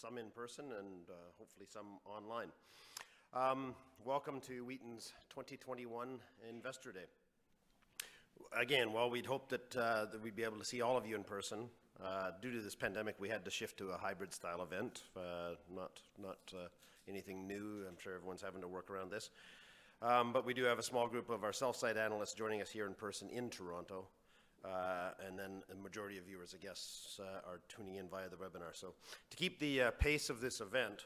Some in person and hopefully some online. Welcome to Wheaton's 2021 Investor Day. While we'd hoped that we'd be able to see all of you in person, due to this pandemic, we had to shift to a hybrid-style event. Not anything new. I'm sure everyone's having to work around this. We do have a small group of our sell-side analysts joining us here in person in Toronto, and then a majority of viewers, I guess, are tuning in via the webinar. To keep the pace of this event,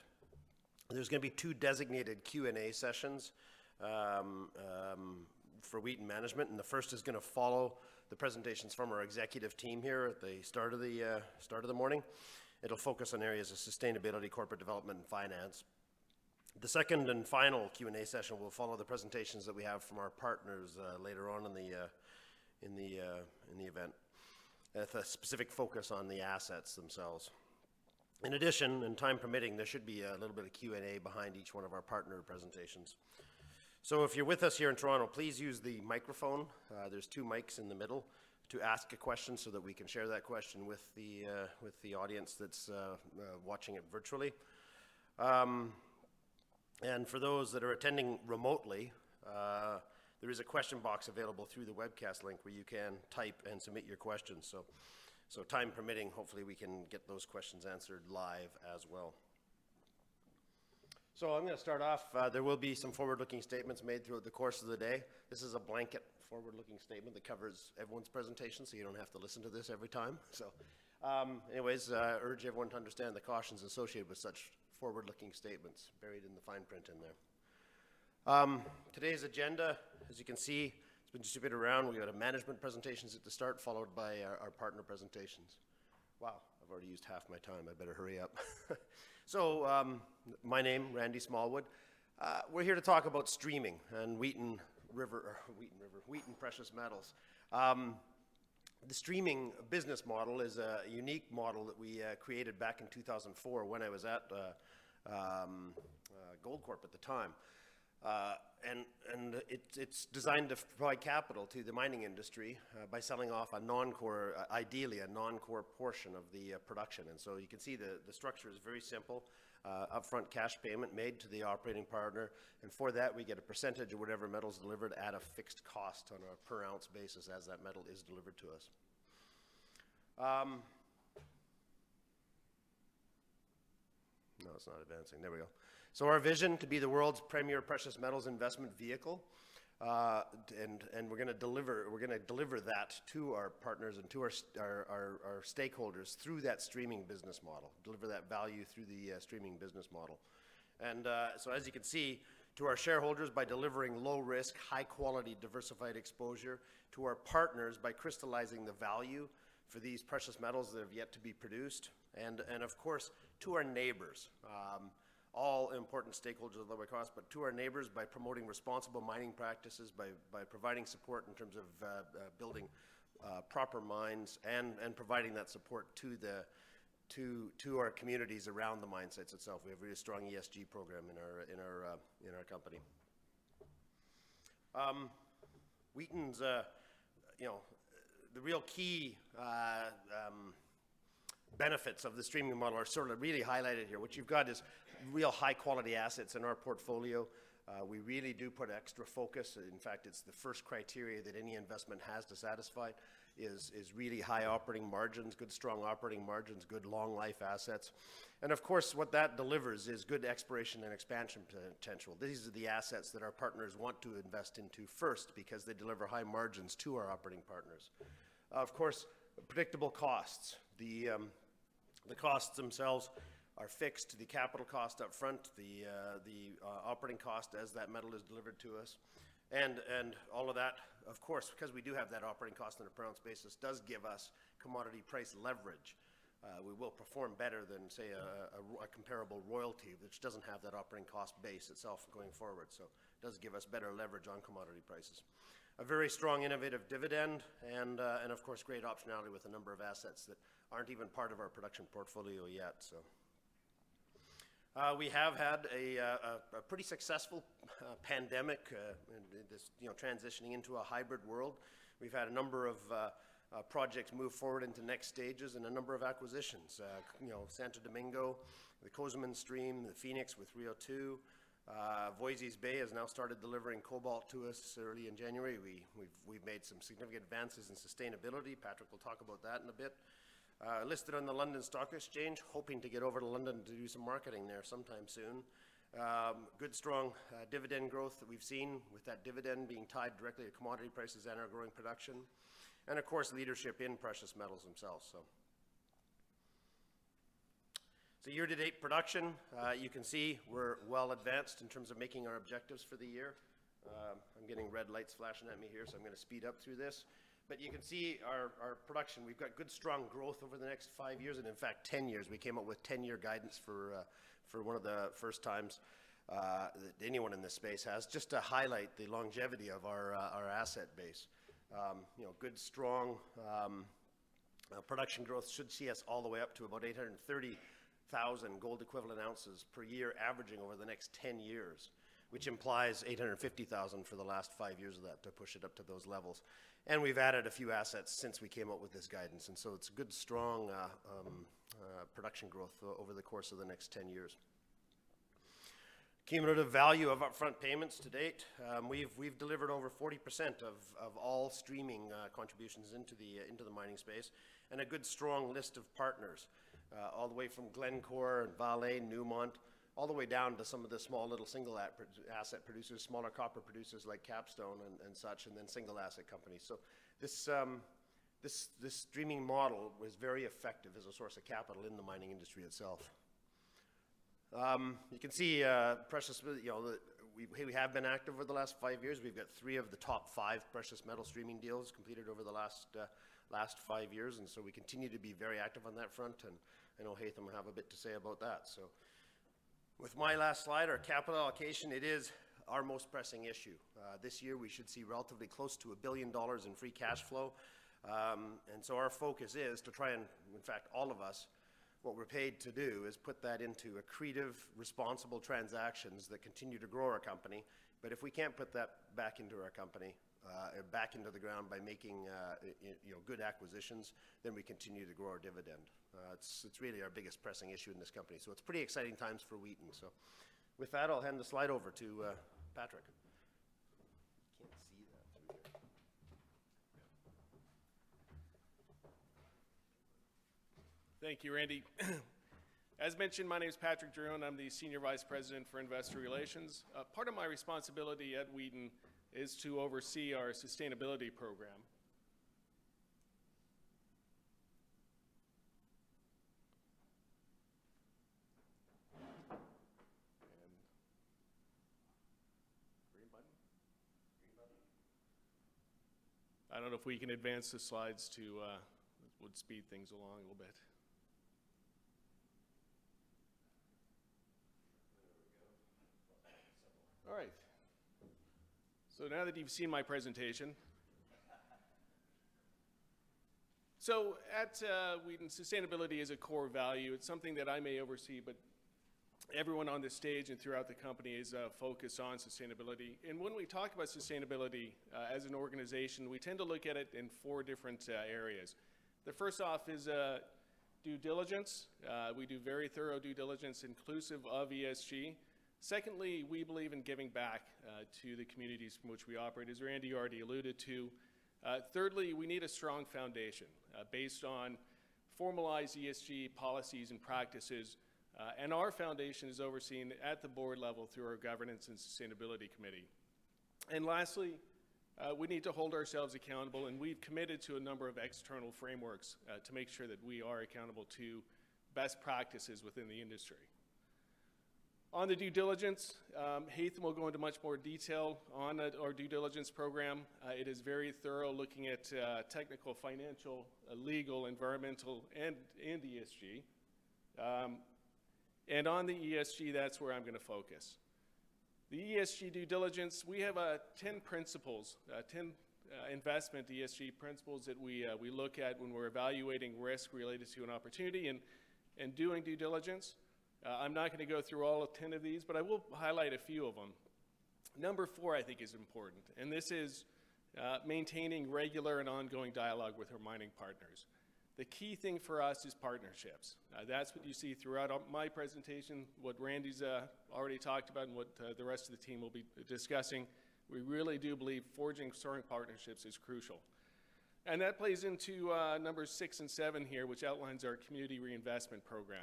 there's going to be two designated Q&A sessions for Wheaton management, and the first is going to follow the presentations from our executive team here at the start of the morning. It'll focus on areas of sustainability, corporate development, and finance. The second and final Q&A session will follow the presentations that we have from our partners later on in the event, with a specific focus on the assets themselves. Time permitting, there should be a little bit of Q&A behind each one of our partner presentations. If you're with us here in Toronto, please use the microphone, there's two mics in the middle, to ask a question so that we can share that question with the audience that's watching it virtually. For those that are attending remotely, there is a question box available through the webcast link where you can type and submit your questions. Time permitting, hopefully, we can get those questions answered live as well. I'm going to start off. There will be some forward-looking statements made throughout the course of the day. This is a blanket forward-looking statement that covers everyone's presentation, so you don't have to listen to this every time. Anyways, I urge everyone to understand the cautions associated with such forward-looking statements buried in the fine print in there. Today's agenda, as you can see, it's been distributed around. We've got management presentations at the start, followed by our partner presentations. Wow, I've already used half my time. I better hurry up. My name, Randy Smallwood. We're here to talk about streaming and Wheaton Precious Metals. The streaming business model is a unique model that we created back in 2004 when I was at Goldcorp at the time. It's designed to provide capital to the mining industry by selling off, ideally, a non-core portion of the production. You can see the structure is very simple: upfront cash payment made to the operating partner, and for that, we get a percentage of whatever metal is delivered at a fixed cost on a per-ounce basis as that metal is delivered to us. No, it's not advancing. There we go. Our vision to be the world's premier precious metals investment vehicle, and we're going to deliver that to our partners and to our stakeholders through that streaming business model, deliver that value through the streaming business model. As you can see, to our shareholders by delivering low-risk, high-quality, diversified exposure. To our partners by crystallizing the value for these precious metals that have yet to be produced. Of course, to our neighbors, all important stakeholders at lower cost, but to our neighbors by promoting responsible mining practices, by providing support in terms of building proper mines, and providing that support to our communities around the mine sites itself. We have a really strong ESG program in our company. The real key benefits of the streaming model are sort of really highlighted here. What you've got is real high-quality assets in our portfolio. We really do put extra focus. In fact, it's the first criteria that any investment has to satisfy is really high operating margins, good, strong operating margins, good long-life assets. Of course, what that delivers is good exploration and expansion potential. These are the assets that our partners want to invest into first because they deliver high margins to our operating partners. Of course, predictable costs. The costs themselves are fixed to the capital cost up front, the operating cost as that metal is delivered to us. All of that, of course, because we do have that operating cost on a per-ounce basis, does give us commodity price leverage. We will perform better than, say, a comparable royalty, which doesn't have that operating cost base itself going forward. It does give us better leverage on commodity prices. A very strong, innovative dividend, and of course, great optionality with a number of assets that aren't even part of our production portfolio yet. We have had a pretty successful pandemic, transitioning into a hybrid world. We've had a number of projects move forward into next stages and a number of acquisitions. Santo Domingo, the Cozamin stream, the Phoenix with Rio2. Voisey's Bay has now started delivering cobalt to us early in January. We've made some significant advances in sustainability. Patrick will talk about that in a bit. Listed on the London Stock Exchange, hoping to get over to London to do some marketing there sometime soon. Good, strong dividend growth that we've seen, with that dividend being tied directly to commodity prices and our growing production. Of course, leadership in precious metals themselves. Year-to-date production, you can see we're well advanced in terms of making our objectives for the year. I'm getting red lights flashing at me here, I'm going to speed up through this. You can see our production. We've got good, strong growth over the next five years, and in fact, 10 years. We came up with 10-year guidance for one of the first times that anyone in this space has, just to highlight the longevity of our asset base. Good, strong production growth should see us all the way up to about 830,000 gold equivalent ounces per year averaging over the next 10 years, which implies 850,000 for the last five years of that to push it up to those levels. We've added a few assets since we came up with this guidance, and so it's good strong production growth over the course of the next 10 years. Cumulative value of upfront payments to date. We've delivered over 40% of all streaming contributions into the mining space, and a good strong list of partners, all the way from Glencore and Vale, Newmont, all the way down to some of the small little single asset producers, smaller copper producers like Capstone and such, and then single asset companies. This streaming model was very effective as a source of capital in the mining industry itself. You can see we have been active over the last five years. We've got three of the top five precious metal streaming deals completed over the last five years. We continue to be very active on that front. I know Haytham will have a bit to say about that. With my last slide, our capital allocation, it is our most pressing issue. This year, we should see relatively close to $1 billion in free cash flow. Our focus is to try and, in fact, all of us, what we're paid to do is put that into accretive, responsible transactions that continue to grow our company. If we can't put that back into our company, back into the ground by making good acquisitions, then we continue to grow our dividend. It's really our biggest pressing issue in this company. It's pretty exciting times for Wheaton. With that, I'll hand the slide over to Patrick. Can't see that through here Thank you, Randy. As mentioned, my name is Patrick Drouin. I'm the Senior Vice President for Investor Relations. Part of my responsibility at Wheaton is to oversee our sustainability program. Green button? Green button? I don't know if we can advance the slides to It would speed things along a little bit. All right. Now that you've seen my presentation. At Wheaton, sustainability is a core value. It's something that I may oversee, but everyone on this stage and throughout the company is focused on sustainability. When we talk about sustainability as an organization, we tend to look at it in four different areas. The first off is due diligence. We do very thorough due diligence inclusive of ESG. Secondly, we believe in giving back to the communities from which we operate, as Randy already alluded to. Thirdly, we need a strong foundation based on formalized ESG policies and practices. Our foundation is overseen at the board level through our governance and sustainability committee. Lastly, we need to hold ourselves accountable, and we've committed to a number of external frameworks to make sure that we are accountable to best practices within the industry. On the due diligence, Haytham will go into much more detail on our due diligence program. It is very thorough, looking at technical, financial, legal, environmental, and ESG. On the ESG, that's where I'm going to focus. The ESG due diligence, we have 10 principles, 10 investment ESG principles that we look at when we're evaluating risk related to an opportunity and doing due diligence. I'm not going to go through all of 10 of these, but I will highlight a few of them. Number four, I think, is important, and this is maintaining regular and ongoing dialogue with our mining partners. The key thing for us is partnerships. That's what you see throughout my presentation, what Randy's already talked about, and what the rest of the team will be discussing. We really do believe forging strong partnerships is crucial. That plays into numbers six and seven here, which outlines our community reinvestment program.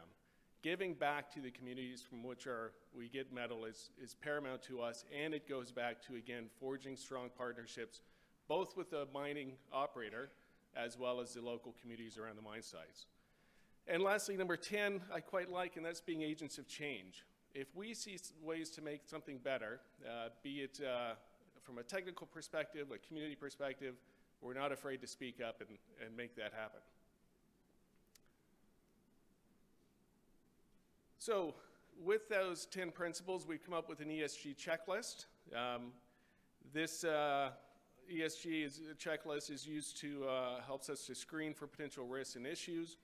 Giving back to the communities from which we get metal is paramount to us, and it goes back to, again, forging strong partnerships, both with the mining operator as well as the local communities around the mine sites. Lastly, number 10, I quite like, and that's being agents of change. If we see ways to make something better, be it from a technical perspective, a community perspective, we're not afraid to speak up and make that happen. With those 10 principles, we've come up with an ESG checklist. This ESG checklist helps us to screen for potential risks and issues.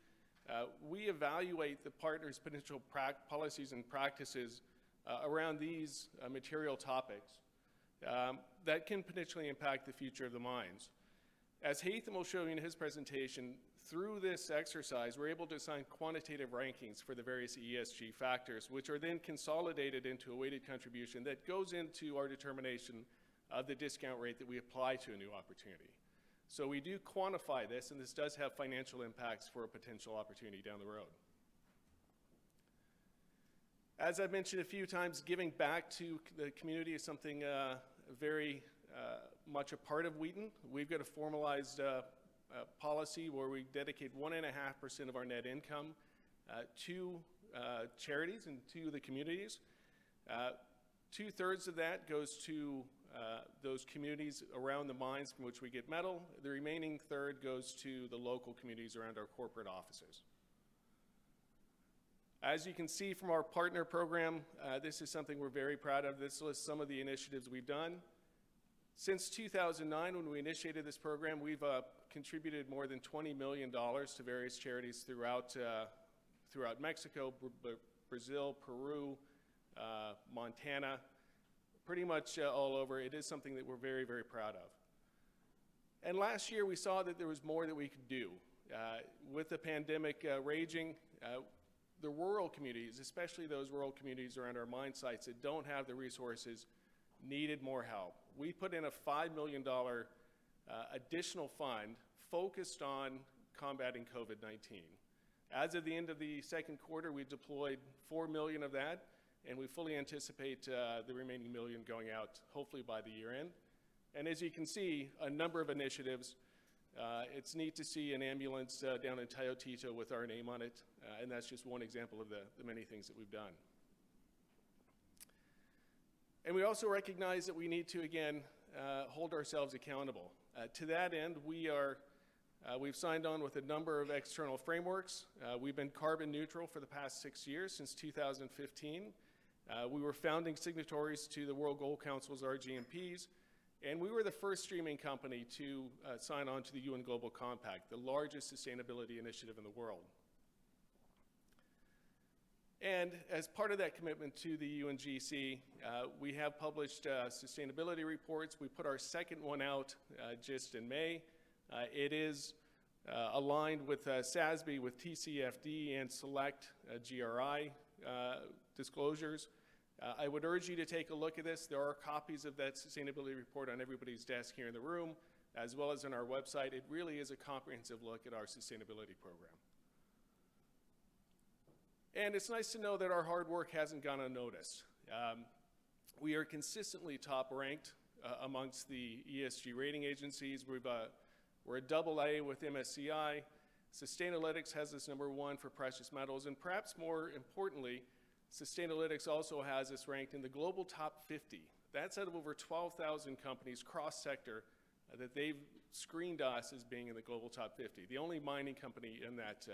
We evaluate the partner's potential policies and practices around these material topics that can potentially impact the future of the mines. As Haytham will show you in his presentation, through this exercise, we're able to assign quantitative rankings for the various ESG factors, which are then consolidated into a weighted contribution that goes into our determination of the discount rate that we apply to a new opportunity. We do quantify this, and this does have financial impacts for a potential opportunity down the road. As I've mentioned a few times, giving back to the community is something very much a part of Wheaton. We've got a formalized policy where we dedicate 1.5% of our net income to charities and to the communities. Two-thirds of that goes to those communities around the mines from which we get metal. The remnining 1/3 goes to the local communities around our corporate offices. As you can see from our partner program, this is something we're very proud of. This lists some of the initiatives we've done. Since 2009, when we initiated this program, we've contributed more than $20 million to various charities throughout Mexico, Brazil, Peru, Montana, pretty much all over. It is something that we're very proud of. Last year we saw that there was more that we could do. With the pandemic raging, the rural communities, especially those rural communities around our mine sites that don't have the resources, needed more help. We put in a $5 million additional fund focused on combating COVID-19. As of the end of the second quarter, we deployed $4 million of that, and we fully anticipate the remaining $1 million going out hopefully by the year-end. As you can see, a number of initiatives. It's neat to see an ambulance down in Tayoltita with our name on it, and that's just one example of the many things that we've done. We also recognize that we need to, again, hold ourselves accountable. To that end, we've signed on with a number of external frameworks. We've been carbon neutral for the past six years, since 2015. We were founding signatories to the World Gold Council's RGMPs, and we were the first streaming company to sign on to the UN Global Compact, the largest sustainability initiative in the world. As part of that commitment to the UNGC, we have published sustainability reports. We put our second one out just in May. It is aligned with SASB, with TCFD and select GRI disclosures. I would urge you to take a look at this. There are copies of that sustainability report on everybody's desk here in the room, as well as on our website. It really is a comprehensive look at our sustainability program. It's nice to know that our hard work hasn't gone unnoticed. We are consistently top-ranked among the ESG rating agencies. We're a AA with MSCI. Sustainalytics has us number number for precious metals, and perhaps more importantly, Sustainalytics also has us ranked in the Global Top 50. That's out of over 12,000 companies cross-sector that they've screened us as being in the Global Top 50, the only mining company in that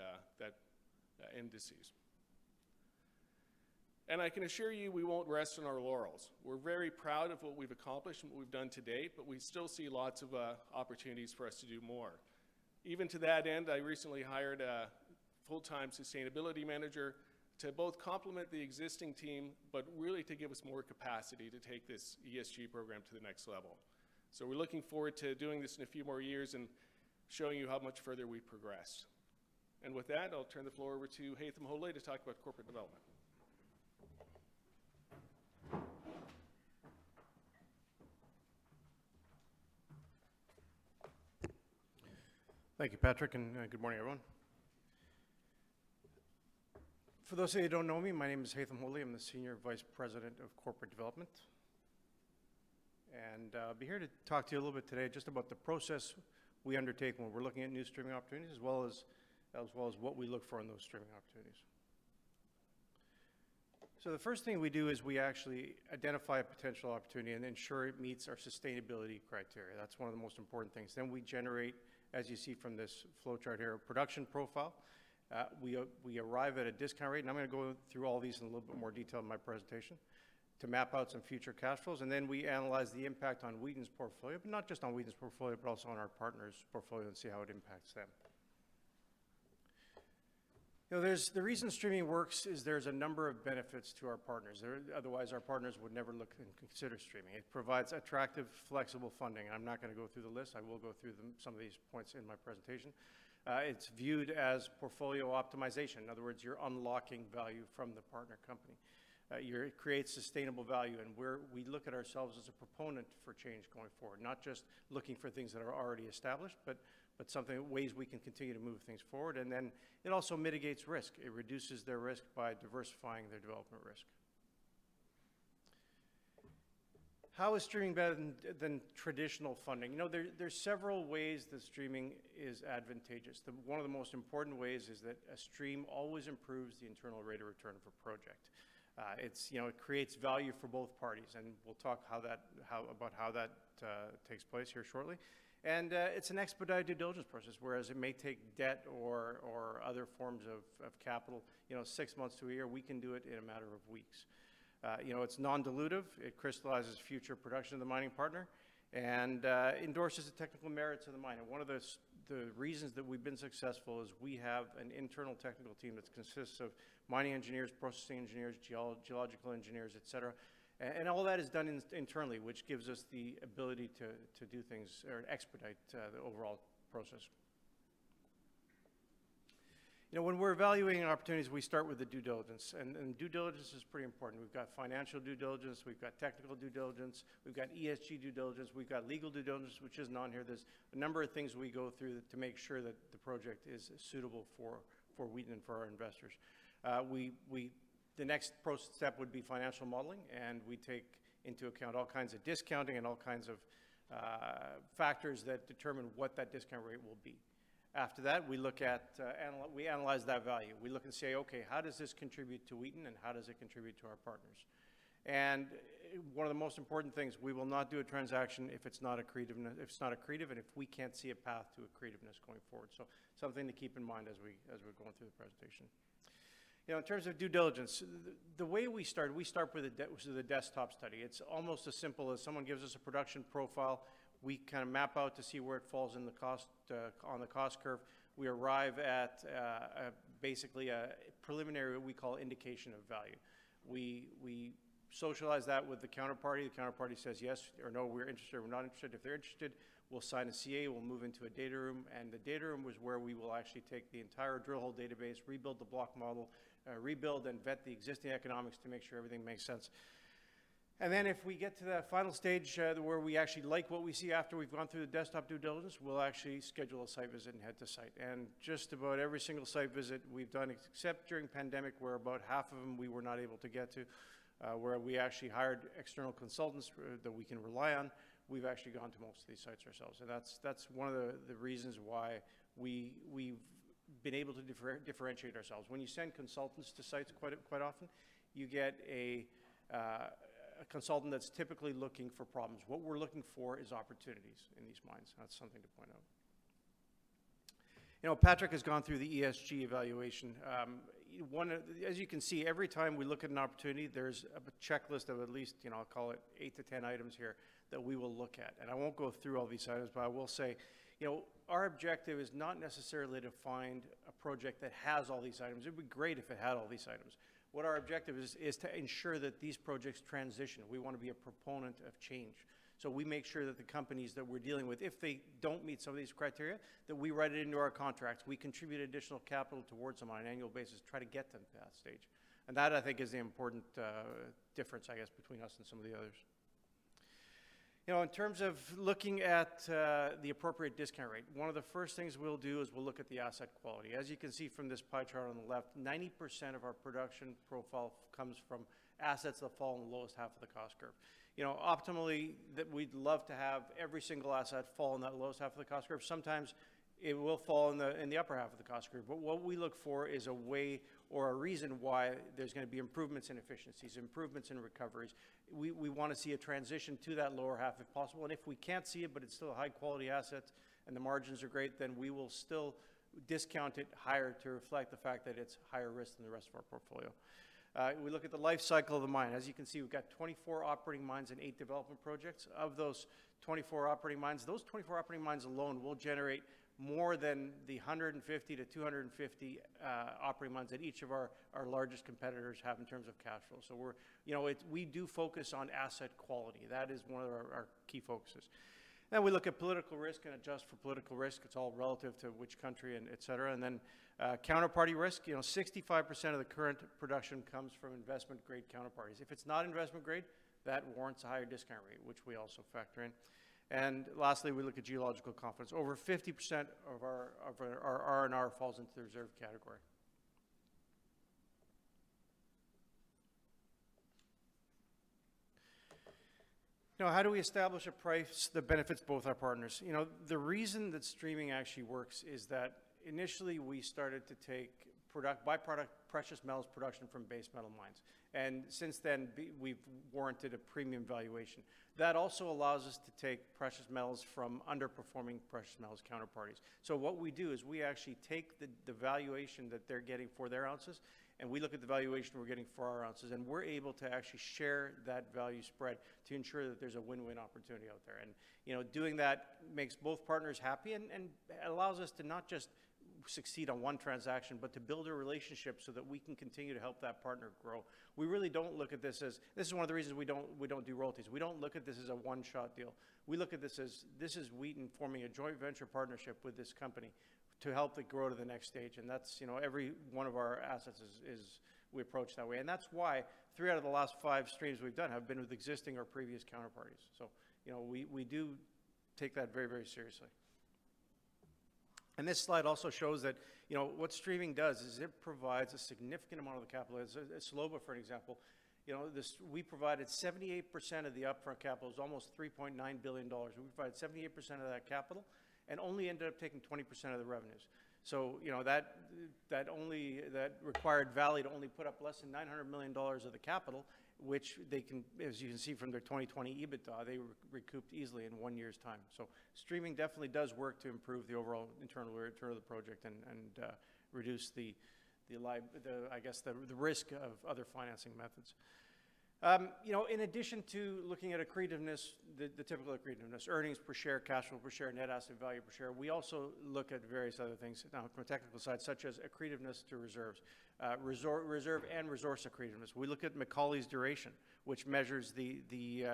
index. I can assure you, we won't rest on our laurels. We're very proud of what we've accomplished and what we've done to date, but we still see lots of opportunities for us to do more. Even to that end, I recently hired a full-time sustainability manager to both complement the existing team, but really to give us more capacity to take this ESG program to the next level. We're looking forward to doing this in a few more years and showing you how much further we progress. With that, I'll turn the floor over to Haytham Hodaly to talk about corporate development. Thank you, Patrick. Good morning, everyone. For those of you who don't know me, my name is Haytham Hodaly. I'm the Senior Vice President of Corporate Development. I'll be here to talk to you a little bit today just about the process we undertake when we're looking at new streaming opportunities, as well as what we look for in those streaming opportunities. The first thing we do is we actually identify a potential opportunity and ensure it meets our sustainability criteria. That's one of the most important things. We generate, as you see from this flowchart here, a production profile. We arrive at a discount rate, and I'm going to go through all these in a little bit more detail in my presentation to map out some future cash flows, and then we analyze the impact on Wheaton's portfolio, but not just on Wheaton's portfolio, but also on our partner's portfolio and see how it impacts them. The reason streaming works is there's a number of benefits to our partners. Otherwise, our partners would never look and consider streaming. It provides attractive, flexible funding, and I'm not going to go through the list. I will go through some of these points in my presentation. It's viewed as portfolio optimization. In other words, you're unlocking value from the partner company. It creates sustainable value. We look at ourselves as a proponent for change going forward, not just looking for things that are already established, but ways we can continue to move things forward. It also mitigates risk. It reduces their risk by diversifying their development risk. How is streaming better than traditional funding? There's several ways that streaming is advantageous. One of the most important ways is that a stream always improves the internal rate of return of a project. It creates value for both parties, we'll talk about how that takes place here shortly. It's an expedited due diligence process, whereas it may take debt or other forms of capital six months to a year, we can do it in a matter of weeks. It's non-dilutive. It crystallizes future production of the mining partner and endorses the technical merits of the miner. One of the reasons that we've been successful is we have an internal technical team that consists of mining engineers, processing engineers, geological engineers, et cetera, and all that is done internally, which gives us the ability to do things or expedite the overall process. When we're evaluating opportunities, we start with the due diligence. Due diligence is pretty important. We've got financial due diligence, we've got technical due diligence, we've got ESG due diligence, we've got legal due diligence, which isn't on here. There's a number of things we go through to make sure that the project is suitable for Wheaton and for our investors. The next step would be financial modeling. We take into account all kinds of discounting and all kinds of factors that determine what that discount rate will be. After that, we analyze that value. We look and say, "Okay, how does this contribute to Wheaton and how does it contribute to our partners?" One of the most important things, we will not do a transaction if it's not accretive and if we can't see a path to accretiveness going forward. Something to keep in mind as we're going through the presentation. In terms of due diligence, the way we start, we start with a desktop study. It's almost as simple as someone gives us a production profile. We map out to see where it falls on the cost curve. We arrive at basically a preliminary, what we call indication of value. We socialize that with the counterparty. The counterparty says yes or no, we're interested, or we're not interested. If they're interested, we'll sign a CA, we'll move into a data room, and the data room is where we will actually take the entire drill hole database, rebuild the block model, rebuild and vet the existing economics to make sure everything makes sense. If we get to that final stage where we actually like what we see after we've gone through the desktop due diligence, we'll actually schedule a site visit and head to site. Just about every single site visit we've done, except during pandemic, where about half of them we were not able to get to, where we actually hired external consultants that we can rely on. We've actually gone to most of these sites ourselves. That's one of the reasons why we've been able to differentiate ourselves. When you send consultants to sites, quite often, you get a consultant that's typically looking for problems. What we're looking for is opportunities in these mines. That's something to point out. Patrick has gone through the ESG evaluation. As you can see, every time we look at an opportunity, there's a checklist of at least, I'll call it eight to 10 items here that we will look at. I won't go through all these items, but I will say, our objective is not necessarily to find a project that has all these items. It'd be great if it had all these items. What our objective is to ensure that these projects transition. We want to be a proponent of change. We make sure that the companies that we're dealing with, if they don't meet some of these criteria, that we write it into our contracts. We contribute additional capital towards them on an annual basis to try to get them to that stage. That, I think is the important difference, I guess, between us and some of the others. In terms of looking at the appropriate discount rate, one of the first things we'll do is we'll look at the asset quality. As you can see from this pie chart on the left, 90% of our production profile comes from assets that fall in the lowest half of the cost curve. Optimally, we'd love to have every single asset fall in that lowest half of the cost curve. Sometimes it will fall in the upper half of the cost curve, but what we look for is a way or a reason why there's going to be improvements in efficiencies, improvements in recoveries. We want to see a transition to that lower half if possible. If we can't see it, but it's still a high-quality asset and the margins are great, then we will still discount it higher to reflect the fact that it's higher risk than the rest of our portfolio. We look at the life cycle of the mine. As you can see, we've got 24 operating mines and eight development projects. Of those 24 operating mines, those 24 operating mines alone will generate more than the 150-250 operating mines that each of our largest competitors have in terms of cash flow. We do focus on asset quality. That is one of our key focuses. We look at political risk and adjust for political risk. It's all relative to which country and et cetera. Counterparty risk, 65% of the current production comes from investment-grade counterparties. If it's not investment-grade, that warrants a higher discount rate, which we also factor in. Lastly, we look at geological confidence. Over 50% of our R&R falls into the reserve category. How do we establish a price that benefits both our partners? The reason that streaming actually works is that initially we started to take byproduct precious metals production from base metal mines. Since then, we've warranted a premium valuation. That also allows us to take precious metals from underperforming precious metals counterparties. What we do is we actually take the valuation that they're getting for their ounces, we look at the valuation we're getting for our ounces, we're able to actually share that value spread to ensure that there's a win-win opportunity out there. Doing that makes both partners happy and allows us to not just succeed on one transaction, but to build a relationship so that we can continue to help that partner grow. This is one of the reasons we don't do royalties. We don't look at this as a one-shot deal. We look at this as, this is Wheaton forming a joint venture partnership with this company to help it grow to the next stage, and every one of our assets we approach that way. That's why three out of the last five streams we've done have been with existing or previous counterparties. We do take that very, very seriously. This slide also shows that what streaming does is it provides a significant amount of the capital. Salobo, for an example, we provided 78% of the upfront capital. It was almost $3.9 billion. We provided 78% of that capital and only ended up taking 20% of the revenues. That required Vale to only put up less than $900 million of the capital, which they can, as you can see from their 2020 EBITDA, they recouped easily in one year's time. Streaming definitely does work to improve the overall internal rate of return of the project and reduce the risk of other financing methods. In addition to looking at accretiveness, the typical accretiveness, earnings per share, cash flow per share, net asset value per share, we also look at various other things now from a technical side, such as accretiveness to reserves, reserve and resource accretiveness. We look at Macaulay duration, which measures the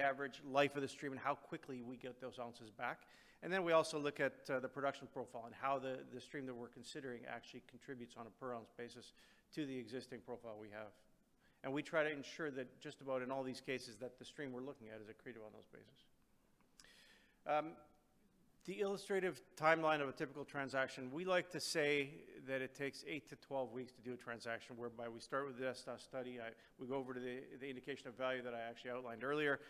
average life of the stream and how quickly we get those ounces back. We also look at the production profile and how the stream that we're considering actually contributes on a per-ounce basis to the existing profile we have. We try to ensure that just about in all these cases, that the stream we're looking at is accretive on those bases. The illustrative timeline of a typical transaction, we like to say that it takes 8-12 weeks to do a transaction, whereby we start with a desktop study. We go over to the indication of value that I actually outlined earlier.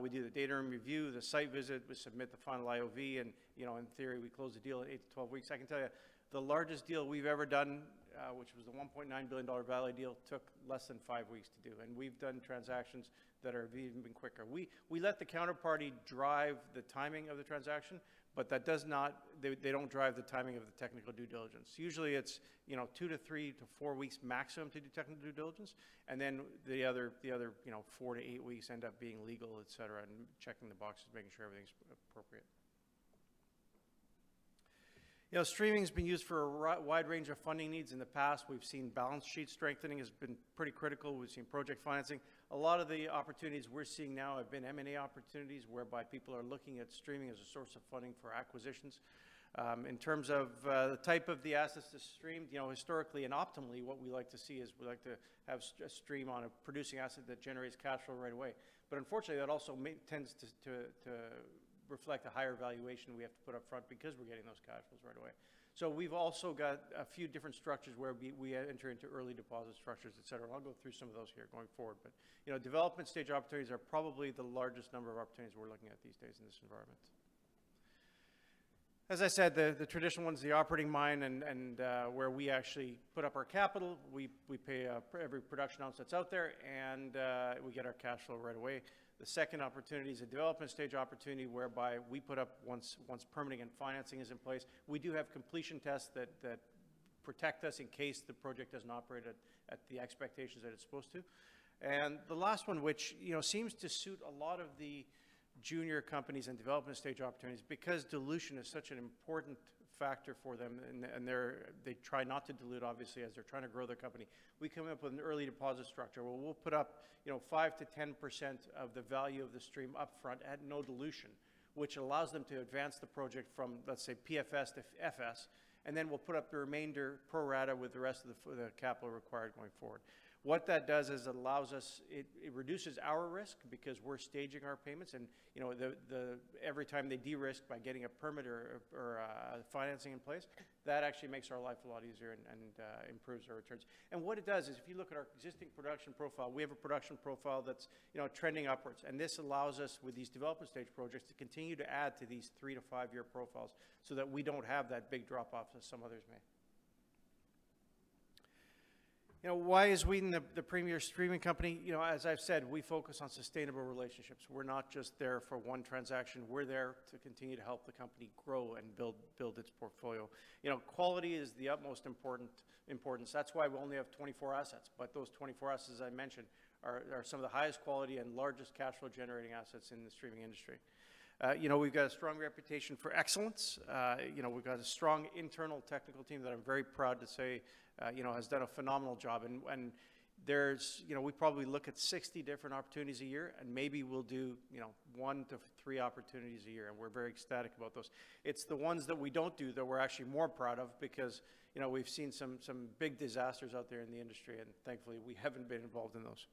We do the data room review, the site visit, we submit the final IOV, and in theory, we close the deal at 8-12 weeks. I can tell you, the largest deal we've ever done, which was a $1.9 billion Vale deal, took less than five weeks to do, and we've done transactions that have even been quicker. We let the counterparty drive the timing of the transaction, but they don't drive the timing of the technical due diligence. Usually, it's two to three to four weeks maximum to do technical due diligence, and then the other four to eight weeks end up being legal, et cetera, and checking the boxes, making sure everything's appropriate. Streaming has been used for a wide range of funding needs in the past. We've seen balance sheet strengthening has been pretty critical. We've seen project financing. A lot of the opportunities we're seeing now have been M&A opportunities, whereby people are looking at streaming as a source of funding for acquisitions. In terms of the type of the assets that are streamed, historically and optimally what we like to see is we like to have a stream on a producing asset that generates cash flow right away. Unfortunately, that also tends to reflect a higher valuation we have to put up front because we're getting those cash flows right away. We've also got a few different structures where we enter into early deposit structures, et cetera. I'll go through some of those here going forward. Development stage opportunities are probably the largest number of opportunities we're looking at these days in this environment. As I said, the traditional ones, the operating mine and where we actually put up our capital, we pay every production ounce that's out there, and we get our cash flow right away. The second opportunity is a development stage opportunity whereby we put up, once permitting and financing is in place, we do have completion tests that protect us in case the project doesn't operate at the expectations that it's supposed to. The last one, which seems to suit a lot of the junior companies and development stage opportunities, because dilution is such an important factor for them and they try not to dilute, obviously, as they're trying to grow their company. We come up with an early deposit structure where we'll put up 5%-10% of the value of the stream up front at no dilution, which allows them to advance the project from, let's say, PFS to FS, and then we'll put up the remainder pro rata with the rest of the capital required going forward. What that does is it reduces our risk because we're staging our payments and every time they de-risk by getting a permit or financing in place, that actually makes our life a lot easier and improves our returns. What it does is if you look at our existing production profile, we have a production profile that's trending upwards. This allows us with these development stage projects to continue to add to these three or five-year profiles so that we don't have that big drop-off as some others may. Why is Wheaton the premier streaming company? As I've said, we focus on sustainable relationships. We're not just there for one transaction. We're there to continue to help the company grow and build its portfolio. Quality is the utmost importance. That's why we only have 24 assets. Those 24 assets I mentioned are some of the highest quality and largest cash flow generating assets in the streaming industry. We've got a strong reputation for excellence. We've got a strong internal technical team that I'm very proud to say has done a phenomenal job. We probably look at 60 different opportunities a year. Maybe we'll do one to three opportunities a year, and we're very ecstatic about those. It's the ones that we don't do that we're actually more proud of because we've seen some big disasters out there in the industry. Thankfully, we haven't been involved in those.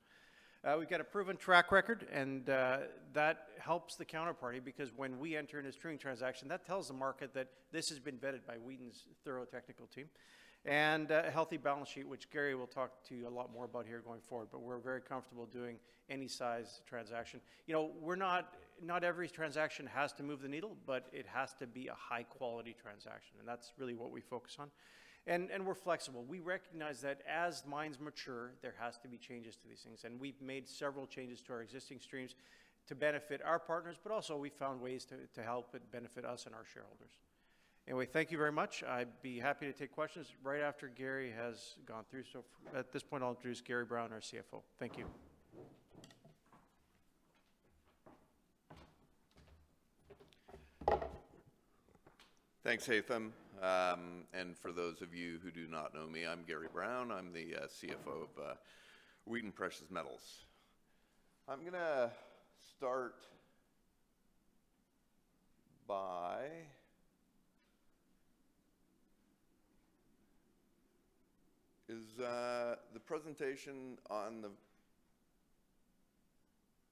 We've got a proven track record. That helps the counterparty because when we enter in a streaming transaction, that tells the market that this has been vetted by Wheaton's thorough technical team. A healthy balance sheet, which Gary will talk to you a lot more about here going forward, but we're very comfortable doing any size transaction. Not every transaction has to move the needle, but it has to be a high-quality transaction, and that's really what we focus on. We're flexible. We recognize that as mines mature, there has to be changes to these things, and we've made several changes to our existing streams to benefit our partners, but also we've found ways to help it benefit us and our shareholders. Anyway, thank you very much. I'd be happy to take questions right after Gary has gone through. At this point, I'll introduce Gary Brown, our CFO. Thank you. Thanks, Haytham. For those of you who do not know me, I'm Gary Brown. I'm the CFO of Wheaton Precious Metals. I'm gonna start by...Is the presentation on the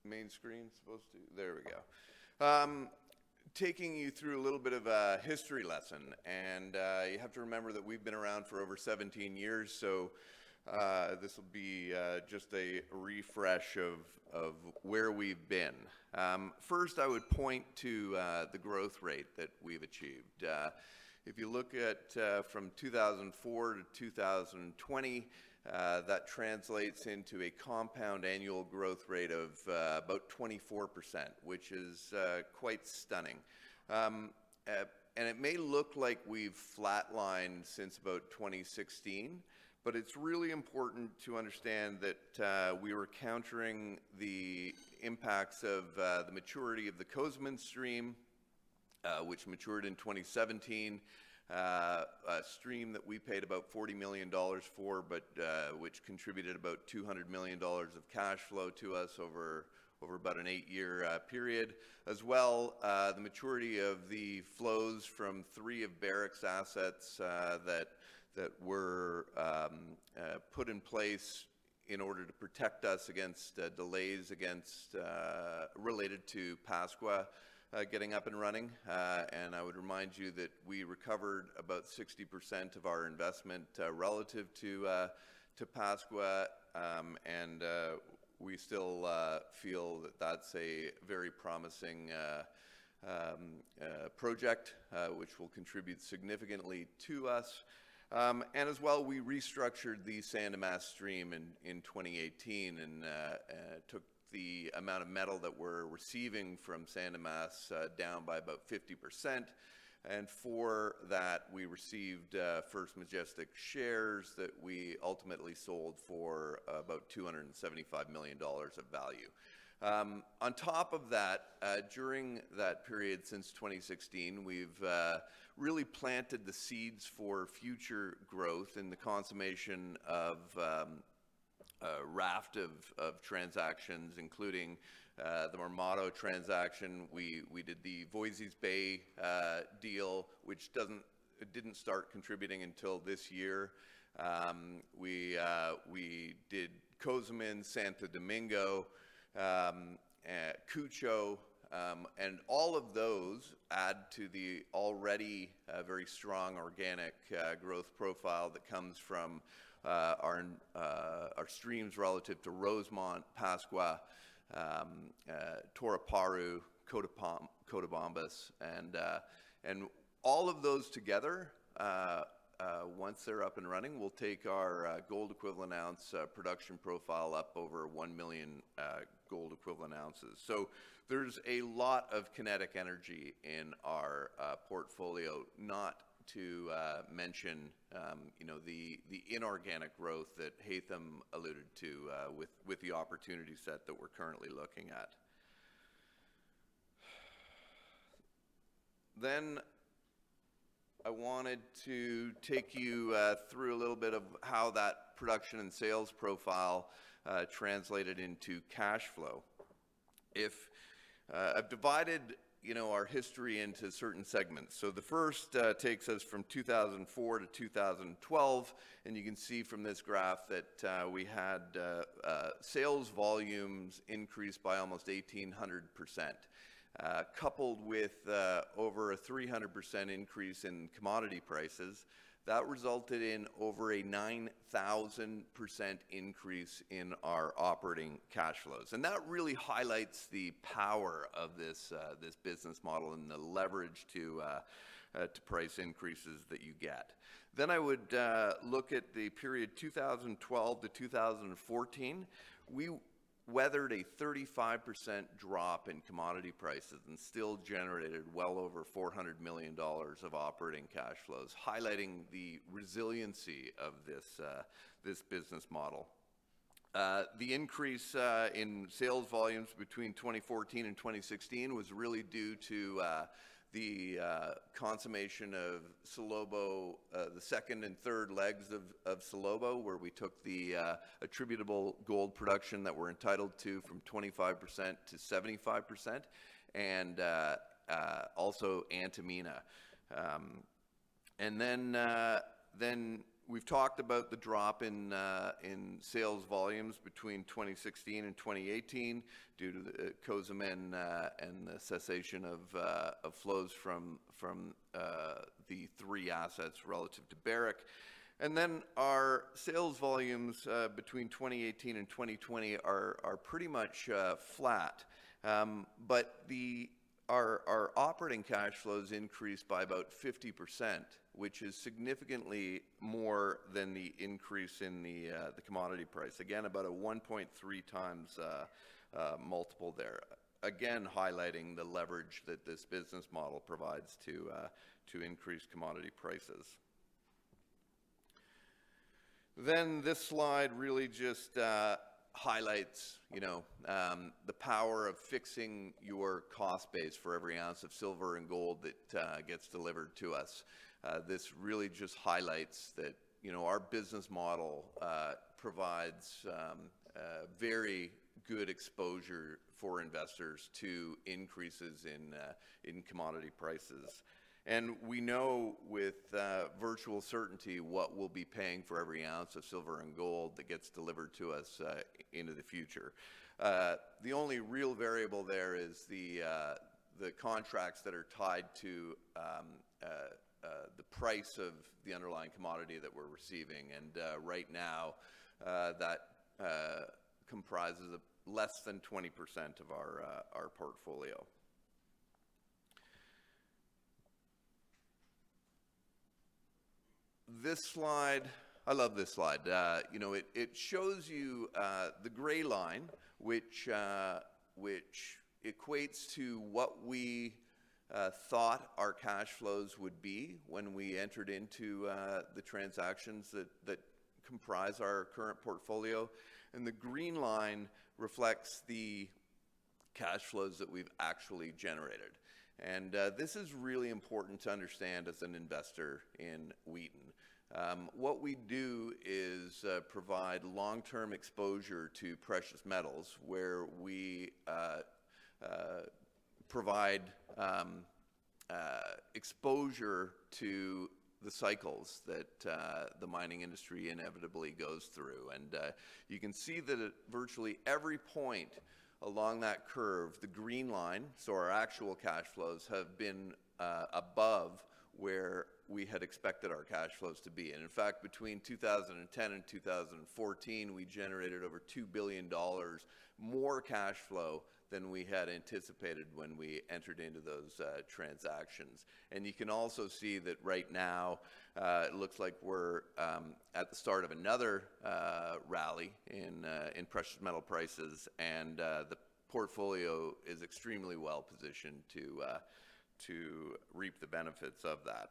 main screen supposed to. There we go. Taking you through a little bit of a history lesson, and you have to remember that we've been around for over 17 years, so this will be just a refresh of where we've been. First, I would point to the growth rate that we've achieved. If you look at from 2004 to 2020, that translates into a compound annual growth rate of about 24%, which is quite stunning. It may look like we've flat-lined since about 2016, but it's really important to understand that we were countering the impacts of the maturity of the Cozamin stream, which matured in 2017. A stream that we paid $40 million for, but which contributed $200 million of cash flow to us over an eight-year period. As well, the maturity of the flows from three of Barrick's assets that were put in place in order to protect us against delays related to Pascua-Lama getting up and running. I would remind you that we recovered 60% of our investment relative to Pascua-Lama, and we still feel that that's a very promising project, which will contribute significantly to us. As well, we restructured the San Dimas stream in 2018 and took the amount of metal that we're receiving from San Dimas down by 50%. For that, we received First Majestic shares that we ultimately sold for $275 million of value. On top of that, during that period since 2016, we've really planted the seeds for future growth in the consummation of a raft of transactions, including the Marmato transaction. We did the Voisey's Bay deal, which didn't start contributing until this year. All of those add to the already very strong organic growth profile that comes from our streams relative to Rosemont, Pascua-Lama, Toroparu, Cotabambas. All of those together, once they're up and running, will take our gold equivalent ounce production profile up over 1 million gold equivalent ounces. There's a lot of kinetic energy in our portfolio, not to mention the inorganic growth that Haytham alluded to with the opportunity set that we're currently looking at. I wanted to take you through a little bit of how that production and sales profile translated into cash flow. I've divided our history into certain segments. The first takes us from 2004 to 2012. You can see from this graph that we had sales volumes increase by almost 1,800%, coupled with over a 300% increase in commodity prices. That resulted in over a 9,000% increase in our operating cash flows. That really highlights the power of this business model and the leverage to price increases that you get. I would look at the period 2012 to 2014. We weathered a 35% drop in commodity prices and still generated well over $400 million of operating cash flows, highlighting the resiliency of this business model. The increase in sales volumes between 2014 and 2016 was really due to the consummation of Salobo, the second and third legs of Salobo, where we took the attributable gold production that we're entitled to from 25% to 75%, and also Antamina. We've talked about the drop in sales volumes between 2016 and 2018 due to Cozamin and the cessation of flows from the three assets relative to Barrick. Our sales volumes between 2018 and 2020 are pretty much flat, but our operating cash flows increased by about 50%, which is significantly more than the increase in the commodity price. Again, about a 1.3x multiple there. Again, highlighting the leverage that this business model provides to increase commodity prices. This slide really just highlights the power of fixing your cost base for every ounce of silver and gold that gets delivered to us. This really just highlights that our business model provides very good exposure for investors to increases in commodity prices. We know with virtual certainty what we'll be paying for every ounce of silver and gold that gets delivered to us into the future. The only real variable there is the contracts that are tied to the price of the underlying commodity that we're receiving, and right now, that comprises less than 20% of our portfolio. I love this slide. It shows you the gray line, which equates to what we thought our cash flows would be when we entered into the transactions that comprise our current portfolio, and the green line reflects the cash flows that we've actually generated. This is really important to understand as an investor in Wheaton. What we do is provide long-term exposure to precious metals where we provide exposure to the cycles that the mining industry inevitably goes through. You can see that at virtually every point along that curve, the green line, so our actual cash flows, have been above where we had expected our cash flows to be. In fact, between 2010 and 2014, we generated over $2 billion more cash flow than we had anticipated when we entered into those transactions. You can also see that right now, it looks like we're at the start of another rally in precious metal prices, and the portfolio is extremely well-positioned to reap the benefits of that.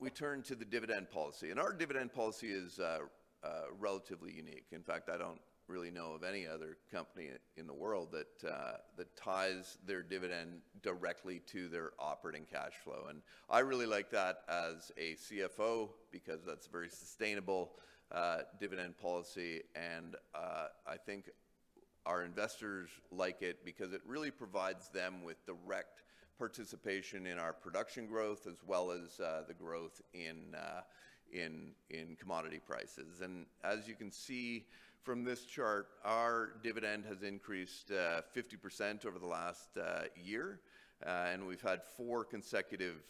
We turn to the dividend policy, and our dividend policy is relatively unique. In fact, I don't really know of any other company in the world that ties their dividend directly to their operating cash flow. I really like that as a CFO because that's a very sustainable dividend policy. I think our investors like it because it really provides them with direct participation in our production growth as well as the growth in commodity prices. As you can see from this chart, our dividend has increased 50% over the last year. We've had four consecutive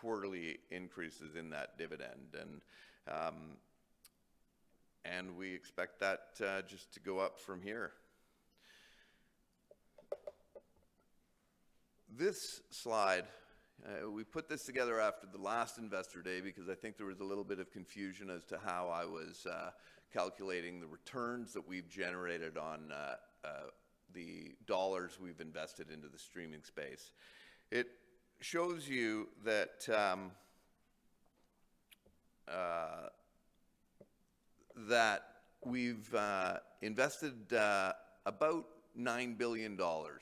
quarterly increases in that dividend. We expect that just to go up from here. This slide, we put this together after the last Investor Day because I think there was a little bit of confusion as to how I was calculating the returns that we've generated on the dollars we've invested into the streaming space. It shows you that we've invested about $9 billion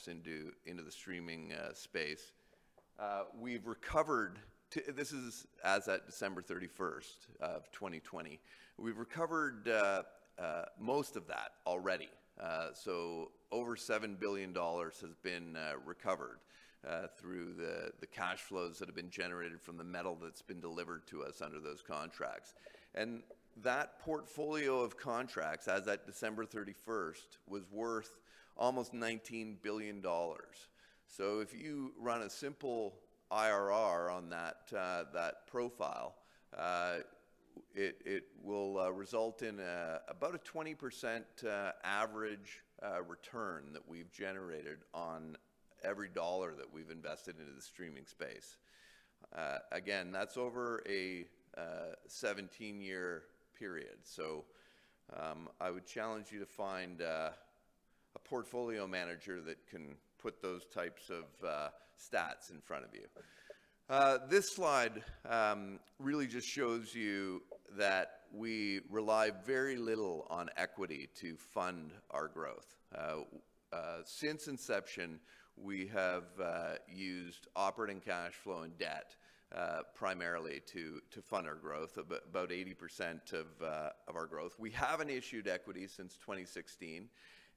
into the streaming space. This is as at December 31st, 2020. We've recovered most of that already. Over $7 billion has been recovered through the cash flows that's been generated from the metal that's been delivered to us under those contracts. That portfolio of contracts, as at December 31st, was worth almost $19 billion. If you run a simple IRR on that profile, it will result in about a 20% average return that we've generated on every dollar that we've invested into the streaming space. Again, that's over a 17-year period. I would challenge you to find a portfolio manager that can put those types of stats in front of you. This slide really just shows you that we rely very little on equity to fund our growth. Since inception, we have used operating cash flow and debt, primarily to fund our growth, about 80% of our growth. We haven't issued equity since 2016,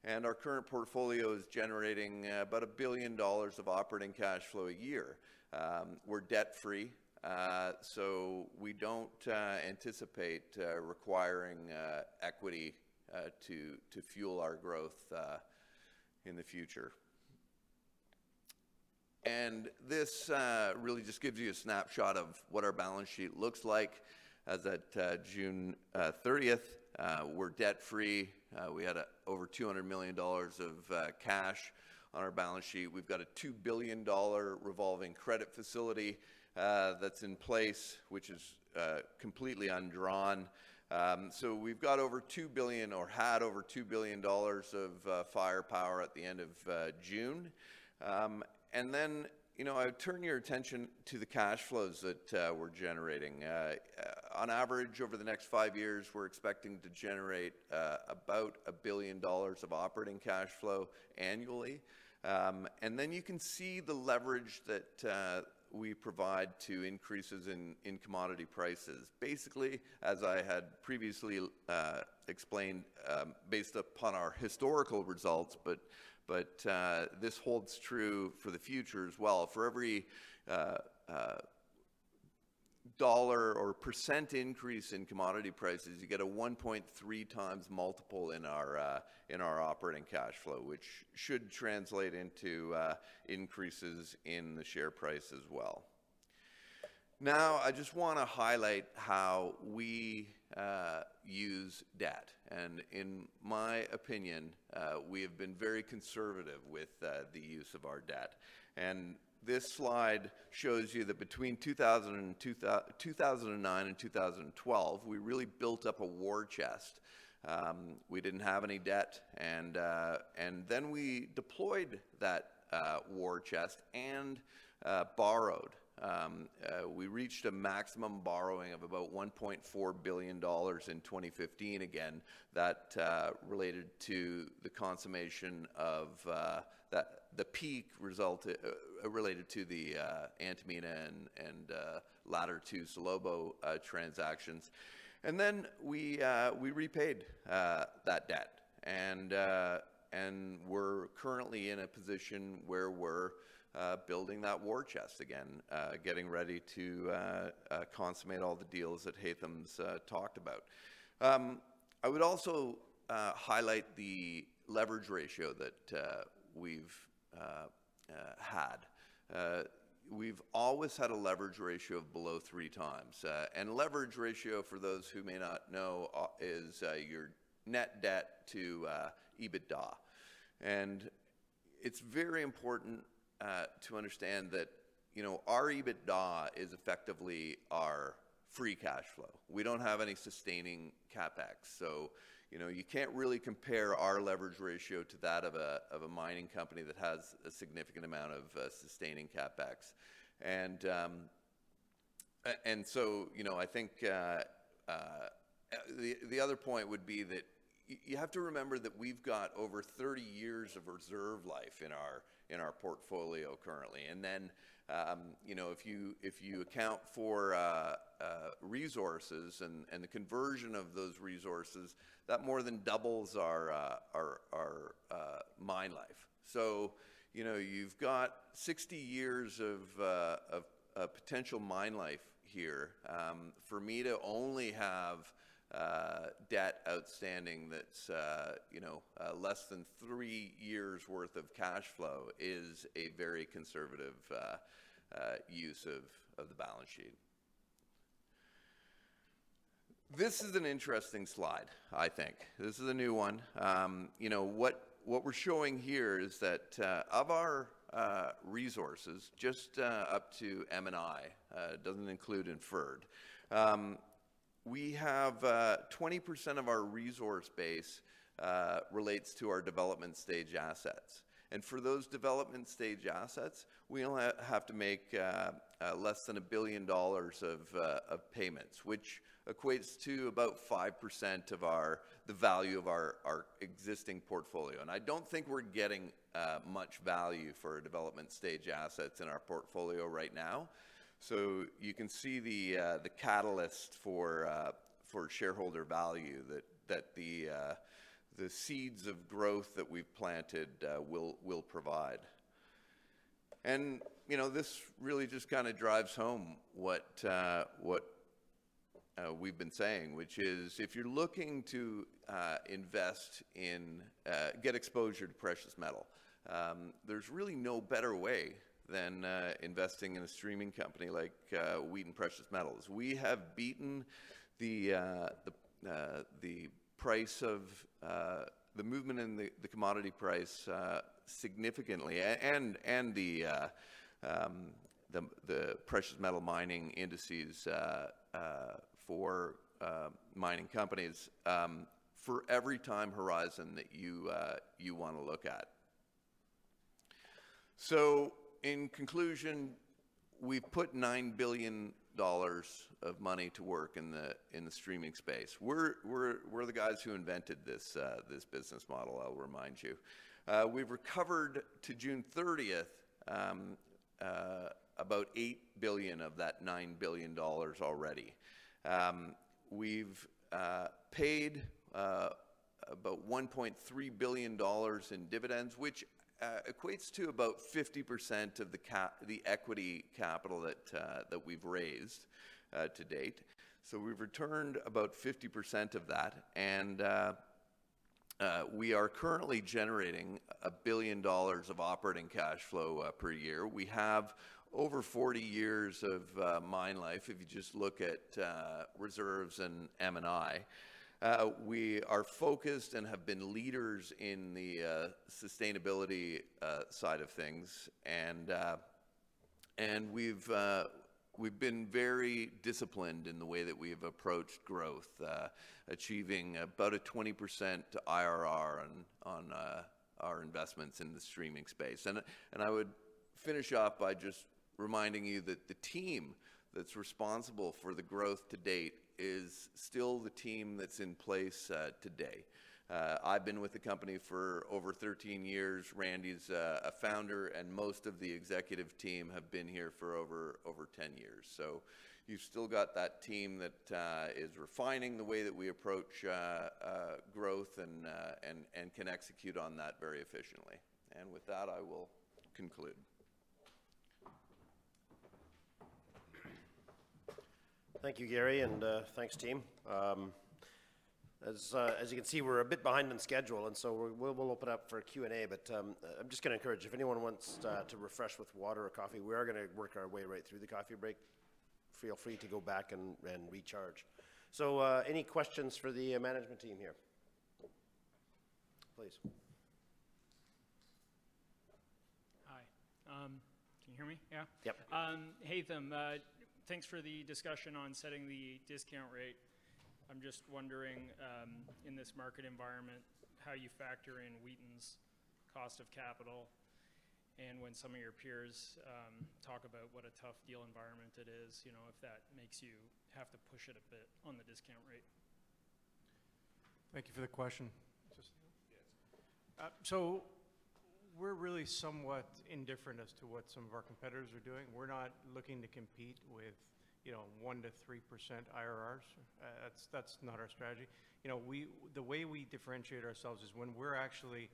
and our current portfolio is generating about $1 billion of operating cash flow a year. We're debt-free, so we don't anticipate requiring equity to fuel our growth in the future. This really just gives you a snapshot of what our balance sheet looks like as at June 30th. We're debt-free. We had over $200 million of cash on our balance sheet. We've got a $2 billion revolving credit facility that's in place, which is completely undrawn. We've got over $2 billion or had over $2 billion of firepower at the end of June. I would turn your attention to the cash flows that we're generating. On average, over the next five years, we're expecting to generate about $1 billion of operating cash flow annually. You can see the leverage that we provide to increases in commodity prices. Basically, as I had previously explained based upon our historical results, but this holds true for the future as well. For every $1 or percent increase in commodity prices, you get a 1.3x multiple in our operating cash flow, which should translate into increases in the share price as well. Now, I just want to highlight how we use debt. In my opinion, we have been very conservative with the use of our debt. This slide shows you that between 2009 and 2012, we really built up a war chest. We didn't have any debt, and then we deployed that war chest and borrowed. We reached a maximum borrowing of about $1.4 billion in 2015. Again, the peak related to the Antamina and latter two Salobo transactions. We repaid that debt, and we're currently in a position where we're building that war chest again, getting ready to consummate all the deals that Haytham's talked about. I would also highlight the leverage ratio that we've had. We've always had a leverage ratio of below 3x. Leverage ratio, for those who may not know, is your net debt to EBITDA. It's very important to understand that our EBITDA is effectively our free cash flow. We don't have any sustaining CapEx, so you can't really compare our leverage ratio to that of a mining company that has a significant amount of sustaining CapEx. I think the other point would be that you have to remember that we've got over 30 years of reserve life in our portfolio currently. If you account for resources and the conversion of those resources, that more than doubles our mine life. You've got 60 years of potential mine life here. For me to only have debt outstanding that's less than three years' worth of cash flow is a very conservative use of the balance sheet. This is an interesting slide, I think. This is a new one. What we're showing here is that of our resources, just up to M&I, doesn't include inferred. We have 20% of our resource base relates to our development stage assets. For those development stage assets, we only have to make less than $1 billion of payments, which equates to about 5% of the value of our existing portfolio. I don't think we're getting much value for development stage assets in our portfolio right now. You can see the catalyst for shareholder value that the seeds of growth that we've planted will provide. This really just drives home what we've been saying, which is if you're looking to get exposure to precious metal, there's really no better way than investing in a streaming company like Wheaton Precious Metals. We have beaten the movement in the commodity price significantly, and the precious metal mining indices for mining companies for every time horizon that you want to look at. In conclusion, we put $9 billion of money to work in the streaming space. We're the guys who invented this business model, I'll remind you. We've recovered to June 30th about $8 billion of that $9 billion already. We've paid about $1.3 billion in dividends, which equates to about 50% of the equity capital that we've raised to date. We've returned about 50% of that. We are currently generating $1 billion of operating cash flow per year. We have over 40 years of mine life, if you just look at reserves and M&I. We are focused and have been leaders in the sustainability side of things. We've been very disciplined in the way that we've approached growth, achieving about a 20% IRR on our investments in the streaming space. I would finish off by just reminding you that the team that's responsible for the growth to date is still the team that's in place today. I've been with the company for over 13 years. Randy's a founder, and most of the executive team have been here for over 10 years. You've still got that team that is refining the way that we approach growth, and can execute on that very efficiently. With that, I will conclude. Thank you, Gary, and thanks team. As you can see, we're a bit behind on schedule, and so we'll open up for Q&A, but I'm just going to encourage if anyone wants to refresh with water or coffee, we are going to work our way right through the coffee break. Feel free to go back and recharge. Any questions for the management team here? Please. Hi. Can you hear me? Yeah? Yep. Haytham, thanks for the discussion on setting the discount rate. I'm just wondering, in this market environment, how you factor in Wheaton's cost of capital, and when some of your peers talk about what a tough deal environment it is, if that makes you have to push it a bit on the discount rate? Thank you for the question. Is this on? Yes. We're really somewhat indifferent as to what some of our competitors are doing. We're not looking to compete with 1%-3% IRRs. That's not our strategy. The way we differentiate ourselves is when we're actually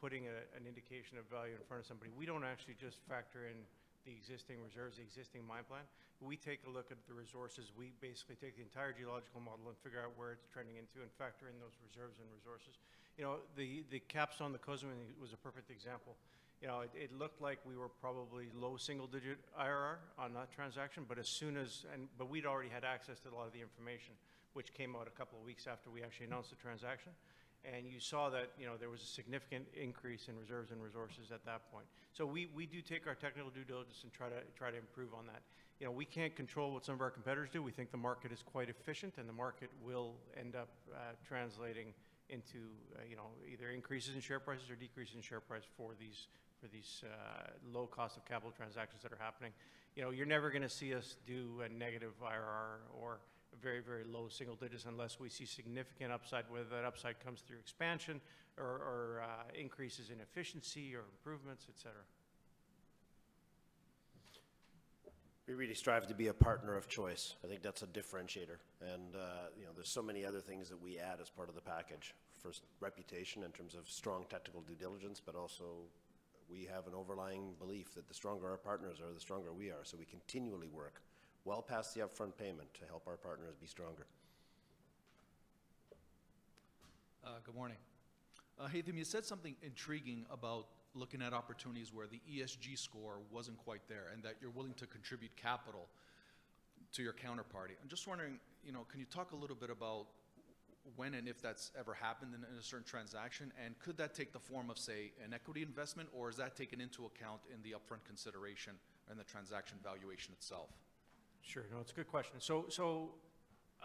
putting an indication of value in front of somebody, we don't actually just factor in the existing reserves, the existing mine plan. We take a look at the resources. We basically take the entire geological model and figure out where it's trending into and factor in those reserves and resources. The Capstone, the Cozamin was a perfect example. It looked like we were probably low single-digit IRR on that transaction, but we'd already had access to a lot of the information, which came out a couple of weeks after we actually announced the transaction. You saw that there was a significant increase in reserves and resources at that point. We do take our technical due diligence and try to improve on that. We can't control what some of our competitors do. We think the market is quite efficient, and the market will end up translating into either increases in share prices or decreases in share price for these low cost of capital transactions that are happening. You're never going to see us do a negative IRR or a very low single digits unless we see significant upside, whether that upside comes through expansion or increases in efficiency or improvements, et cetera. We really strive to be a partner of choice. I think that's a differentiator. There's so many other things that we add as part of the package. First, reputation in terms of strong technical due diligence, but also we have an overlying belief that the stronger our partners are, the stronger we are. We continually work well past the upfront payment to help our partners be stronger. Good morning. Haytham, you said something intriguing about looking at opportunities where the ESG score wasn't quite there, and that you're willing to contribute capital to your counterparty. I'm just wondering, can you talk a little bit about when and if that's ever happened in a certain transaction, and could that take the form of, say, an equity investment, or is that taken into account in the upfront consideration and the transaction valuation itself? Sure. No, it's a good question.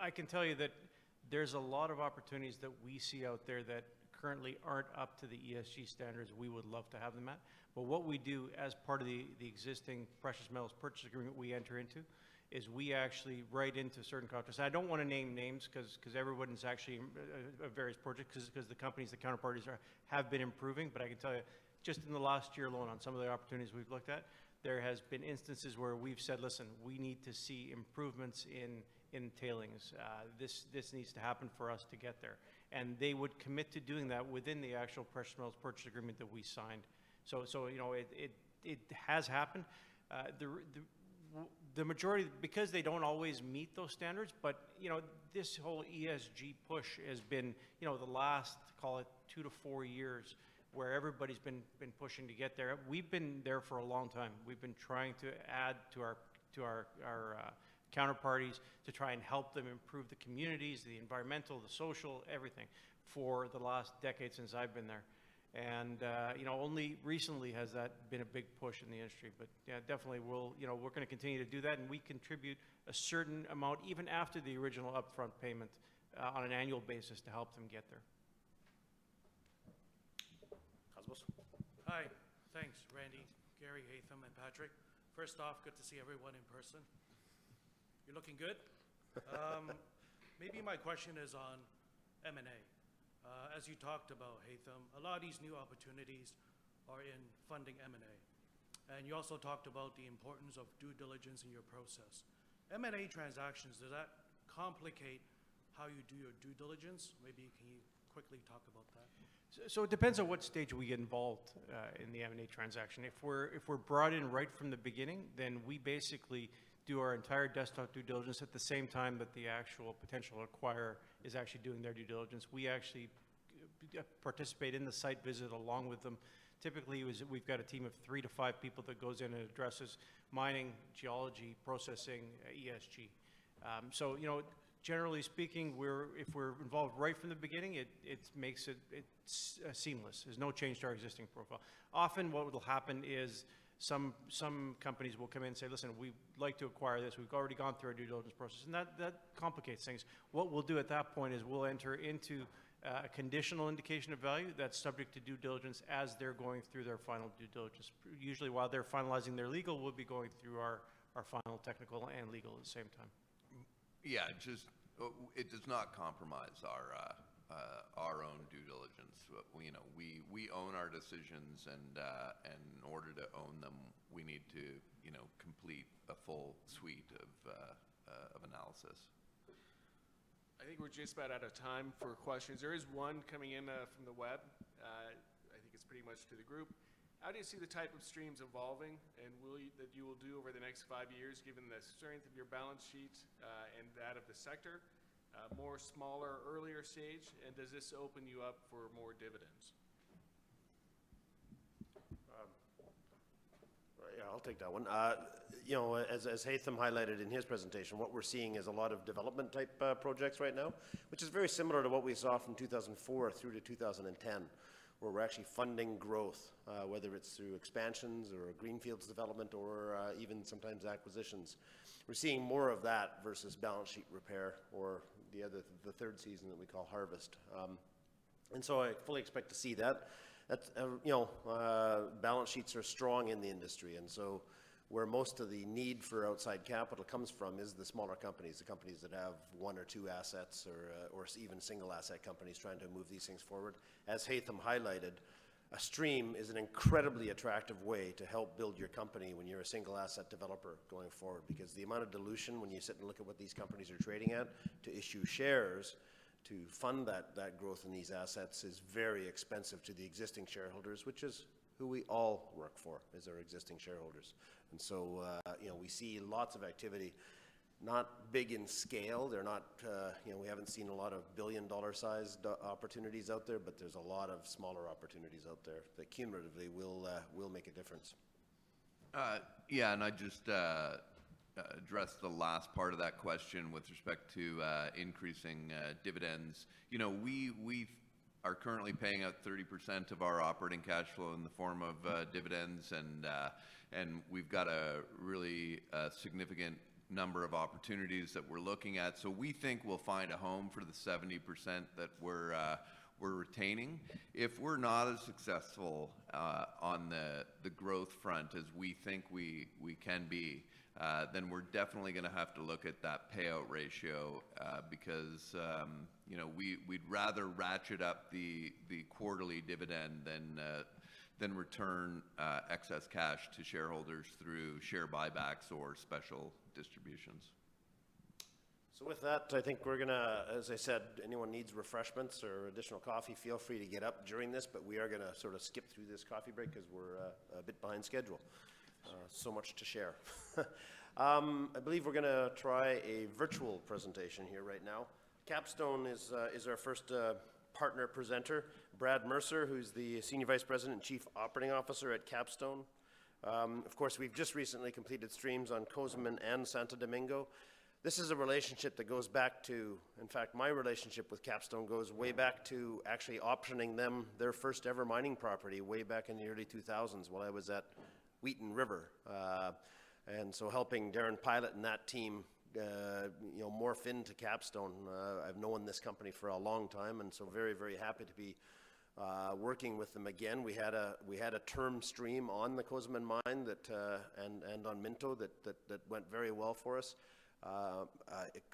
I can tell you that there's a lot of opportunities that we see out there that currently aren't up to the ESG standards we would love to have them at. What we do as part of the existing precious metals purchase agreement we enter into is we actually write into certain contracts. I don't want to name names because everyone's actually a various project because the companies, the counterparties have been improving. I can tell you, just in the last year alone, on some of the opportunities we've looked at, there has been instances where we've said, "Listen, we need to see improvements in tailings. This needs to happen for us to get there." They would commit to doing that within the actual precious metals purchase agreement that we signed. It has happened. They don't always meet those standards. This whole ESG push has been the last, call it two to four years, where everybody's been pushing to get there. We've been there for a long time. We've been trying to add to our counterparties to try and help them improve the communities, the environmental, the social, everything for the last decade since I've been there. Only recently has that been a big push in the industry. Definitely, we're going to continue to do that. We contribute a certain amount, even after the original upfront payment, on an annual basis to help them get there. Cosmos. Hi. Thanks, Randy, Gary, Haytham, and Patrick. First off, good to see everyone in person. You're looking good. Maybe my question is on M&A. As you talked about, Haytham, a lot of these new opportunities are in funding M&A. You also talked about the importance of due diligence in your process. M&A transactions, does that complicate how you do your due diligence? Maybe can you quickly talk about that? It depends on what stage we get involved in the M&A transaction. If we're brought in right from the beginning, we basically do our entire desktop due diligence at the same time that the actual potential acquirer is actually doing their due diligence. We actually participate in the site visit along with them. Typically, we've got a team of three to five people that goes in and addresses mining, geology, processing, ESG. Generally speaking, if we're involved right from the beginning, it makes it seamless. There's no change to our existing profile. Often what will happen is some companies will come in and say, "Listen, we'd like to acquire this. We've already gone through our due diligence process." That complicates things. What we'll do at that point is we'll enter into a conditional indication of value that's subject to due diligence as they're going through their final due diligence. Usually, while they're finalizing their legal, we'll be going through our final technical and legal at the same time. Yeah. It does not compromise our own due diligence. We own our decisions, and in order to own them, we need to complete a full suite of analysis. I think we're just about out of time for questions. There is one coming in from the web. I think it's pretty much to the group. How do you see the type of streams evolving, and that you will do over the next five years, given the strength of your balance sheet and that of the sector? More smaller, earlier stage? Does this open you up for more dividends? I'll take that one. As Haytham highlighted in his presentation, what we're seeing is a lot of development-type projects right now, which is very similar to what we saw from 2004 through to 2010, where we're actually funding growth, whether it's through expansions or greenfields development or even sometimes acquisitions. We're seeing more of that versus balance sheet repair or the third season that we call harvest. I fully expect to see that. Balance sheets are strong in the industry, where most of the need for outside capital comes from is the smaller companies, the companies that have one or two assets or even single asset companies trying to move these things forward. As Haytham highlighted, a stream is an incredibly attractive way to help build your company when you're a single asset developer going forward, because the amount of dilution when you sit and look at what these companies are trading at to issue shares to fund that growth in these assets is very expensive to the existing shareholders, which is who we all work for, is our existing shareholders. We see lots of activity, not big in scale. We haven't seen a lot of billion-dollar sized opportunities out there. There's a lot of smaller opportunities out there that cumulatively will make a difference. Yeah, I just addressed the last part of that question with respect to increasing dividends. We are currently paying out 30% of our operating cash flow in the form of dividends. We've got a really significant number of opportunities that we're looking at. We think we'll find a home for the 70% that we're retaining. If we're not as successful on the growth front as we think we can be, we're definitely going to have to look at that payout ratio, because we'd rather ratchet up the quarterly dividend than return excess cash to shareholders through share buybacks or special distributions. With that, I think we're going to, as I said, anyone needs refreshments or additional coffee, feel free to get up during this, but we are going to sort of skip through this coffee break because we're a bit behind schedule. Much to share. I believe we're going to try a virtual presentation here right now. Capstone is our first partner presenter, Brad Mercer, who's the Senior Vice President and Chief Operating Officer at Capstone. Of course, we've just recently completed streams on Cozamin and Santo Domingo. This is a relationship that goes back to, in fact, my relationship with Capstone goes way back to actually optioning them their first-ever mining property way back in the early 2000s while I was at Wheaton River. Helping Darren Pylot and that team morph into Capstone, I've known this company for a long time, and so very, very happy to be working with them again. We had a term stream on the Cozamin mine and on Minto that went very well for us.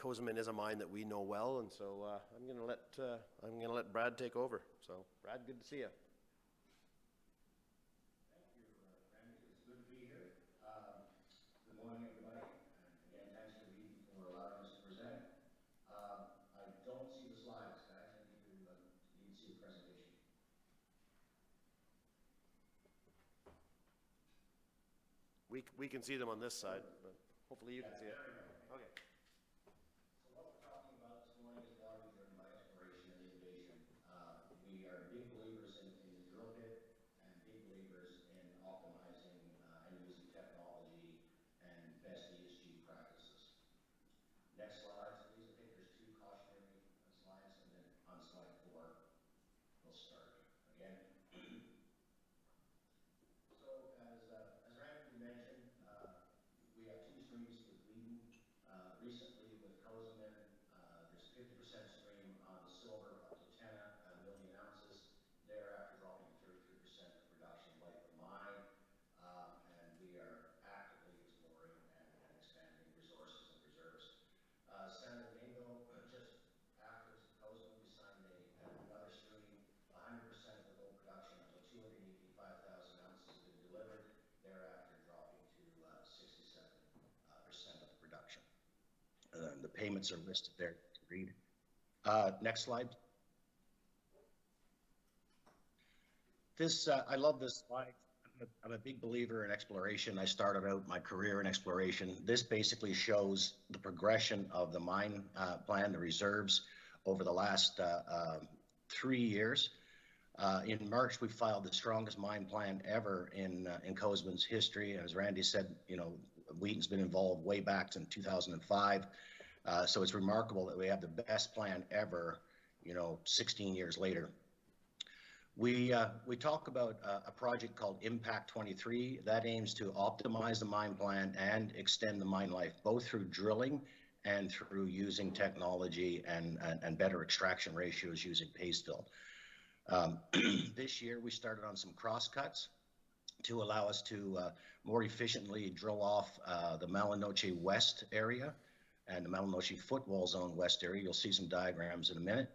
Cozamin is a mine that we know well, and so I'm going to let Brad take over. Brad, good to see you. It's remarkable that we have the best plan ever 16 years later. We talk about a project called Impact 23 that aims to optimize the mine plan and extend the mine life, both through drilling and through using technology and better extraction ratios using paste fill. This year, we started on some cross-cuts to allow us to more efficiently drill off the Mala Noche West area and the Mala Noche Footwall Zone West area. You'll see some diagrams in a minute.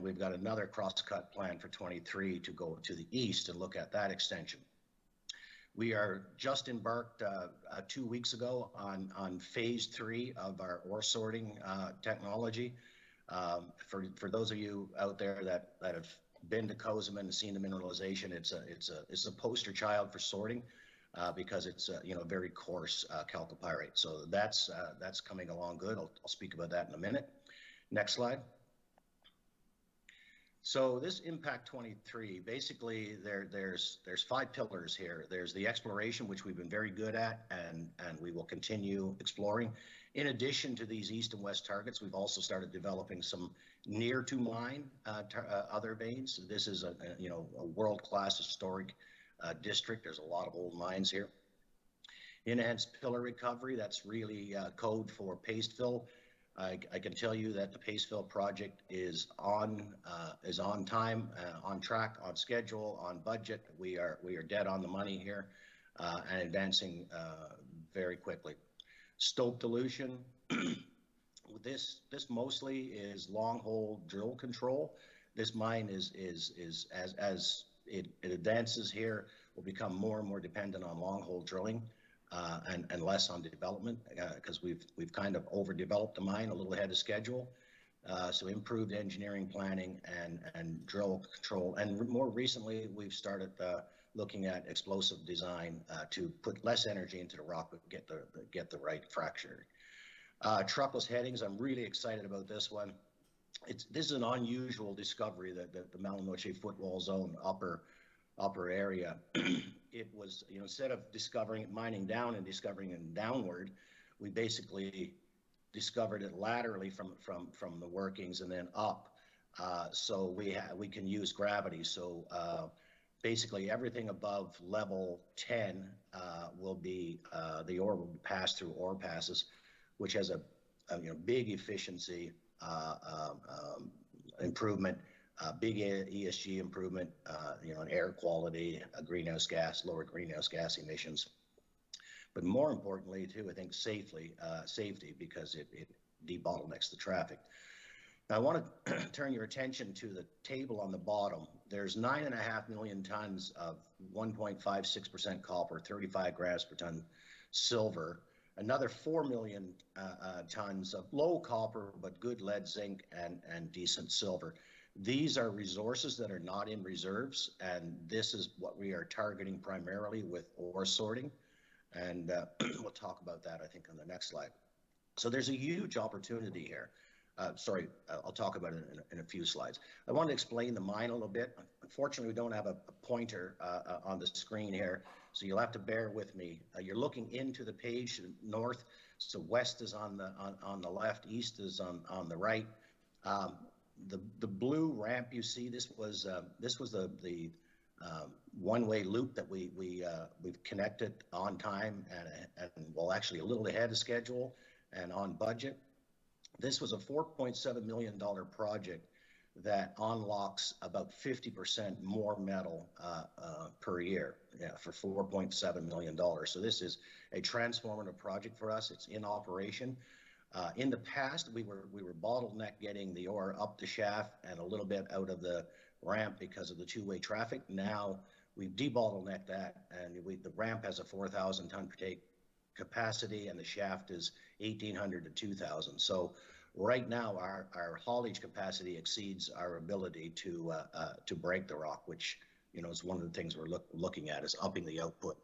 We've got another cross-cut plan for 2023 to go to the east to look at that extension. We are just embarked two weeks ago on phase III of our ore sorting technology. For those of you out there that have been to Cozamin and seen the mineralization, it is a poster child for sorting, because it is very coarse chalcopyrite. That is coming along good. I will speak about that in a minute. Next slide. This Impact 23, basically, there are five pillars here. There is the exploration, which we have been very good at, and we will continue exploring. In addition to these east and west targets, we have also started developing some near to mine other veins. This is a world-class historic district. There is a lot of old mines here. Enhanced pillar recovery, that is really code for paste fill. I can tell you that the paste fill project is on time, on track, on schedule, on budget. We are dead on the money here, and advancing very quickly. Stope dilution. This mostly is long hole drill control. This mine, as it advances here, will become more and more dependent on long hole drilling, and less on the development, because we've kind of overdeveloped the mine a little ahead of schedule. Improved engineering planning and drill control. More recently, we've started looking at explosive design to put less energy into the rock, but get the right fracture. Truckless headings, I'm really excited about this one. This is an unusual discovery that the Mala Noche Footwall Zone upper area. Instead of mining down and discovering it downward, we basically discovered it laterally from the workings and then up. We can use gravity. Basically everything above level 10, the ore will pass through ore passes, which has a big efficiency improvement, a big ESG improvement, on air quality, lower greenhouse gas emissions. More importantly too, I think safety, because it de-bottlenecks the traffic. Now I want to turn your attention to the table on the bottom. There's 9.5 million tons of 1.56% copper, 35 g/ton silver, another 4 million tons of low copper, but good lead zinc and decent silver. These are resources that are not in reserves, and this is what we are targeting primarily with ore sorting. We'll talk about that, I think, on the next slide. There's a huge opportunity here. Sorry, I'll talk about it in a few slides. I want to explain the mine a little bit. Unfortunately, we don't have a pointer on the screen here, so you'll have to bear with me. You're looking into the page north, so west is on the left, east is on the right. The blue ramp you see, this was the one-way loop that we've connected on time and, well, actually a little ahead of schedule and on budget. This was a $4.7 million project that unlocks about 50% more metal per year for $4.7 million. This is a transformative project for us. It's in operation. In the past, we were bottleneck getting the ore up the shaft and a little bit out of the ramp because of the two-way traffic. Now we've de-bottlenecked that, and the ramp has a 4,000 ton per day capacity, and the shaft is 1,800 to 2,000. Right now our haulage capacity exceeds our ability to break the rock, which is one of the things we're looking at is upping the output.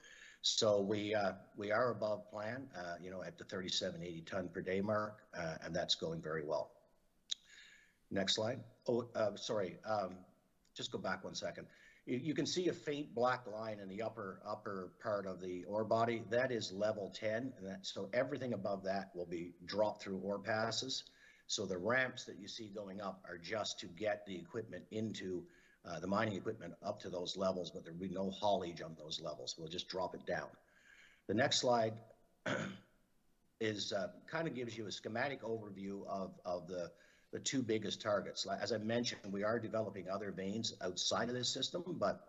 We are above plan, at the 3,780 ton per day mark, and that's going very well. Next slide. Oh, sorry. Just go back one second. You can see a faint black line in the upper part of the ore body. That is level 10, and so everything above that will be dropped through ore passes. The ramps that you see going up are just to get the mining equipment up to those levels, but there'll be no haulage on those levels. We'll just drop it down. The next slide gives you a schematic overview of the two biggest targets. As I mentioned, we are developing other veins outside of this system, but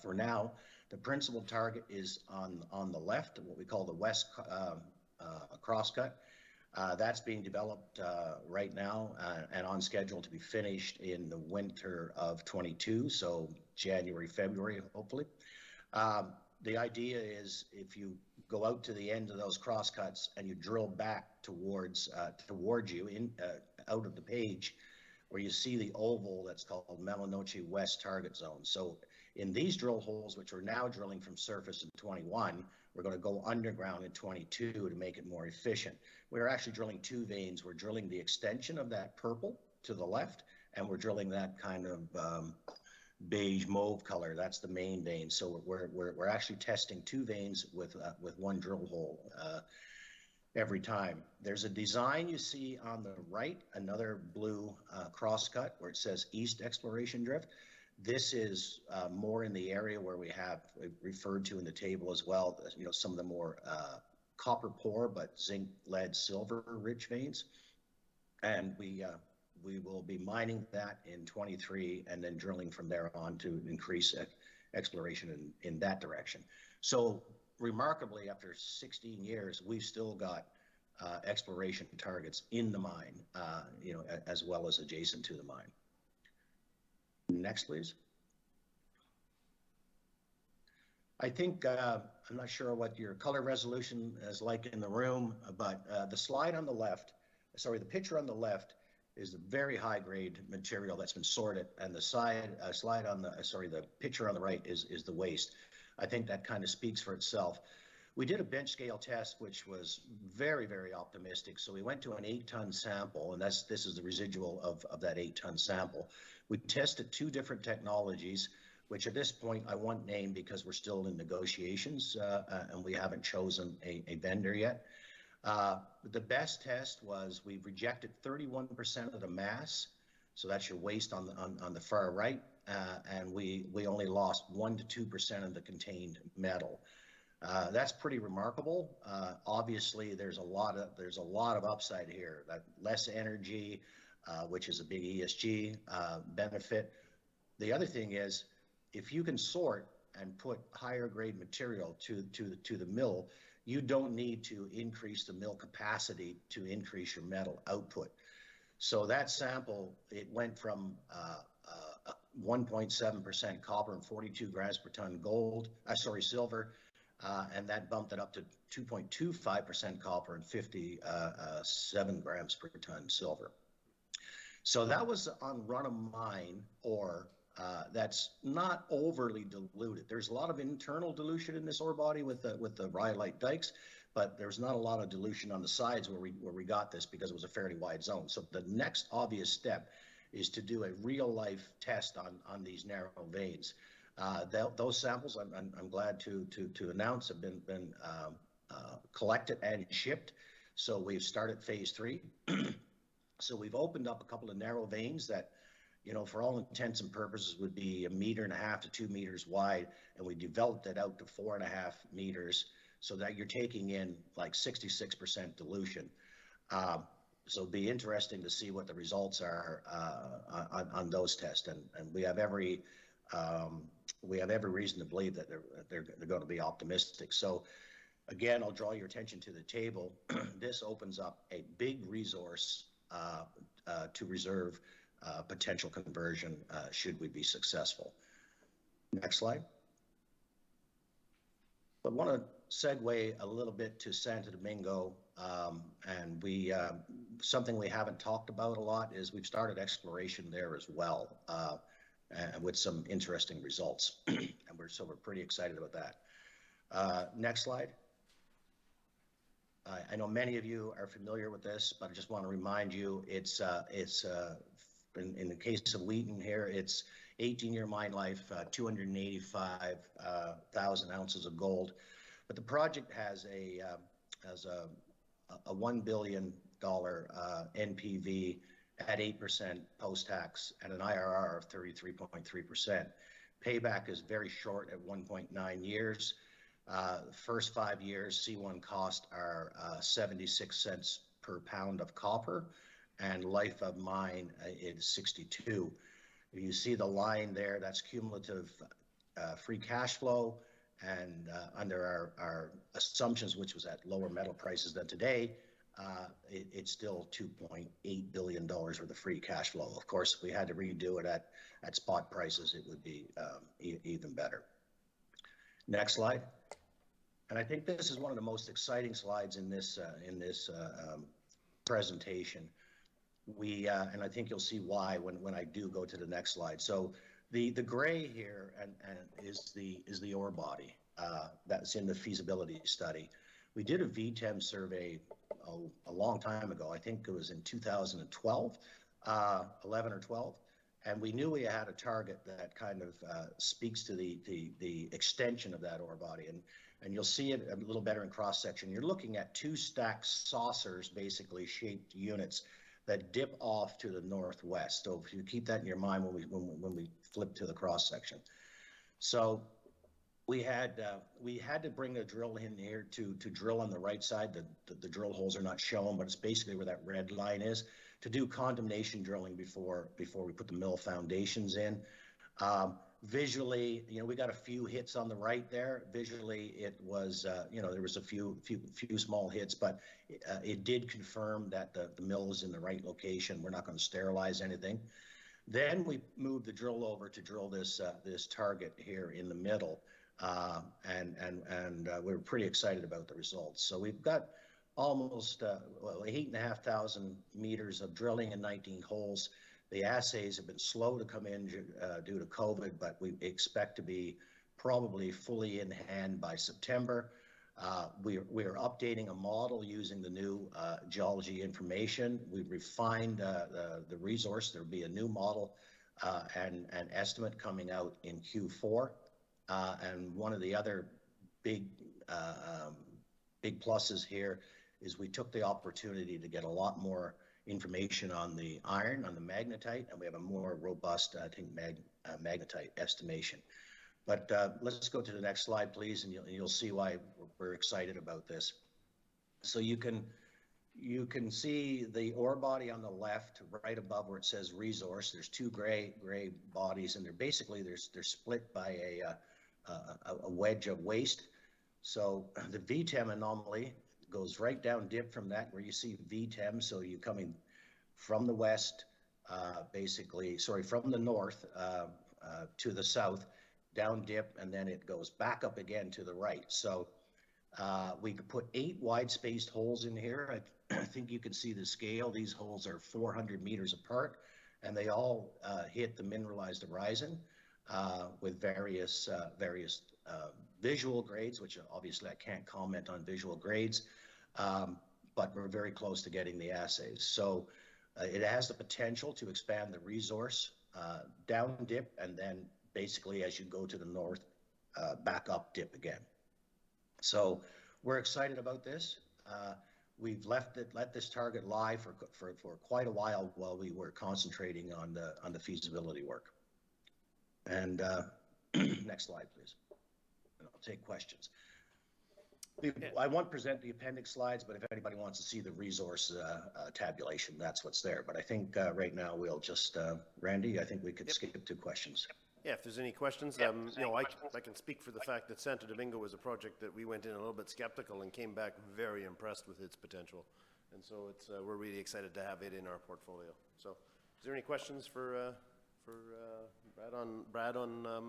for now, the principal target is on the left, what we call the west crosscut. That's being developed right now, and on schedule to be finished in the winter of 2022, so January, February, hopefully. The idea is if you go out to the end of those crosscuts and you drill back towards you out of the page where you see the oval, that's called Mala Noche West Target Zone. In these drill holes, which we're now drilling from surface in 2021, we're going to go underground in 2022 to make it more efficient. We're actually drilling two veins. We're drilling the extension of that purple to the left, and we're drilling that kind of beige mauve color. That's the main vein. We're actually testing two veins with one drill hole every time. There's a design you see on the right, another blue crosscut where it says east exploration drift. This is more in the area where we have referred to in the table as well, some of the more copper poor, but zinc, lead, silver rich veins. We will be mining that in 2023 and then drilling from there on to increase exploration in that direction. Remarkably after 16 years, we've still got exploration targets in the mine, as well as adjacent to the mine. Next, please. I'm not sure what your color resolution is like in the room, but the picture on the left is the very high grade material that's been sorted, and the picture on the right is the waste. I think that speaks for itself. We did a bench scale test, which was very optimistic. We went to an 8-ton sample, and this is the residual of that 8-ton sample. We tested two different technologies, which at this point I won't name because we're still in negotiations, and we haven't chosen a vendor yet. The best test was we rejected 31% of the mass, so that's your waste on the far right, and we only lost 1% to 2% of the contained metal. That's pretty remarkable. Obviously, there's a lot of upside here. Less energy, which is a big ESG benefit. The other thing is, if you can sort and put higher grade material to the mill, you don't need to increase the mill capacity to increase your metal output. That sample, it went from 1.7% copper and 42 g/ton silver, and that bumped it up to 2.25% copper and 57 g/ton silver. That was on run-of-mine ore that's not overly diluted. There's a lot of internal dilution in this ore body with the rhyolite dikes, but there's not a lot of dilution on the sides where we got this because it was a fairly wide zone. The next obvious step is to do a real-life test on these narrow veins. Those samples, I'm glad to announce, have been collected and shipped. We've started phase III. We've opened up a couple of narrow veins that, for all intents and purposes, would be 1.5 m-2 m wide, and we developed it out to 4.5 m so that you're taking in 66% dilution. It'll be interesting to see what the results are on those tests. We have every reason to believe that they're going to be optimistic. Again, I'll draw your attention to the table. This opens up a big resource to reserve potential conversion should we be successful. Next slide. Want to segue a little bit to Santo Domingo. Something we haven't talked about a lot is we've started exploration there as well, with some interesting results. We're pretty excited about that. Next slide. I know many of you are familiar with this, I just want to remind you, in the case of Wheaton here, it's 18-year mine life, 285,000 ounces of gold. The project has a $1 billion NPV at 8% post-tax, and an IRR of 33.3%. Payback is very short at 1.9 years. The first five years C1 cost are $0.76 per pound of copper, and life of mine is $0.62. You see the line there, that's cumulative free cash flow under our assumptions, which was at lower metal prices than today, it's still $2.8 billion worth of free cash flow. Of course, if we had to redo it at spot prices, it would be even better. Next slide. I think this is one of the most exciting slides in this presentation, and I think you'll see why when I do go to the next slide. The gray here is the ore body that's in the feasibility study. We did a VTEM survey a long time ago, I think it was in 2012, 2011 or 2012, and we knew we had a target that speaks to the extension of that ore body. You'll see it a little better in cross-section. You're looking at two stacked saucers, basically, shaped units that dip off to the northwest. If you keep that in your mind when we flip to the cross-section. We had to bring a drill in here to drill on the right side. The drill holes are not shown, but it's basically where that red line is, to do condemnation drilling before we put the mill foundations in. We got a few hits on the right there. Visually, there was a few small hits, but it did confirm that the mill was in the right location. We're not going to sterilize anything. We moved the drill over to drill this target here in the middle, and we're pretty excited about the results. We've got almost 8,500 m of drilling in 19 holes. The assays have been slow to come in due to COVID, but we expect to be probably fully in hand by September. We're updating a model using the new geology information. We've refined the resource. There'll be a new model, and an estimate coming out in Q4. One of the other big pluses here is we took the opportunity to get a lot more information on the iron, on the magnetite, and we have a more robust, I think, magnetite estimation. Let's go to the next slide, please, and you'll see why we're excited about this. You can see the ore body on the left, right above where it says Resource. There's two gray bodies, and they're split by a wedge of waste. The VTEM anomaly goes right down dip from that where you see VTEM, so you're coming from the north to the south down dip, and then it goes back up again to the right. We could put eight wide-spaced holes in here. I think you can see the scale. These holes are 400 m apart, and they all hit the mineralized horizon, with various visual grades, which obviously I can't comment on visual grades, but we're very close to getting the assays. It has the potential to expand the resource down dip, and then basically as you go to the north, back up dip again. We're excited about this. We've let this target lie for quite a while while we were concentrating on the feasibility work. Next slide, please. I won't present the appendix slides, but if anybody wants to see the resource tabulation, that's what's there. I think right now we'll just Randy, I think we could skip to questions. Yeah, if there's any questions. Yeah, any questions? I can speak for the fact that Santo Domingo was a project that we went in a little bit skeptical and came back very impressed with its potential. We're really excited to have it in our portfolio. Is there any questions for Brad on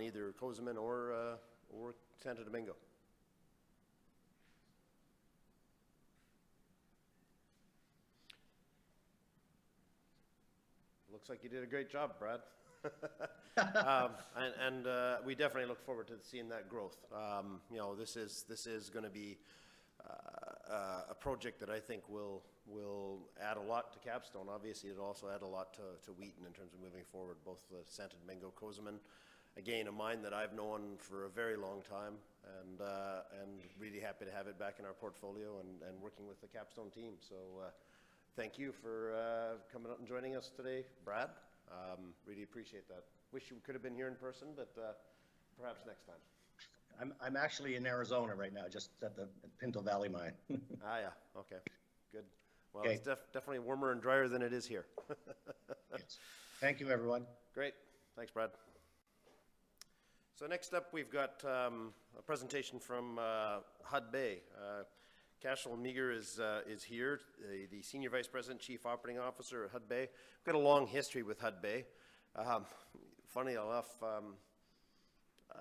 either Cozamin or Santo Domingo? Looks like you did a great job, Brad. We definitely look forward to seeing that growth. This is going to be a project that I think will add a lot to Capstone. Obviously, it'll also add a lot to Wheaton in terms of moving forward, both the Santo Domingo Cozamin. Again, a mine that I've known for a very long time, and really happy to have it back in our portfolio and working with the Capstone team. Thank you for coming out and joining us today, Brad. Really appreciate that. Wish you could've been here in person, but perhaps next time. I'm actually in Arizona right now, just at the Pinto Valley mine. Yeah. Okay. Go Well, it's definitely warmer and drier than it is here. Yes. Thank you, everyone. Great. Thanks, Brad Mercer. Next up, we've got a presentation from Hudbay. Cashel Meagher is here, the Senior Vice President and Chief Operating Officer at Hudbay. We've got a long history with Hudbay. Funny enough,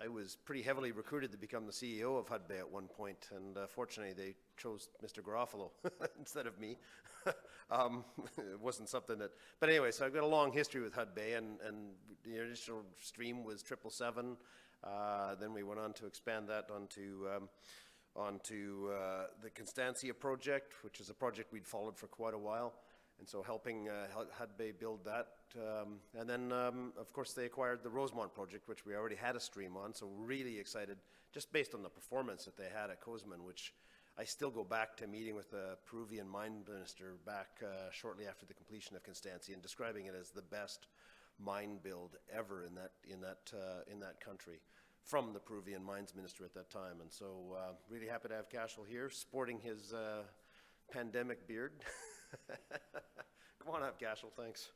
I was pretty heavily recruited to become the CEO of Hudbay at one point, and fortunately, they chose Mr. David Garofalo instead of me. It wasn't something that. Anyway, I've got a long history with Hudbay, and the initial stream was 777. We went on to expand that onto the Constancia project, which is a project we'd followed for quite a while, and so helping Hudbay build that. Of course, they acquired the Rosemont project, which we already had a stream on, so we're really excited just based on the performance that they had at Constancia, which I still go back to meeting with the Peruvian mine minister back shortly after the completion of Constancia and describing it as the best mine build ever in that country from the Peruvian mine minister at that time. Really happy to have Cashel here sporting his pandemic beard. Come on up, Cashel. Thanks.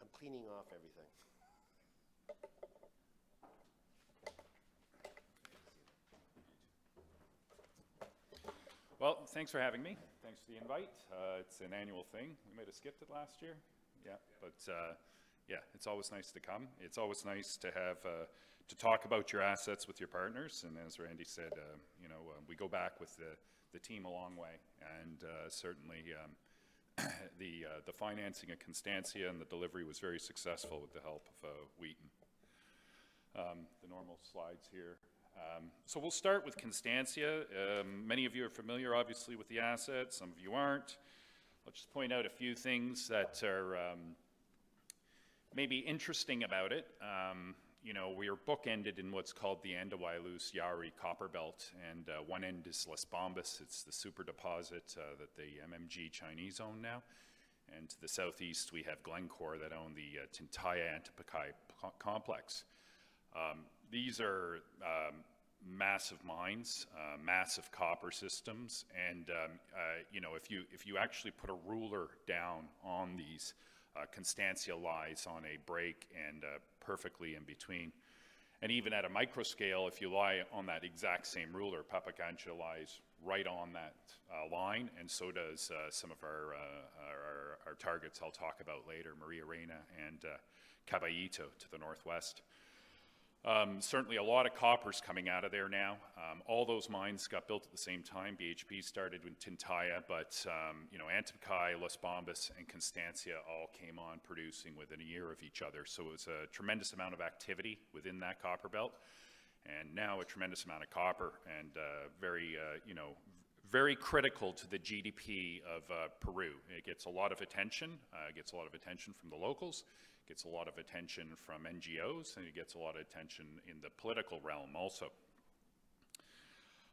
I'm cleaning off everything. Well, thanks for having me. Thanks for the invite. It's an annual thing. We might have skipped it last year. Yeah. Yeah, it's always nice to come. It's always nice to talk about your assets with your partners, and as Randy said, we go back with the team a long way, and certainly, the financing at Constancia and the delivery was very successful with the help of Wheaton. The normal slides here. We'll start with Constancia. Many of you are familiar, obviously, with the asset. Some of you aren't. I'll just point out a few things that are maybe interesting about it. We are bookended in what's called the Andahuaylas-Yauri copper belt, and one end is Las Bambas. It's the super deposit that the MMG Chinese own now, and to the southeast, we have Glencore that own the Tintaya Antamina complex. These are massive mines, massive copper systems, and if you actually put a ruler down on these, Constancia lies on a break and perfectly in between. Even at a micro scale, if you lie on that exact same ruler, Pampacancha lies right on that line, and so does some of our targets I'll talk about later, Maria Reyna and Caballito to the northwest. Certainly, a lot of copper's coming out of there now. All those mines got built at the same time. BHP started with Tintaya, but Antamina, Las Bambas, and Constancia all came on producing within a year of each other. It was a tremendous amount of activity within that copper belt, and now a tremendous amount of copper and very critical to the GDP of Peru. It gets a lot of attention. It gets a lot of attention from the locals, gets a lot of attention from NGOs, and it gets a lot of attention in the political realm also.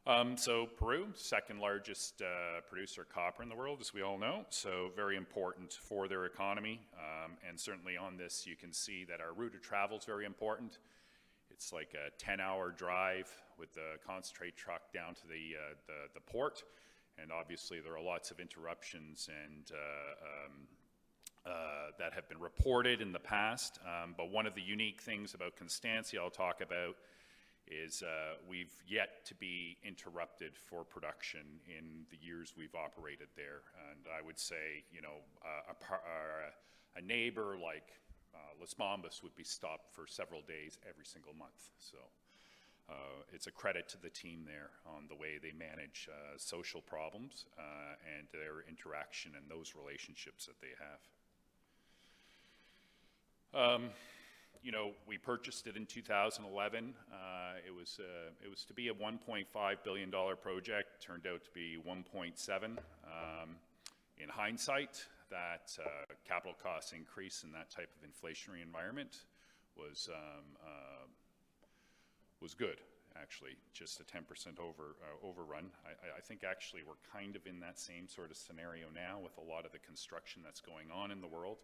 Peru, second largest producer of copper in the world, as we all know, very important for their economy. Certainly on this, you can see that our route of travel is very important. It's like a 10-hour drive with the concentrate truck down to the port, obviously there are lots of interruptions that have been reported in the past. One of the unique things about Constancia I'll talk about is we've yet to be interrupted for production in the years we've operated there. I would say a neighbor like Las Bambas would be stopped for several days every single month. It's a credit to the team there on the way they manage social problems and their interaction and those relationships that they have. We purchased it in 2011. It was to be a $1.5 billion project, turned out to be $1.7. In hindsight, that capital cost increase in that type of inflationary environment was good, actually, just a 10% overrun. I think actually we're kind of in that same sort of scenario now with a lot of the construction that's going on in the world,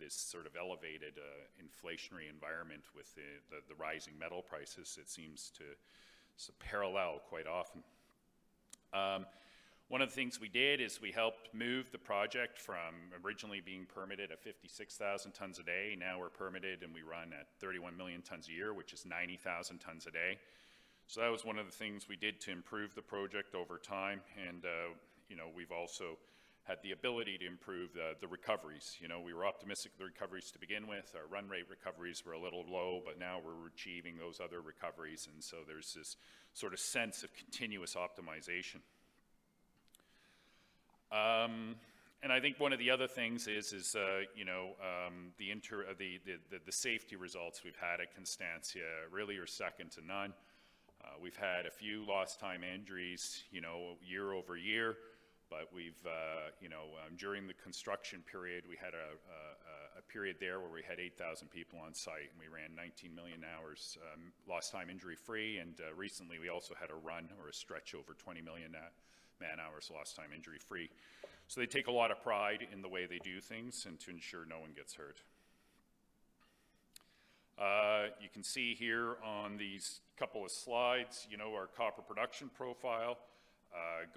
this sort of elevated inflationary environment with the rising metal prices. It seems to parallel quite often. One of the things we did is we helped move the project from originally being permitted at 56,000 tons a day. Now we're permitted, and we run at 31 million tons a year, which is 90,000 tons a day. That was one of the things we did to improve the project over time, and we've also had the ability to improve the recoveries. We were optimistic of the recoveries to begin with. Our run rate recoveries were a little low, but now we're achieving those other recoveries, and so there's this sort of sense of continuous optimization. I think one of the other things is the safety results we've had at Constancia really are second to none. We've had a few lost time injuries year-over-year, but during the construction period, we had a period there where we had 8,000 people on site, and we ran 19 million hours lost time injury-free, and recently we also had a run or a stretch over 20 million man-hours lost time injury-free. They take a lot of pride in the way they do things and to ensure no one gets hurt. You can see here on these couple of slides our copper production profile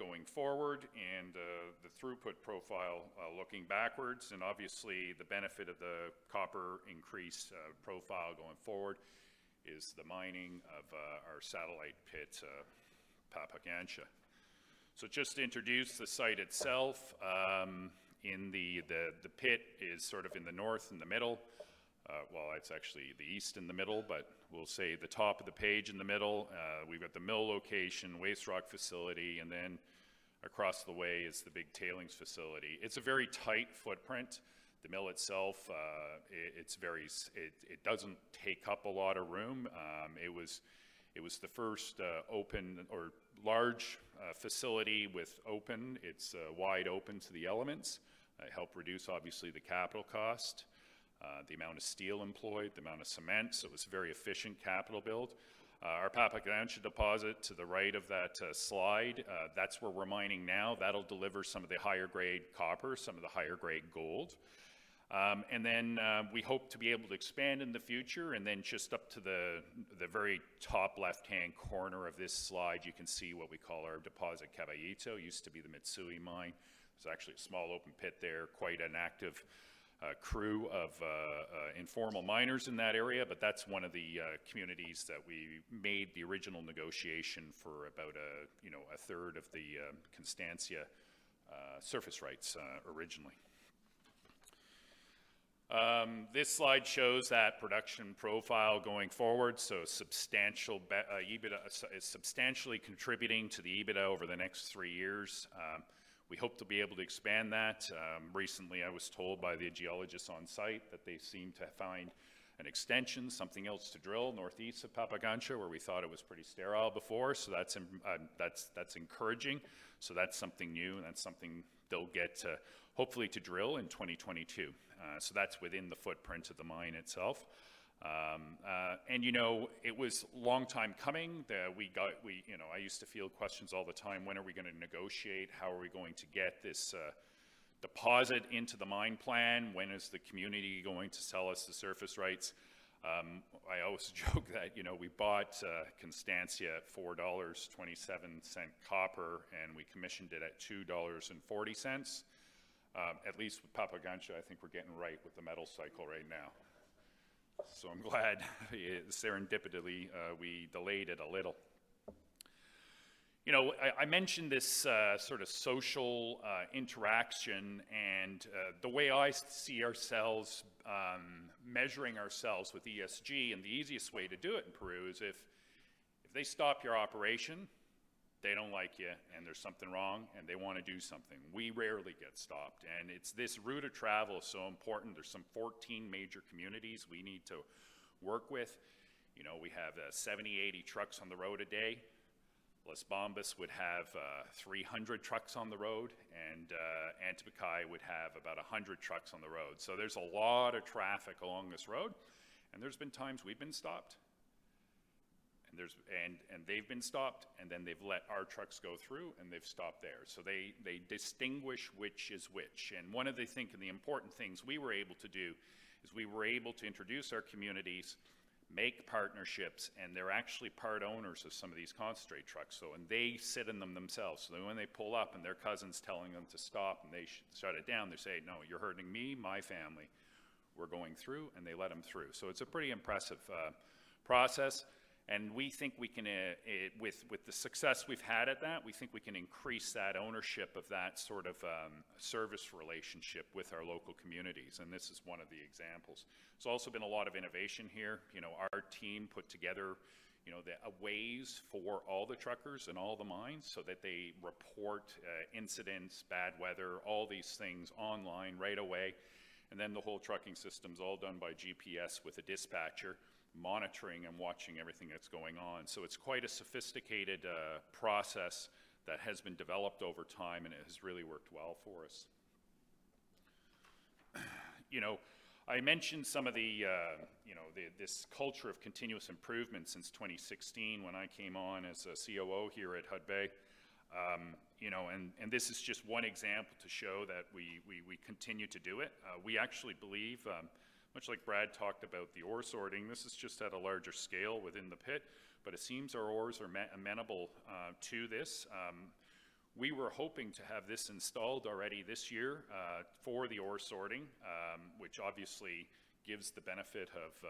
going forward and the throughput profile looking backwards, and obviously the benefit of the copper increase profile going forward is the mining of our satellite pit, Pampacancha. Just to introduce the site itself, the pit is in the north, in the middle. It's actually the east in the middle, but we'll say the top of the page in the middle. We've got the mill location, waste rock facility, and then across the way is the big tailings facility. It's a very tight footprint. The mill itself, it doesn't take up a lot of room. It was the first open or large facility. It's wide open to the elements. It helped reduce, obviously, the capital cost, the amount of steel employed, the amount of cement, so it was a very efficient capital build. Our Pampacancha deposit to the right of that slide, that's where we're mining now. That'll deliver some of the higher grade copper, some of the higher grade gold. We hope to be able to expand in the future. Just up to the very top left-hand corner of this slide, you can see what we call our deposit, Caballito. It used to be the Mitsui mine. There's actually a small open pit there, quite an active crew of informal miners in that area. That's one of the communities that we made the original negotiation for about a third of the Constancia surface rights originally. This slide shows that production profile going forward, so substantially contributing to the EBITDA over the next three years. We hope to be able to expand that. Recently, I was told by the geologists on site that they seem to have found an extension, something else to drill northeast of Pampacancha, where we thought it was pretty sterile before. That's encouraging. That's something new, and that's something they'll get to hopefully to drill in 2022. That's within the footprint of the mine itself. It was a long time coming. I used to field questions all the time, when are we going to negotiate? How are we going to get this deposit into the mine plan? When is the community going to sell us the surface rights? I always joke that we bought Constancia at $4.27 copper, and we commissioned it at $2.40. At least with Pampacancha, I think we're getting right with the metal cycle right now. I'm glad serendipitously we delayed it a little. I mentioned this sort of social interaction and the way I see ourselves measuring ourselves with ESG, and the easiest way to do it in Peru is if they stop your operation, they don't like you, and there's something wrong, and they want to do something. We rarely get stopped, and it's this route of travel that's so important. There's some 14 major communities we need to work with. We have 70, 80 trucks on the road a day. Las Bambas would have 300 trucks on the road, and Antamina would have about 100 trucks on the road. There's a lot of traffic along this road, and there's been times we've been stopped, and they've been stopped, and then they've let our trucks go through, and they've stopped theirs. They distinguish which is which. One of the important things we were able to do is we were able to introduce our communities, make partnerships, and they're actually part owners of some of these concentrate trucks, and they sit in them themselves. When they pull up and their cousin's telling them to stop and they shut it down, they say, "No, you're hurting me, my family. We're going through," and they let them through. It's a pretty impressive process, and with the success we've had at that, we think we can increase that ownership of that sort of service relationship with our local communities, and this is one of the examples. There's also been a lot of innovation here. Our team put together a ways for all the truckers and all the mines so that they report incidents, bad weather, all these things online right away, and then the whole trucking system's all done by GPS with a dispatcher monitoring and watching everything that's going on. It's quite a sophisticated process that has been developed over time, and it has really worked well for us. I mentioned some of this culture of continuous improvement since 2016 when I came on as a COO here at Hudbay, and this is just one example to show that we continue to do it. We actually believe, much like Brad talked about the ore sorting, this is just at a larger scale within the pit, but it seems our ores are amenable to this. We were hoping to have this installed already this year for the ore sorting, which obviously gives the benefit of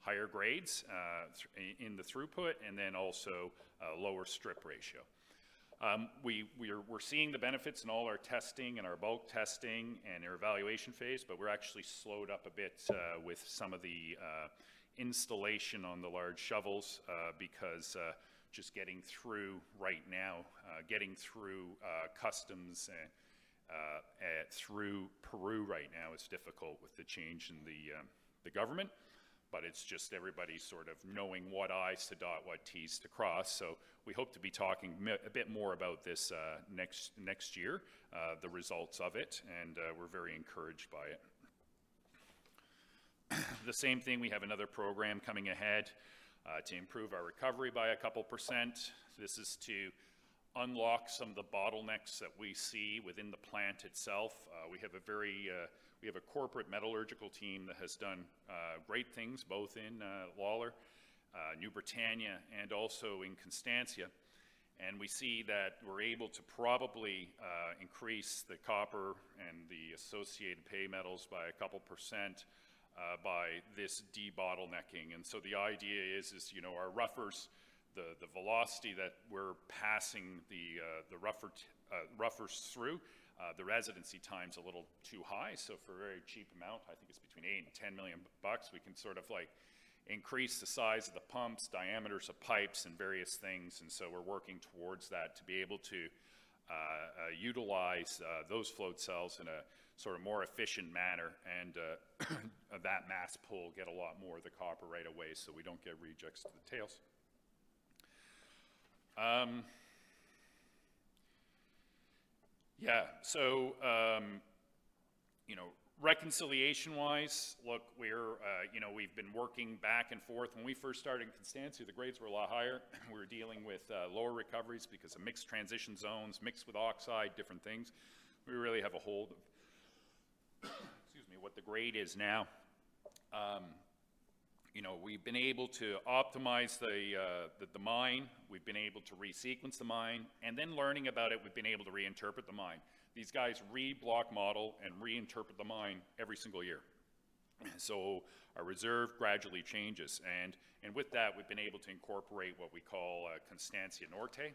higher grades in the throughput and then also a lower strip ratio. We're seeing the benefits in all our testing and our bulk testing and our evaluation phase, but we're actually slowed up a bit with some of the installation on the large shovels, because just getting through right now, getting through customs and through Peru right now is difficult with the change in the government. It's just everybody sort of knowing what I's to dot, what T's to cross. We hope to be talking a bit more about this next year, the results of it, and we're very encouraged by it. The same thing, we have another program coming ahead to improve our recovery by 2%. This is to unlock some of the bottlenecks that we see within the plant itself. We have a corporate metallurgical team that has done great things both in Lalor, New Britannia, and also in Constancia. We see that we're able to probably increase the copper and the associated pay metals by a couple of % by this debottlenecking. The idea is our roughers, the velocity that we're passing the roughers through, the residency time is a little too high. For a very cheap amount, I think it's between $8 million-$10 million, we can increase the size of the pumps, diameters of pipes, and various things. We're working towards that to be able to utilize those float cells in a more efficient manner and of that mass pull, get a lot more of the copper right away so we don't get rejects to the tails. Yeah. Reconciliation-wise, look, we've been working back and forth. When we first started Constancia, the grades were a lot higher. We were dealing with lower recoveries because of mixed transition zones, mixed with oxide, different things. We really have a hold of, excuse me, what the grade is now. We've been able to optimize the mine. We've been able to resequence the mine, learning about it, we've been able to reinterpret the mine. These guys re-block model and reinterpret the mine every single year. Our reserve gradually changes, and with that, we've been able to incorporate what we call Constancia Norte.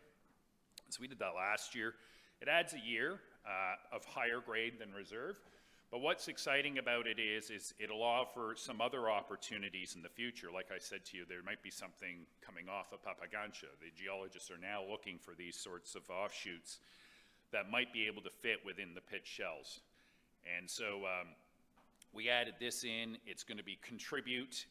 We did that last year. It adds a year of higher grade than reserve. What's exciting about it is it'll offer some other opportunities in the future. I said to you, there might be something coming off of Pampacancha. The geologists are now looking for these sorts of offshoots that might be able to fit within the pit shells. We added this in. It's going to contribute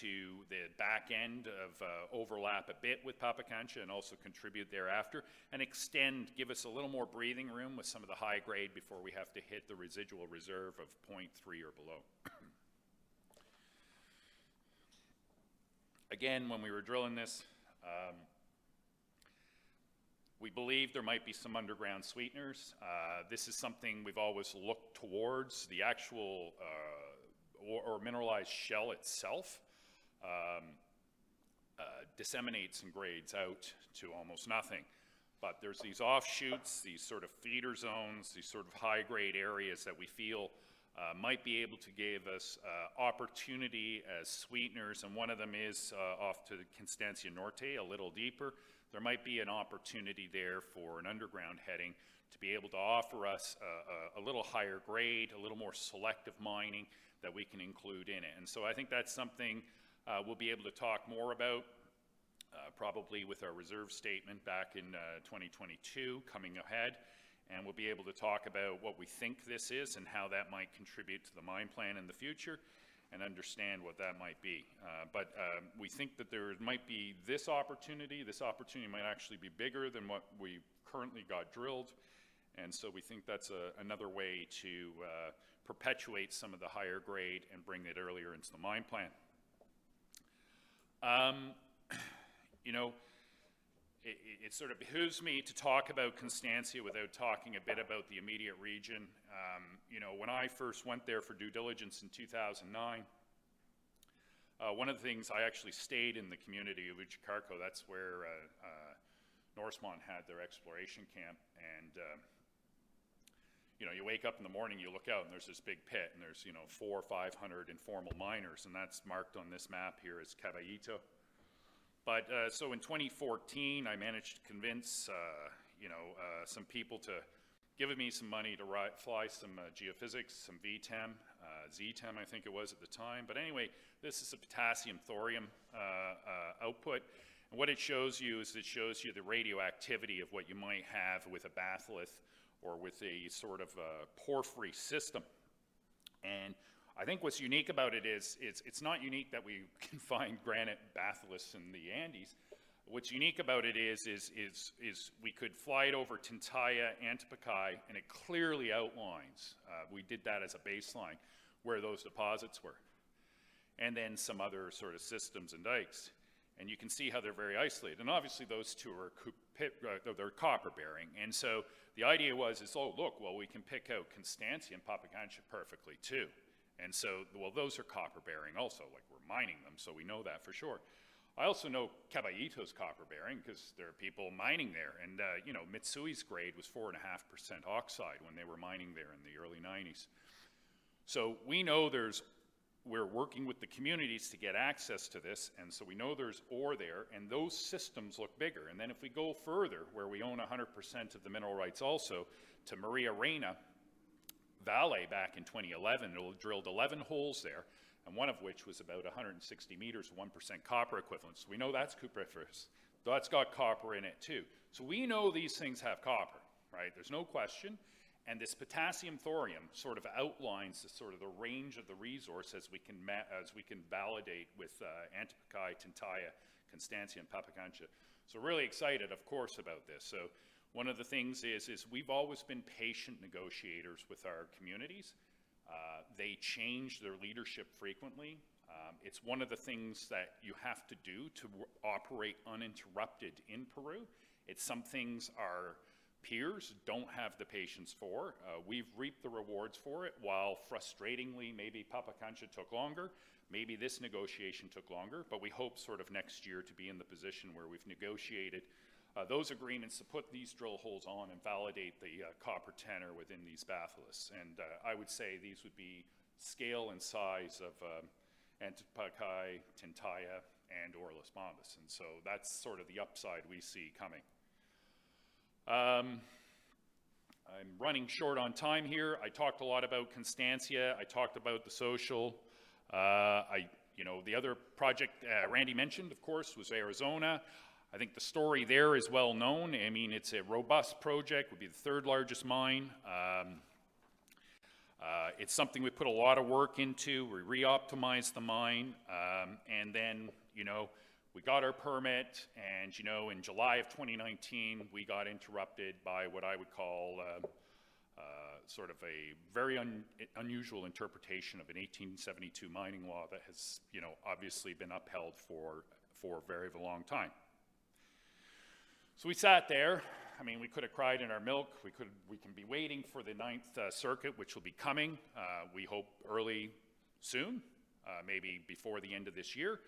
to the back end of overlap a bit with Pampacancha and also contribute thereafter and extend, give us a little more breathing room with some of the high grade before we have to hit the residual reserve of 0.3 or below. Again, when we were drilling this, we believe there might be some underground sweeteners. This is something we've always looked towards. The actual or mineralized shell itself disseminates some grades out to almost nothing. There's these offshoots, these feeder zones, these high-grade areas that we feel might be able to give us opportunity as sweeteners, and one of them is off to the Constancia Norte, a little deeper. There might be an opportunity there for an underground heading to be able to offer us a little higher grade, a little more selective mining that we can include in it. I think that's something we'll be able to talk more about probably with our reserve statement back in 2022 coming ahead, and we'll be able to talk about what we think this is and how that might contribute to the mine plan in the future and understand what that might be. We think that there might be this opportunity. This opportunity might actually be bigger than what we currently got drilled. We think that's another way to perpetuate some of the higher grade and bring it earlier into the mine plan. It sort of behooves me to talk about Constancia without talking a bit about the immediate region. When I first went there for due diligence in 2009, I actually stayed in the community of Uchucarcco. That's where Norsemont had their exploration camp. You wake up in the morning, you look out, and there's this big pit, and there's 400 or 500 informal miners, and that's marked on this map here as Caballito. In 2014, I managed to convince some people to give me some money to fly some geophysics, some VTEM, ZTEM, I think it was at the time. Anyway, this is a potassium-thorium output, and what it shows you is it shows you the radioactivity of what you might have with a batholith or with a sort of a porphyry system. I think what's unique about it is. It's not unique that we can find granite batholiths in the Andes. What's unique about it is we could fly it over Tintaya, Antapaccay, and it clearly outlines, we did that as a baseline, where those deposits were, and then some other sort of systems and dikes. You can see how they're very isolated. Obviously, those two are copper-bearing. The idea was, "Oh, look, well, we can pick out Constancia and Pampacancha perfectly, too." Those are copper-bearing also. We're mining them, so we know that for sure. I also know Caballito is copper-bearing because there are people mining there, and Mitsui's grade was 4.5% oxide when they were mining there in the early 1990s. We know we're working with the communities to get access to this, we know there's ore there, and those systems look bigger. If we go further, where we own 100% of the mineral rights also to Maria Reyna Valley back in 2011, drilled 11 holes there, and one of which was about 160 m, 1% copper equivalent. We know that's cupriferous. That's got copper in it, too. We know these things have copper, right? There's no question. This potassium thorium sort of outlines the range of the resource as we can validate with Antapaccay Tintaya, Constancia, and Pampacancha. Really excited, of course, about this. One of the things is we've always been patient negotiators with our communities. They change their leadership frequently. It's one of the things that you have to do to operate uninterrupted in Peru. It's some things our peers don't have the patience for. We've reaped the rewards for it, while frustratingly, maybe Pampacancha took longer, maybe this negotiation took longer. We hope next year to be in the position where we've negotiated those agreements to put these drill holes on and validate the copper tenor within these batholiths. I would say these would be scale and size of Antapaccay, Tintaya, and Las Bambas. That's sort of the upside we see coming. I'm running short on time here. I talked a lot about Constancia. I talked about the social. The other project Randy mentioned, of course, was Arizona. I think the story there is well known. It's a robust project, would be the third largest mine. It's something we put a lot of work into. We re-optimized the mine, and then we got our permit, and in July of 2019, we got interrupted by what I would call a very unusual interpretation of an 1872 mining law that has obviously been upheld for a very long time. We sat there. We could have cried in our milk. We can be waiting for the Ninth Circuit, which will be coming, we hope early, soon, maybe before the end of this year.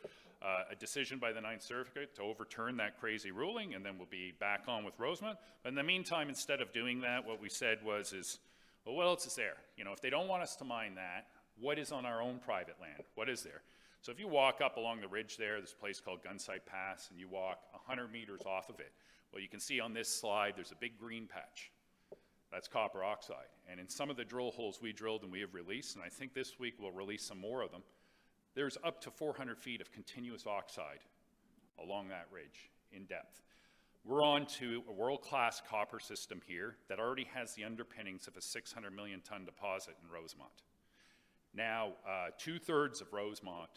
A decision by the Ninth Circuit to overturn that crazy ruling, and then we'll be back on with Rosemont. In the meantime, instead of doing that, what we said was is, "Well, what else is there? If they don't want us to mine that, what is on our own private land? What is there? If you walk up along the ridge there, this place called Gunsight Pass, and you walk 100 m off of it, well, you can see on this slide there's a big green patch. That's copper oxide. In some of the drill holes we drilled and we have released, and I think this week we'll release some more of them, there's up to 400 ft of continuous oxide along that ridge in depth. We're onto a world-class copper system here that already has the underpinnings of a 600-million-ton deposit in Rosemont. Now, 2/3 of Rosemont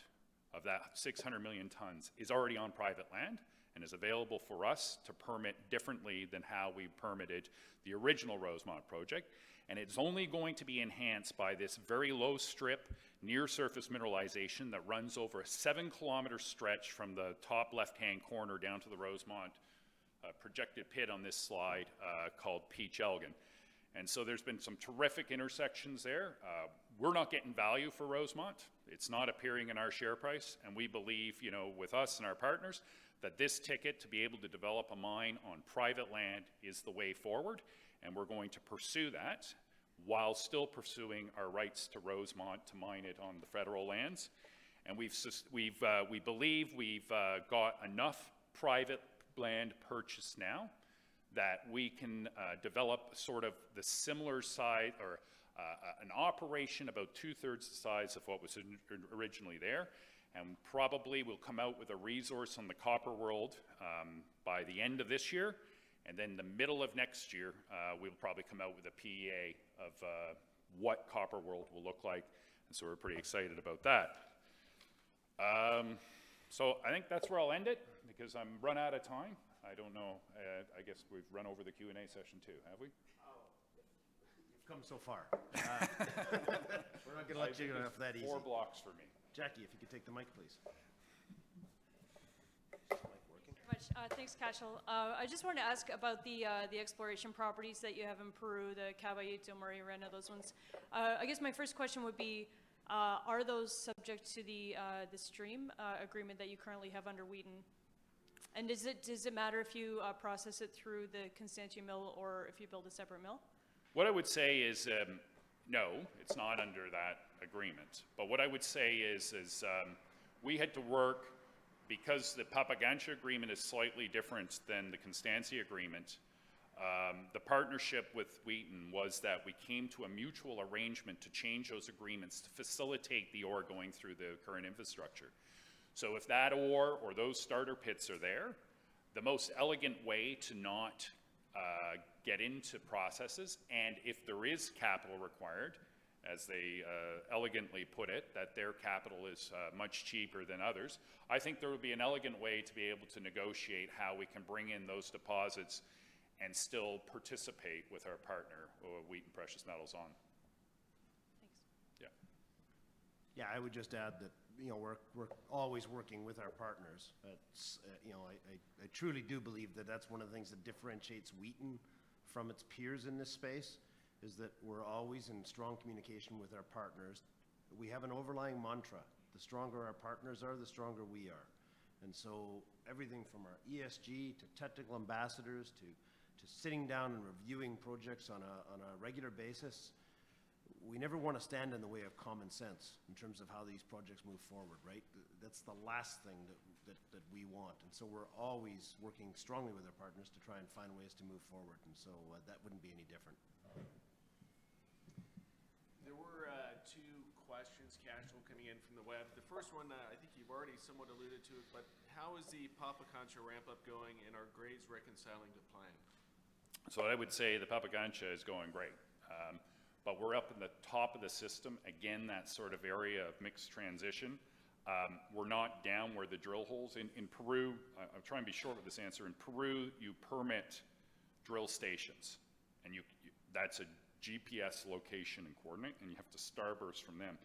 of that 600 million tons is already on private land and is available for us to permit differently than how we permitted the original Rosemont project. It's only going to be enhanced by this very low strip, near-surface mineralization that runs over a 7 km stretch from the top left-hand corner down to the Rosemont projected pit on this slide, called Peach-Elgin. There's been some terrific intersections there. We're not getting value for Rosemont. It's not appearing in our share price, and we believe, with us and our partners, that this ticket to be able to develop a mine on private land is the way forward, and we're going to pursue that while still pursuing our rights to Rosemont to mine it on the federal lands. We believe we've got enough private land purchased now that we can develop the similar site or an operation about two-thirds the size of what was originally there. Probably we'll come out with a resource on the Copper World by the end of this year. The middle of next year, we'll probably come out with a PEA of what Copper World will look like. We're pretty excited about that. I think that's where I'll end it because I've run out of time. I don't know. I guess we've run over the Q&A session, too. Have we? Oh. You've come so far. We're not going to let you off that easy. Four blocks for me. Jackie, if you could take the mic, please. Is the mic working? Thanks much. Thanks, Cashel. I just wanted to ask about the exploration properties that you have in Peru, the Caballito, Maria Reyna, those ones. I guess my first question would be, are those subject to the stream agreement that you currently have under Wheaton? Does it matter if you process it through the Constancia mill or if you build a separate mill? What I would say is, no, it's not under that agreement. What I would say is we had to work because the Pampacancha agreement is slightly different than the Constancia agreement. The partnership with Wheaton was that we came to a mutual arrangement to change those agreements to facilitate the ore going through the current infrastructure. If that ore or those starter pits are there, the most elegant way to not get into processes, and if there is capital required, as they elegantly put it, that their capital is much cheaper than others, I think there would be an elegant way to be able to negotiate how we can bring in those deposits and still participate with our partner, Wheaton Precious Metals, on. Thanks. Yeah. Yeah, I would just add that we're always working with our partners. I truly do believe that that's one of the things that differentiates Wheaton from its peers in this space, is that we're always in strong communication with our partners. We have an overlying mantra, the stronger our partners are, the stronger we are. Everything from our ESG to technical ambassadors, to sitting down and reviewing projects on a regular basis, we never want to stand in the way of common sense in terms of how these projects move forward, right? That's the last thing that we want. We're always working strongly with our partners to try and find ways to move forward. That wouldn't be any different. There were two questions, Cashel, coming in from the web. The first one, I think you've already somewhat alluded to it, but how is the Pampacancha ramp-up going, and are grades reconciling to plan? I would say the Pampacancha is going great. We're up in the top of the system, again, that sort of area of mixed transition. We're not down where the drill holes in Peru-- I'm trying to be short with this answer. In Peru, you permit drill stations, and that's a GPS location and coordinate, and you have to starburst from them.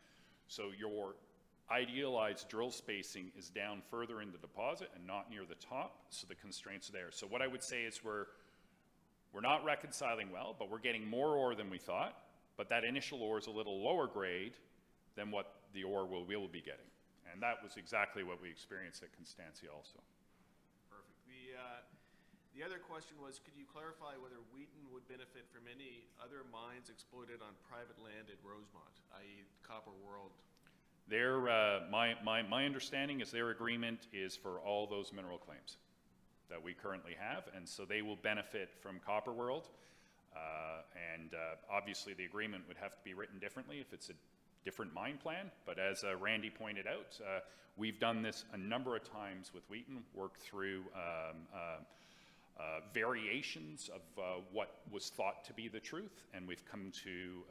Your idealized drill spacing is down further in the deposit and not near the top. The constraints are there. What I would say is we're not reconciling well, but we're getting more ore than we thought, but that initial ore is a little lower grade than what the ore we'll be getting. That was exactly what we experienced at Constancia also. Perfect. The other question was, could you clarify whether Wheaton would benefit from any other mines exploited on private land at Rosemont, i.e., Copper World? My understanding is their agreement is for all those mineral claims that we currently have. They will benefit from Copperworld. Obviously the agreement would have to be written differently if it's a different mine plan. As Randy pointed out, we've done this a number of times with Wheaton, worked through variations of what was thought to be the truth, and we've come to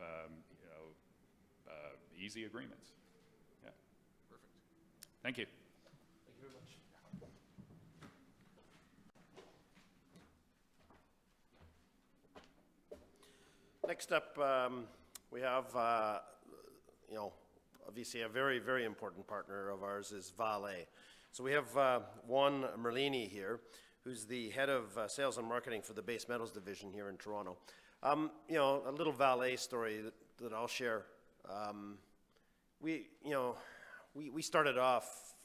easy agreements. Yeah. Perfect. Thank you. Thank you very much. Next up, we have obviously a very important partner of ours is Vale. We have Juan Merlini here, who is the head of sales and marketing for the base metals division here in Toronto. A little Vale story that I will share. We started off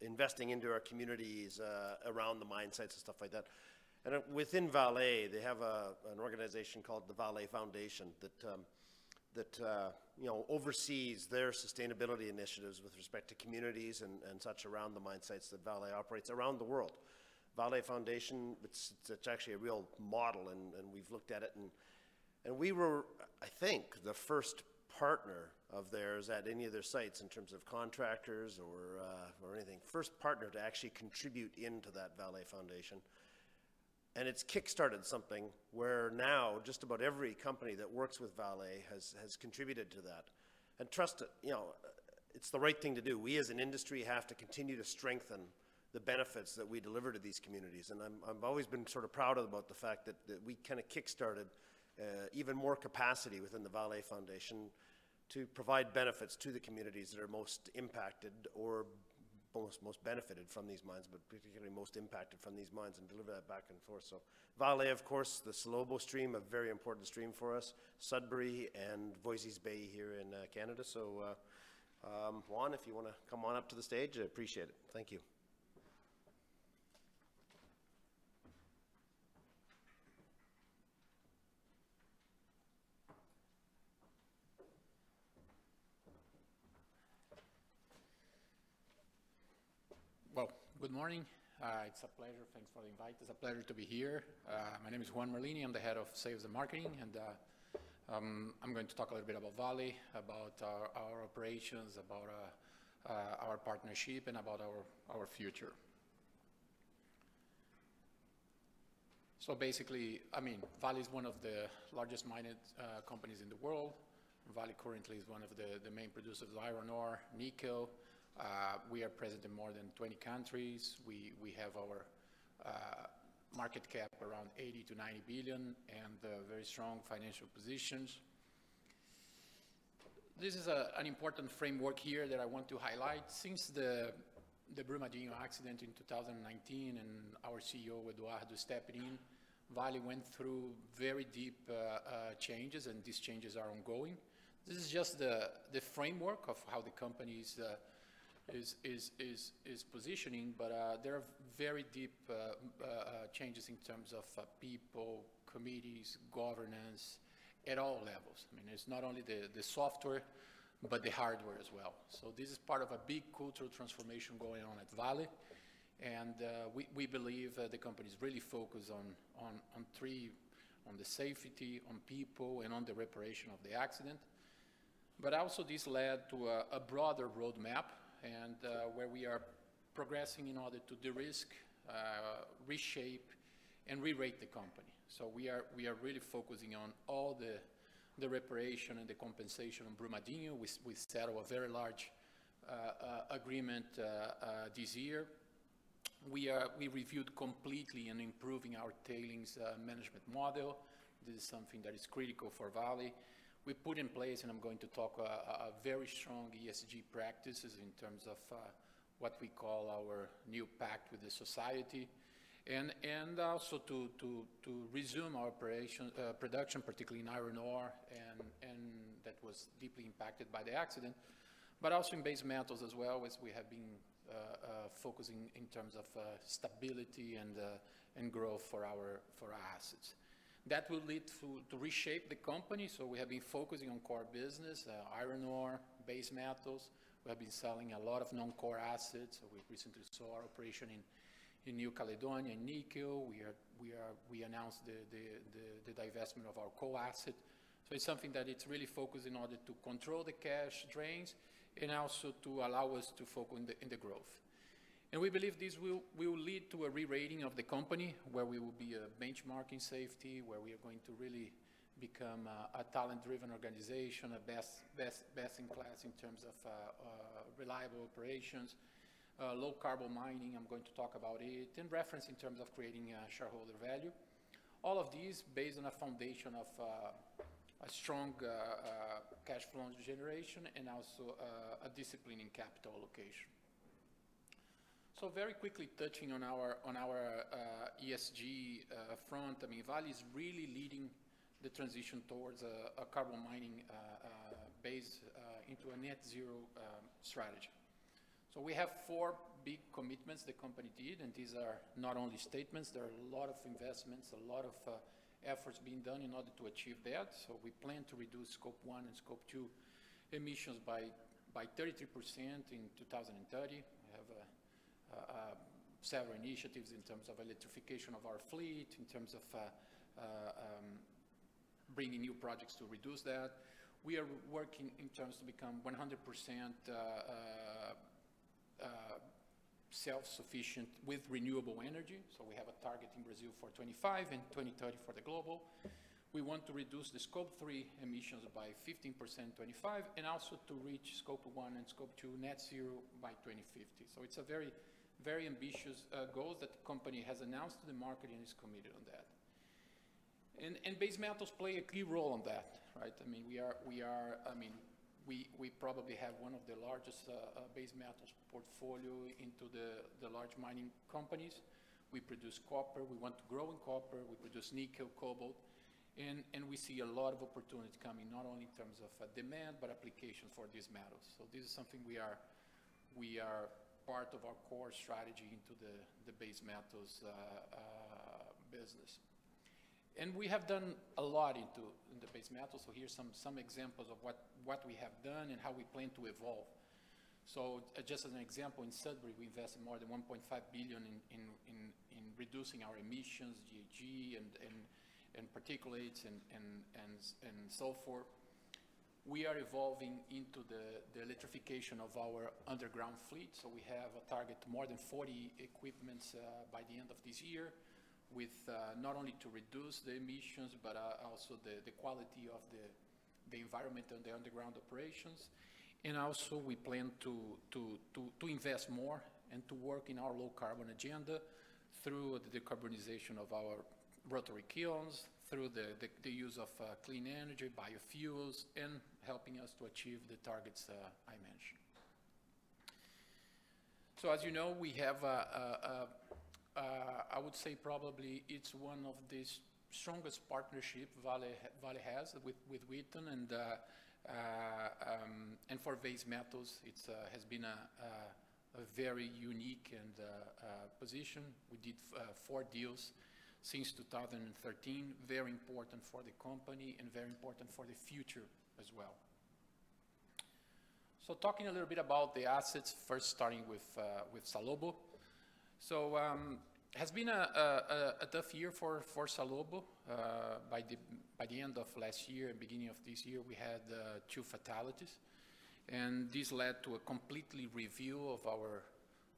investing into our communities, around the mine sites and stuff like that. Within Vale, they have an organization called the Vale Foundation that oversees their sustainability initiatives with respect to communities and such around the mine sites that Vale operates around the world. Vale Foundation, it is actually a real model, and we have looked at it, and we were, I think, the first partner of theirs at any of their sites in terms of contractors or anything. First partner to actually contribute into that Vale Foundation, and it's kickstarted something where now just about every company that works with Vale has contributed to that. Trust it's the right thing to do. We, as an industry, have to continue to strengthen the benefits that we deliver to these communities, and I've always been sort of proud about the fact that we kind of kickstarted even more capacity within the Vale Foundation to provide benefits to the communities that are most impacted or most benefited from these mines, but particularly most impacted from these mines and deliver that back and forth. Vale, of course, the Salobo stream, a very important stream for us, Sudbury and Voisey's Bay here in Canada. Juan, if you want to come on up to the stage, I'd appreciate it. Thank you. Well, good morning. It is a pleasure. Thanks for the invite. It is a pleasure to be here. My name is Juan Merlini. I am the head of sales and marketing, and I am going to talk a little bit about Vale, about our operations, about our partnership, and about our future. Basically, Vale is one of the largest mining companies in the world. Vale currently is one of the main producers of iron ore, nickel. We are present in more than 20 countries. We have our market cap around $80 billion-$90 billion and a very strong financial positions. This is an important framework here that I want to highlight. Since the Brumadinho accident in 2019 and our CEO, Eduardo, stepped in, Vale went through very deep changes, and these changes are ongoing. This is just the framework of how the company is positioning, but there are very deep changes in terms of people, committees, governance, at all levels. It's not only the software, but the hardware as well. This is part of a big cultural transformation going on at Vale, and we believe the company's really focused on three, on the safety, on people, and on the reparation of the accident. This led to a broader roadmap and where we are progressing in order to de-risk, reshape, and re-rate the company. We are really focusing on all the reparation and the compensation on Brumadinho. We settled a very large agreement this year. We reviewed completely and improving our tailings management model. This is something that is critical for Vale. We put in place, and I'm going to talk, a very strong ESG practices in terms of what we call our new pact with the society, and also to resume our production, particularly in iron ore that was deeply impacted by the accident, but also in base metals as well, as we have been focusing in terms of stability and growth for our assets. That will lead to reshape the company. We have been focusing on core business, iron ore, base metals. We have been selling a lot of non-core assets. We recently saw our operation in New Caledonia, in nickel. We announced the divestment of our coal asset. It's something that it's really focused in order to control the cash drains and also to allow us to focus in the growth. We believe this will lead to a re-rating of the company, where we will be a benchmarking safety, where we are going to really become a talent-driven organization, a best in class in terms of reliable operations, low carbon mining, I'm going to talk about it, and reference in terms of creating shareholder value. All of these based on a foundation of a strong cash flow generation and also a discipline in capital allocation. Very quickly touching on our ESG front. Vale is really leading the transition towards a carbon mining base into a net zero strategy. We have four big commitments the company did, and these are not only statements, there are a lot of investments, a lot of efforts being done in order to achieve that. We plan to reduce scope 1 and scope 2 emissions by 33% in 2030. We have several initiatives in terms of electrification of our fleet, in terms of bringing new projects to reduce that. We are working in terms to become 100% self-sufficient with renewable energy. We have a target in Brazil for 2025 and 2030 for the global. We want to reduce the scope 3 emissions by 15% 2025, and also to reach scope 1 and scope 2 net zero by 2050. It's a very ambitious goal that the company has announced to the market and is committed on that. Base metals play a key role in that. We probably have one of the largest base metals portfolio into the large mining companies. We produce copper, we want to grow in copper. We produce nickel, cobalt, and we see a lot of opportunities coming, not only in terms of demand, but application for these metals. This is something we are part of our core strategy into the base metals business. We have done a lot into the base metals. Here's some examples of what we have done and how we plan to evolve. Just as an example, in Sudbury, we invested more than $1.5 billion in reducing our emissions, GHG and particulates and so forth. We are evolving into the electrification of our underground fleet. We have a target to more than 40 equipments by the end of this year with not only to reduce the emissions, but also the quality of the environment and the underground operations. Also we plan to invest more and to work in our low carbon agenda through the decarbonization of our rotary kilns, through the use of clean energy, biofuels, and helping us to achieve the targets I mentioned. As you know, we have I would say probably it's one of the strongest partnership Vale has with Wheaton and for base metals, it has been a very unique position. We did four deals since 2013, very important for the company and very important for the future as well. Talking a little bit about the assets first starting with Salobo. It has been a tough year for Salobo. By the end of last year and beginning of this year, we had two fatalities, and this led to a completely review of our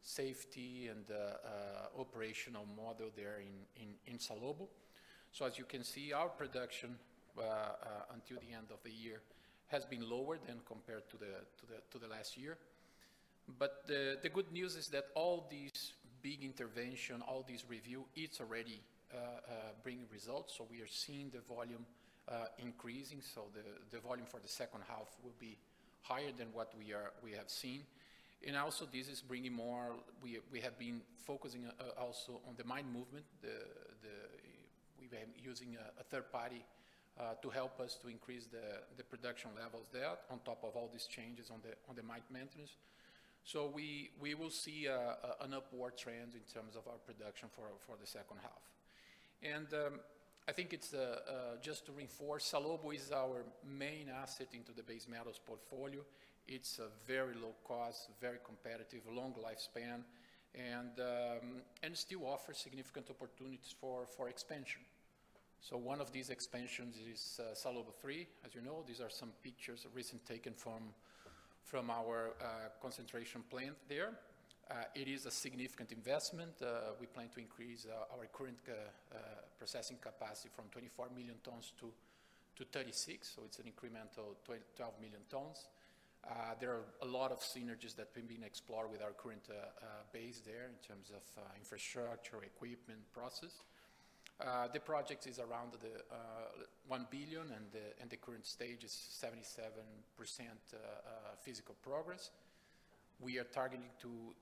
safety and operational model there in Salobo. As you can see, our production until the end of the year has been lower than compared to the last year. The good news is that all these big intervention, all these review, it's already bringing results. We are seeing the volume increasing, so the volume for the second half will be higher than what we have seen. We have been focusing also on the mine movement. We've been using a third party to help us to increase the production levels there on top of all these changes on the mine maintenance. We will see an upward trend in terms of our production for the second half. I think it's just to reinforce, Salobo is our main asset into the base metals portfolio. It's a very low cost, very competitive, long lifespan, and still offers significant opportunities for expansion. One of these expansions is Salobo III. As you know, these are some pictures recently taken from our concentration plant there. It is a significant investment. We plan to increase our current processing capacity from 24 million tons to 36, so it's an incremental 12 million tons. There are a lot of synergies that have been explored with our current base there in terms of infrastructure, equipment, process. The project is around $1 billion and the current stage is 77% physical progress. We are targeting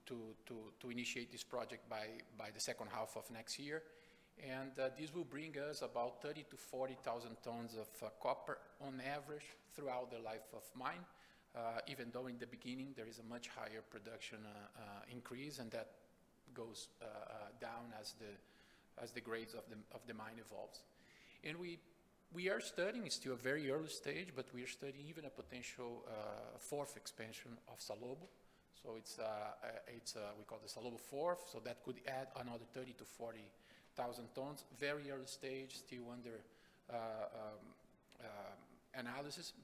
to initiate this project by the second half of next year, and this will bring us about 30,000 tons-40,000 tons of copper on average throughout the life of mine, even though in the beginning there is a much higher production increase and that goes down as the grades of the mine evolves. We are studying, it's still a very early stage, but we are studying even a potential fourth expansion of Salobo. We call this Salobo IV. That could add another 30,000 tons-40,000 tons. Very early stage, still under analysis.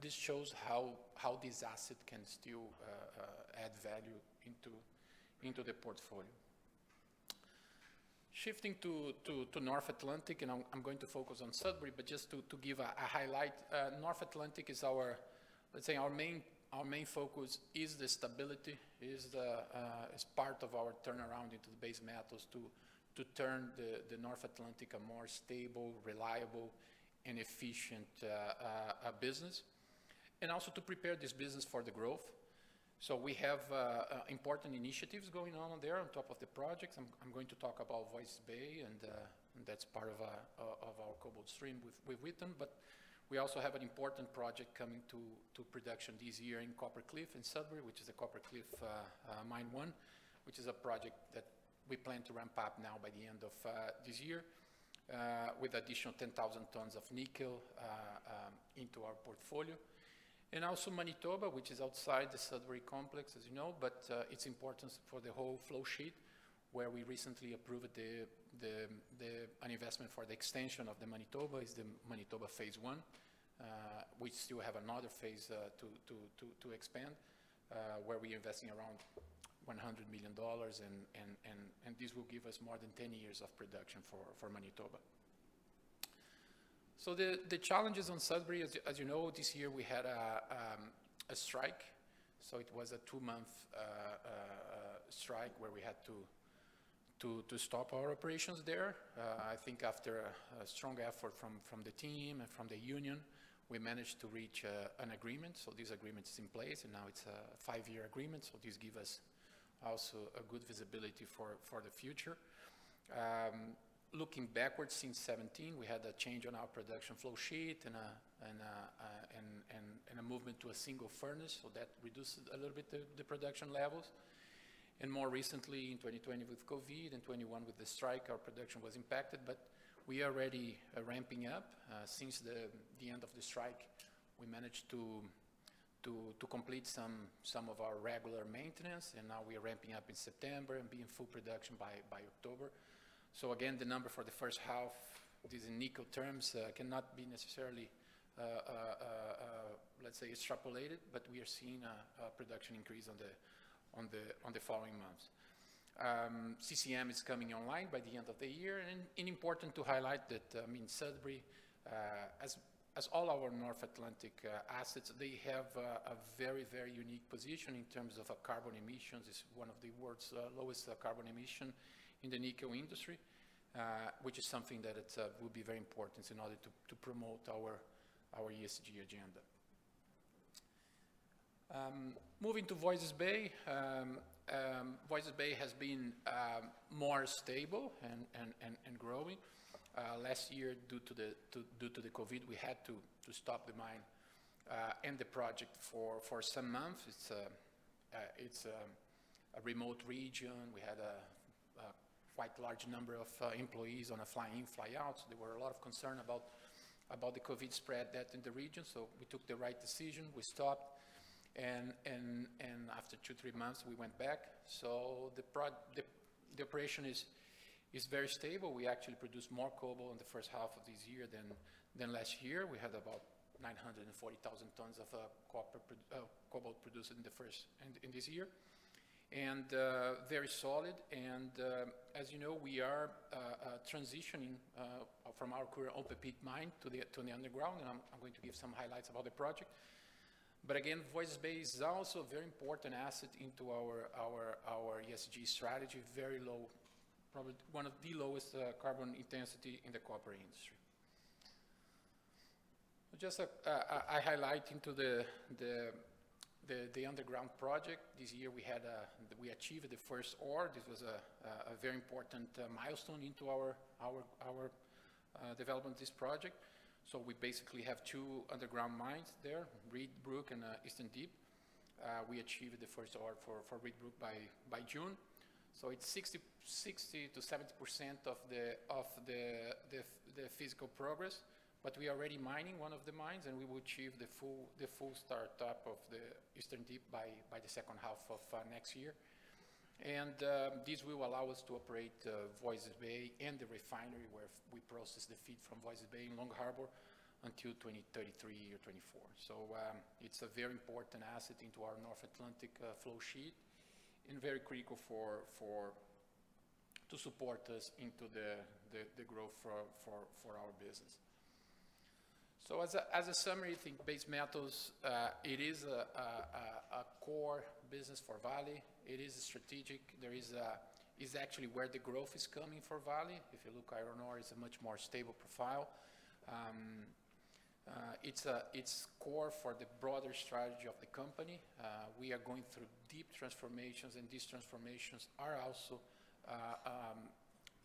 This shows how this asset can still add value into the portfolio. Shifting to North Atlantic. I'm going to focus on Sudbury, just to give a highlight. North Atlantic, let's say our main focus is the stability. It's part of our turnaround into the base metals to turn the North Atlantic a more stable, reliable, and efficient business, also to prepare this business for the growth. We have important initiatives going on there on top of the projects. I'm going to talk about Voisey's Bay. That's part of our cobalt stream with Wheaton. We also have an important project coming to production this year in Copper Cliff in Sudbury, which is the Copper Cliff Mine One, which is a project that we plan to ramp up now by the end of this year with additional 10,000 tons of nickel into our portfolio. Also Manitoba, which is outside the Sudbury complex, as you know, but it is important for the whole flow sheet where we recently approved an investment for the extension of the Manitoba. It's the Manitoba phase I, we still have another phase to expand where we are investing around $100 million and this will give us more than 10 years of production for Manitoba. The challenges on Sudbury, as you know, this year we had a strike. It was a two-month strike where we had to stop our operations there. I think after a strong effort from the team and from the union, we managed to reach an agreement. This agreement is in place, and now it's a five-year agreement. This give us also a good visibility for the future. Looking backwards since 2017, we had a change on our production flow sheet and a movement to a single furnace. That reduced a little bit the production levels. More recently in 2020 with COVID and 2021 with the strike, our production was impacted, but we are already ramping up. Since the end of the strike, we managed to complete some of our regular maintenance, and now we are ramping up in September and be in full production by October. Again, the number for the first half is in nickel terms, cannot be necessarily, let's say, extrapolated, but we are seeing a production increase on the following months. CCM is coming online by the end of the year. Important to highlight that, I mean Sudbury, as all our North Atlantic assets, they have a very, very unique position in terms of carbon emissions. It's one of the world's lowest carbon emission in the nickel industry, which is something that will be very important in order to promote our ESG agenda. Moving to Voisey's Bay. Voisey's Bay has been more stable and growing. Last year due to the COVID, we had to stop the mine and the project for some months. It's a remote region. We had a quite large number of employees on a fly in, fly out, so there were a lot of concern about the COVID spread that in the region. We took the right decision. We stopped, and after two, three months, we went back. The operation is very stable. We actually produced more cobalt in the first half of this year than last year. We had about 940,000 tons of cobalt produced in this year, and very solid. As you know, we are transitioning from our current open-pit mine to the underground, and I'm going to give some highlights about the project. Again, Voisey's Bay is also a very important asset into our ESG strategy. Probably one of the lowest carbon intensity in the copper industry. Just a highlight into the underground project. This year we achieved the first ore. This was a very important milestone into our development of this project. We basically have two underground mines there, Reid Brook and Eastern Deep. We achieved the first ore for Reid Brook by June. It's 60%-70% of the physical progress. We are already mining one of the mines, and we will achieve the full start-up of the Eastern Deep by the second half of next year. This will allow us to operate Voisey's Bay and the refinery where we process the feed from Voisey's Bay in Long Harbour until 2033 or 2024. It's a very important asset into our North Atlantic flow sheet and very critical to support us into the growth for our business. As a summary, I think base metals, it is a core business for Vale. It is strategic. It's actually where the growth is coming for Vale. If you look, iron ore is a much more stable profile. It's core for the broader strategy of the company. We are going through deep transformations, and these transformations are also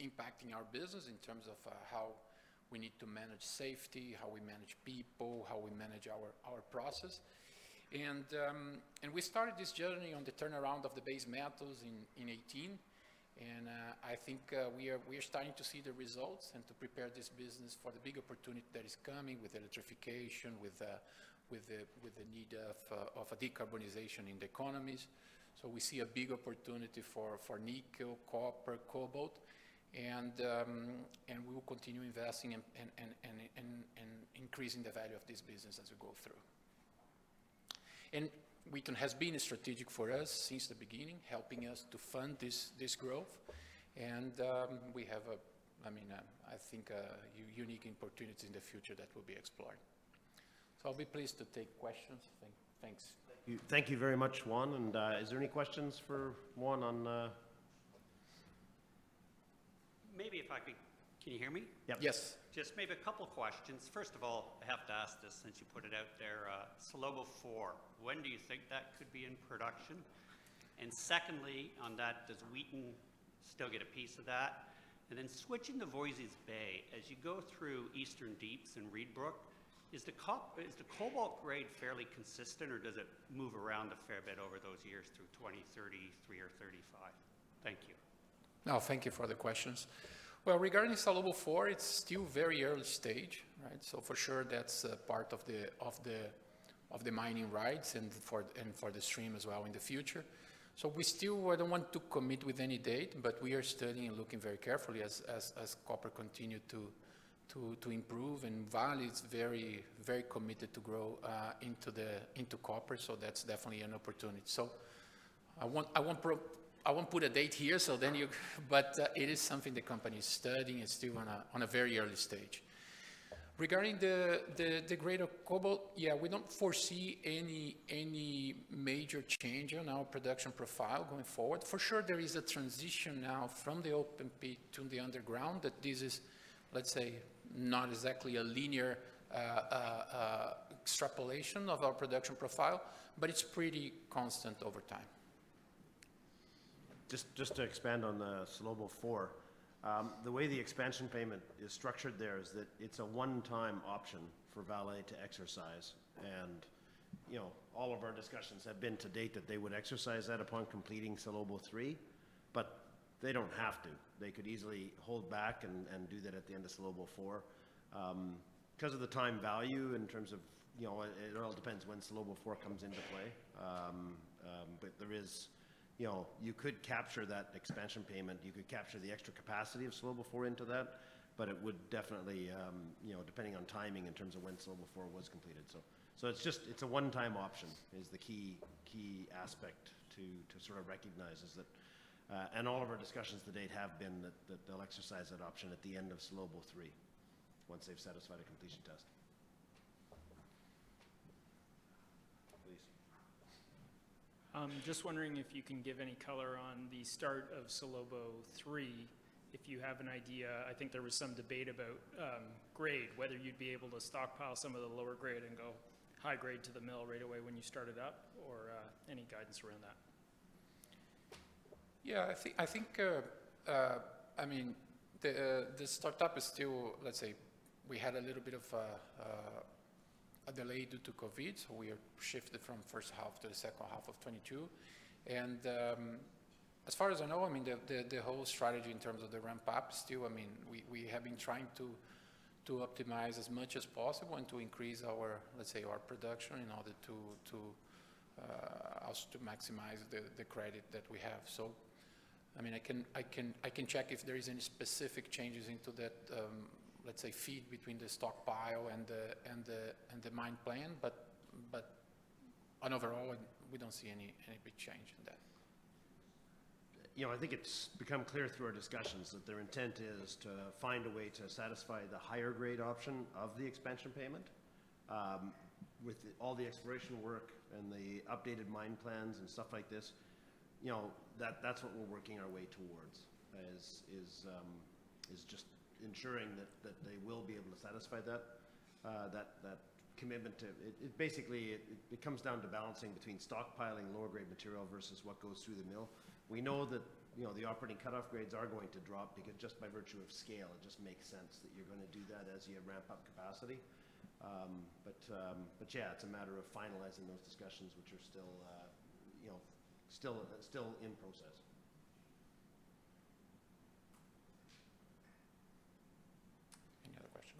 impacting our business in terms of how we need to manage safety, how we manage people, how we manage our process. We started this journey on the turnaround of the base metals in 2018, and I think we are starting to see the results and to prepare this business for the big opportunity that is coming with electrification, with the need of a decarbonization in the economies. We see a big opportunity for nickel, copper, cobalt, and we will continue investing and increasing the value of this business as we go through. Wheaton has been strategic for us since the beginning, helping us to fund this growth. We have, I think, a unique opportunity in the future that will be explored. I'll be pleased to take questions. Thanks. Thank you very much, Juan. Is there any questions for Juan on. Maybe if I could. Can you hear me? Yep. Yes. Just maybe a couple of questions. First of all, I have to ask this since you put it out there. Salobo IV, when do you think that could be in production? Secondly on that, does Wheaton still get a piece of that? Then switching to Voisey's Bay, as you go through Eastern Deeps and Reid Brook, is the cobalt grade fairly consistent or does it move around a fair bit over those years through 2033 or 2035? Thank you. No, thank you for the questions. Regarding Salobo IV, it's still very early stage, right? For sure that's a part of the mining rights and for the stream as well in the future. We still don't want to commit with any date, but we are studying and looking very carefully as copper continue to improve and Vale is very committed to grow into copper. That's definitely an opportunity. I won't put a date here, but it is something the company is studying. It's still on a very early stage. Regarding the grade of cobalt, we don't foresee any major change on our production profile going forward. For sure, there is a transition now from the open pit to the underground that this is, let's say, not exactly a linear extrapolation of our production profile, but it's pretty constant over time. Just to expand on the Salobo IV. The way the expansion payment is structured there is that it's a one-time option for Vale to exercise and all of our discussions have been to date that they would exercise that upon completing Salobo III. They don't have to. They could easily hold back and do that at the end of Salobo IV. Of the time value in terms of it all depends when Salobo IV comes into play. You could capture that expansion payment, you could capture the extra capacity of Salobo IV into that, but it would definitely depending on timing in terms of when Salobo IV was completed. It's a one-time option is the key aspect to sort of recognize is that. All of our discussions to date have been that they'll exercise that option at the end of Salobo III once they've satisfied a completion test. Please. Just wondering if you can give any color on the start of Salobo III, if you have an idea. I think there was some debate about grade, whether you'd be able to stockpile some of the lower grade and go high grade to the mill right away when you started up or any guidance around that? Yeah, I think the startup is still, let's say, we had a little bit of a delay due to COVID. We are shifted from first half to the second half of 2022. As far as I know, the whole strategy in terms of the ramp-up still, we have been trying to optimize as much as possible and to increase our, let's say, ore production in order to also maximize the credit that we have. I can check if there is any specific changes into that, let's say, feed between the stockpile and the mine plan. On overall, we don't see any big change in that. I think it's become clear through our discussions that their intent is to find a way to satisfy the higher grade option of the expansion payment. With all the exploration work and the updated mine plans and stuff like this, that's what we're working our way towards is just ensuring that they will be able to satisfy that commitment to. Basically, it comes down to balancing between stockpiling lower grade material versus what goes through the mill. We know that the operating cutoff grades are going to drop just by virtue of scale. It just makes sense that you're going to do that as you ramp up capacity. Yeah, it's a matter of finalizing those discussions, which are still in process.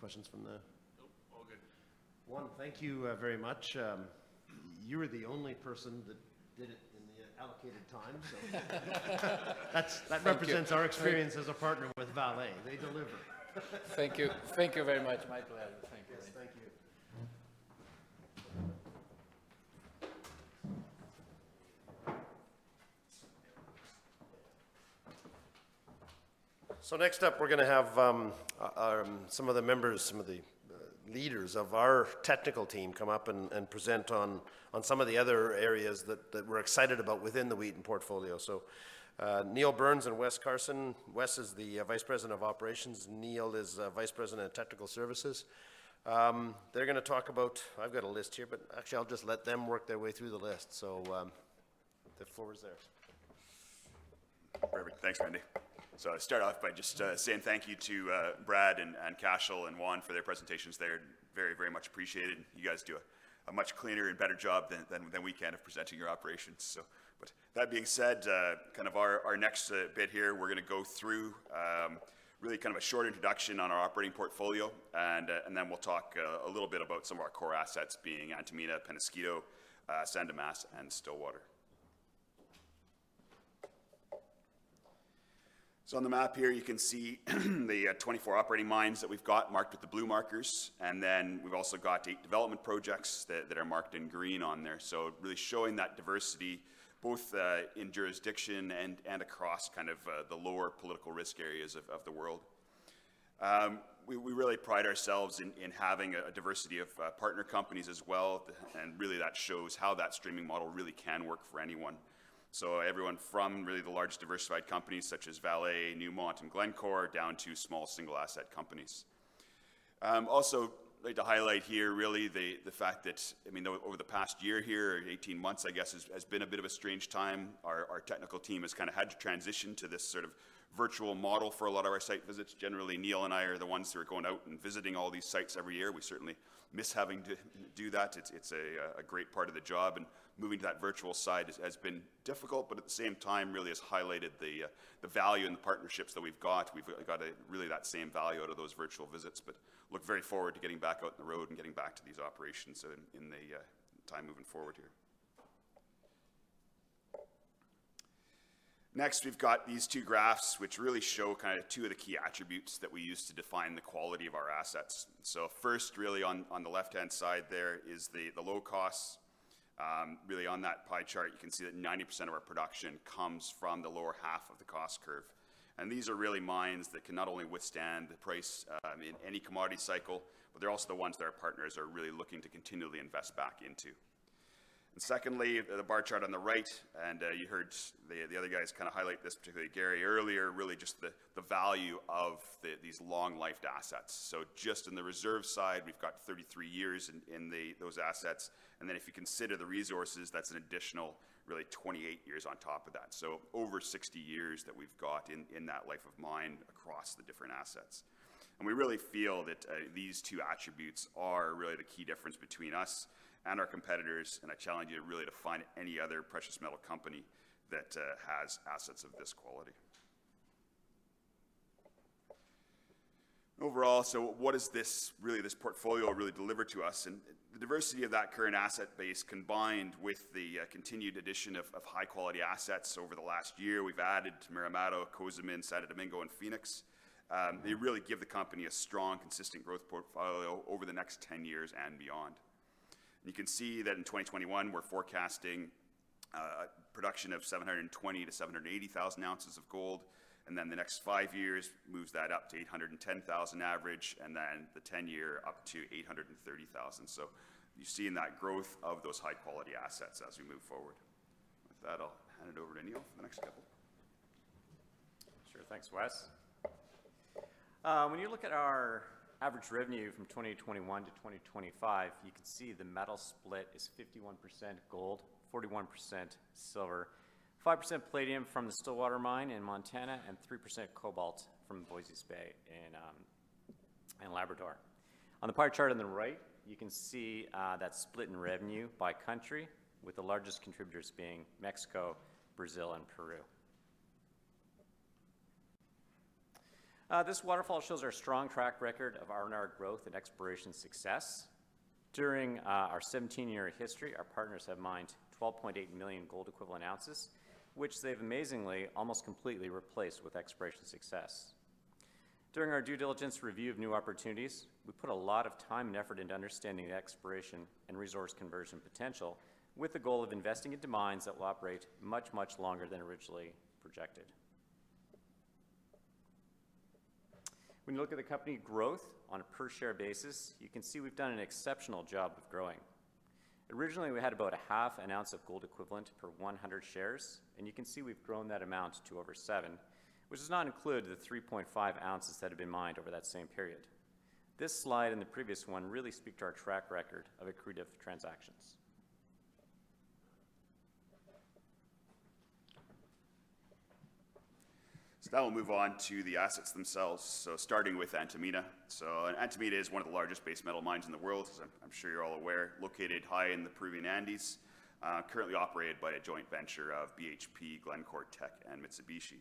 Any other questions from the- Nope. All good. Juan, thank you very much. You were the only person that did it in the allocated time, so that represents our experience as a partner with Vale. They deliver. Thank you. Thank you very much, Mike. Thank you. Yes, thank you. Next up, we're going to have some of the members, some of the leaders of our technical team come up and present on some of the other areas that we're excited about within the Wheaton portfolio. Neil Burns and Wes Carson. Wes is the Vice President of Operations, and Neil is Vice President of Technical Services. They're going to talk about I've got a list here, but actually I'll just let them work their way through the list. The floor is theirs. Perfect. Thanks, Randy. I'll start off by just saying thank you to Brad and Cashel and Juan for their presentations there. Very much appreciated. You guys do a much cleaner and better job than we can of presenting your operations. That being said, our next bit here, we're going to go through really a short introduction on our operating portfolio, and then we'll talk a little bit about some of our core assets being Antamina, Peñasquito, San Dimas, and Stillwater. On the map here, you can see the 24 operating mines that we've got marked with the blue markers, and then we've also got eight development projects that are marked in green on there. Really showing that diversity both in jurisdiction and across the lower political risk areas of the world. We really pride ourselves in having a diversity of partner companies as well, and really that shows how that streaming model really can work for anyone. Everyone from really the large diversified companies such as Vale, Newmont, and Glencore, down to small single-asset companies. Also like to highlight here really the fact that, over the past year here, or 18 months, I guess, has been a bit of a strange time. Our technical team has had to transition to this sort of virtual model for a lot of our site visits. Generally, Neil and I are the ones who are going out and visiting all these sites every year. We certainly miss having to do that. It's a great part of the job and moving to that virtual side has been difficult, but at the same time really has highlighted the value in the partnerships that we've got. We've got really that same value out of those virtual visits, look very forward to getting back out on the road and getting back to these operations in the time moving forward here. Next, we've got these two graphs, which really show two of the key attributes that we use to define the quality of our assets. First, really on the left-hand side there is the low cost. Really on that pie chart, you can see that 90% of our production comes from the lower half of the cost curve. These are really mines that can not only withstand the price in any commodity cycle, but they're also the ones that our partners are really looking to continually invest back into. Secondly, the bar chart on the right, and you heard the other guys highlight this, particularly Gary earlier, really just the value of these long-life assets. Just in the reserve side, we've got 33 years in those assets. Then if you consider the resources, that's an additional really 28 years on top of that. Over 60 years that we've got in that life of mine across the different assets. We really feel that these two attributes are really the key difference between us and our competitors, and I challenge you really to find any other precious metal company that has assets of this quality. Overall, what does this portfolio really deliver to us? The diversity of that current asset base, combined with the continued addition of high-quality assets over the last year, we've added to Marmato, Cozamin, Santo Domingo, and Phoenix. They really give the company a strong, consistent growth portfolio over the next 10 years and beyond. You can see that in 2021, we're forecasting production of 720,000-780,000 ounces of gold, and then the next 5 years moves that up to 810,000 average, and then the 10 year up to 830,000. You're seeing that growth of those high-quality assets as we move forward. With that, I'll hand it over to Neil for the next couple. Sure. Thanks, Wes. When you look at our average revenue from 2021 to 2025, you can see the metal split is 51% gold, 41% silver, 5% palladium from the Stillwater Mine in Montana, and 3% cobalt from Voisey's Bay in Labrador. On the pie chart on the right, you can see that split in revenue by country, with the largest contributors being Mexico, Brazil, and Peru. This waterfall shows our strong track record of R&R growth and exploration success. During our 17-year history, our partners have mined 12.8 million gold equivalent ounces, which they've amazingly almost completely replaced with exploration success. During our due diligence review of new opportunities, we put a lot of time and effort into understanding the exploration and resource conversion potential with the goal of investing into mines that will operate much, much longer than originally projected. When you look at the company growth on a per share basis, you can see we've done an exceptional job with growing. Originally, we had about a half an ounce of gold equivalent per 100 shares. You can see we've grown that amount to over seven, which does not include the 3.5 ounces that have been mined over that same period. This slide and the previous one really speak to our track record of accretive transactions. Now we'll move on to the assets themselves. Starting with Antamina. Antamina is one of the largest base metal mines in the world, as I'm sure you're all aware, located high in the Peruvian Andes, currently operated by a joint venture of BHP, Glencore, Teck, and Mitsubishi.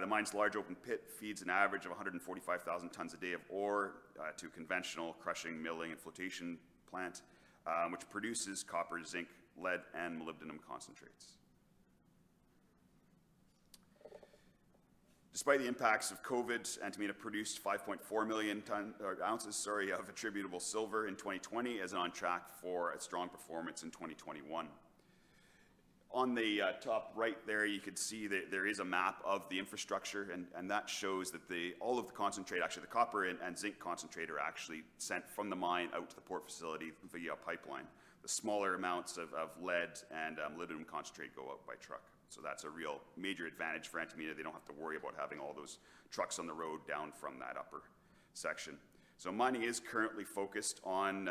The mine's large open pit feeds an average of 145,000 tons a day of ore, to a conventional crushing, milling, and flotation plant, which produces copper, zinc, lead, and molybdenum concentrates. Despite the impacts of COVID, Antamina produced 5.4 million ounces of attributable silver in 2020 and is on track for a strong performance in 2021. On the top right there, you can see that there is a map of the infrastructure. That shows that all of the concentrate, actually, the copper and zinc concentrate are actually sent from the mine out to the port facility via pipeline. The smaller amounts of lead and molybdenum concentrate go out by truck. That's a real major advantage for Antamina. They don't have to worry about having all those trucks on the road down from that upper section. Mining is currently focused on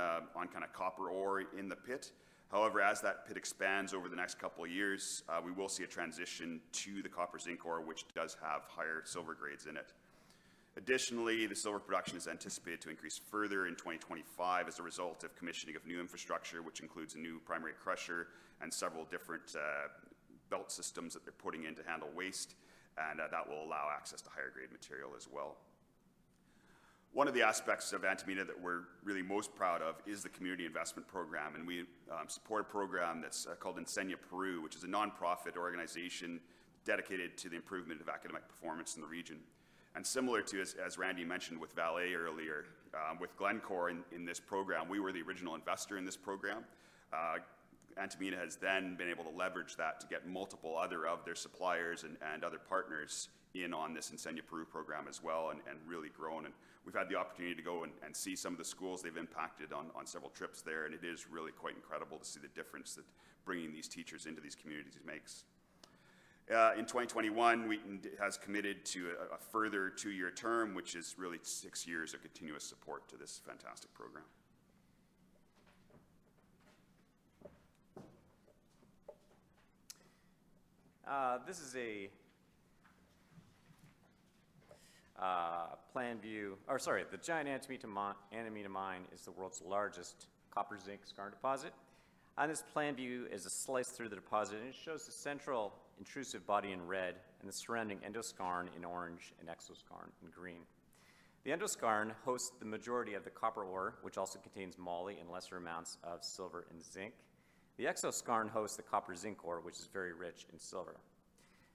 copper ore in the pit. However, as that pit expands over the next couple of years, we will see a transition to the copper zinc ore, which does have higher silver grades in it. Additionally, the silver production is anticipated to increase further in 2025 as a result of commissioning of new infrastructure, which includes a new primary crusher and several different belt systems that they're putting in to handle waste, and that will allow access to higher grade material as well. One of the aspects of Antamina that we're really most proud of is the community investment program, and we support a program that's called Enseña Perú, which is a nonprofit organization dedicated to the improvement of academic performance in the region. Similar to, as Randy mentioned with Vale earlier, with Glencore in this program, we were the original investor in this program. Antamina has then been able to leverage that to get multiple other of their suppliers and other partners in on this Enseña Perú program as well and really grown. We've had the opportunity to go and see some of the schools they've impacted on several trips there, and it is really quite incredible to see the difference that bringing these teachers into these communities makes. In 2021, Wheaton has committed to a further two-year term, which is really six years of continuous support to this fantastic program. This is a plan view. The giant Antamina mine is the world's largest copper zinc skarn deposit. This plan view is a slice through the deposit, and it shows the central intrusive body in red and the surrounding endoskarn in orange and exoskarn in green. The endoskarn hosts the majority of the copper ore, which also contains moly and lesser amounts of silver and zinc. The exoskarn hosts the copper zinc ore, which is very rich in silver.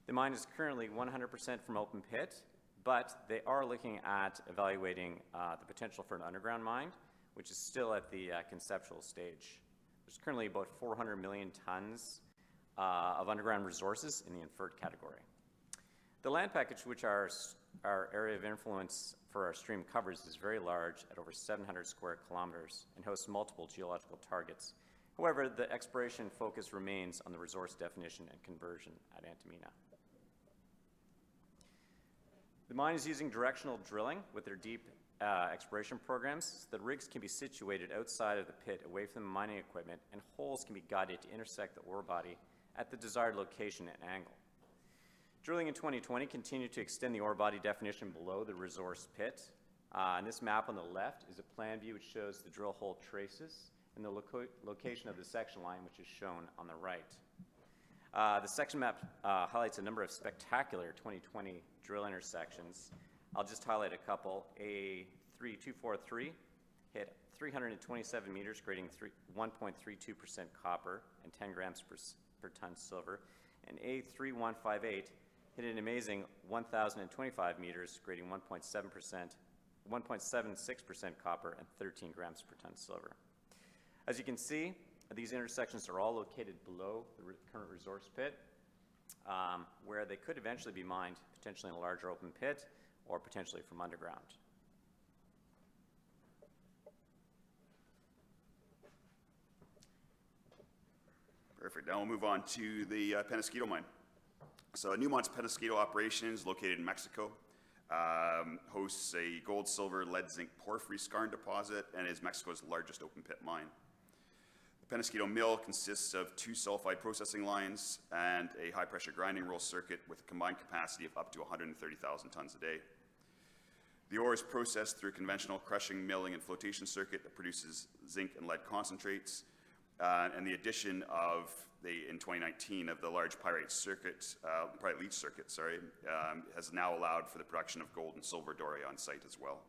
The mine is currently 100% from open pit, but they are looking at evaluating the potential for an underground mine, which is still at the conceptual stage. There's currently about 400 million tons of underground resources in the inferred category. The land package, which our area of influence for our stream covers, is very large at over 700 sq km and hosts multiple geological targets. The exploration focus remains on the resource definition and conversion at Antamina. The mine is using directional drilling with their deep exploration programs. The rigs can be situated outside of the pit, away from the mining equipment, holes can be guided to intersect the ore body at the desired location and angle. Drilling in 2020 continued to extend the ore body definition below the resource pit. This map on the left is a plan view, which shows the drill hole traces and the location of the section line, which is shown on the right. The section map highlights a number of spectacular 2020 drill intersections. I'll just highlight a couple. A3243 hit 327 m, grading 1.32% copper and 10 g/ton silver, A3158 hit an amazing 1,025 m, grading 1.76% copper and 13 g/ton silver. As you can see, these intersections are all located below the current resource pit, where they could eventually be mined, potentially in a larger open pit or potentially from underground. Perfect. We'll move on to the Peñasquito Mine. Newmont's Peñasquito Operations, located in Mexico, hosts a gold, silver, lead, zinc porphyry skarn deposit and is Mexico's largest open-pit mine. The Peñasquito mill consists of two sulfide processing lines and a high-pressure grinding roll circuit with a combined capacity of up to 130,000 tons a day. The ore is processed through a conventional crushing, milling, and flotation circuit that produces zinc and lead concentrates. The addition in 2019 of the large pyrite leach circuit has now allowed for the production of gold and silver Doré on site as well.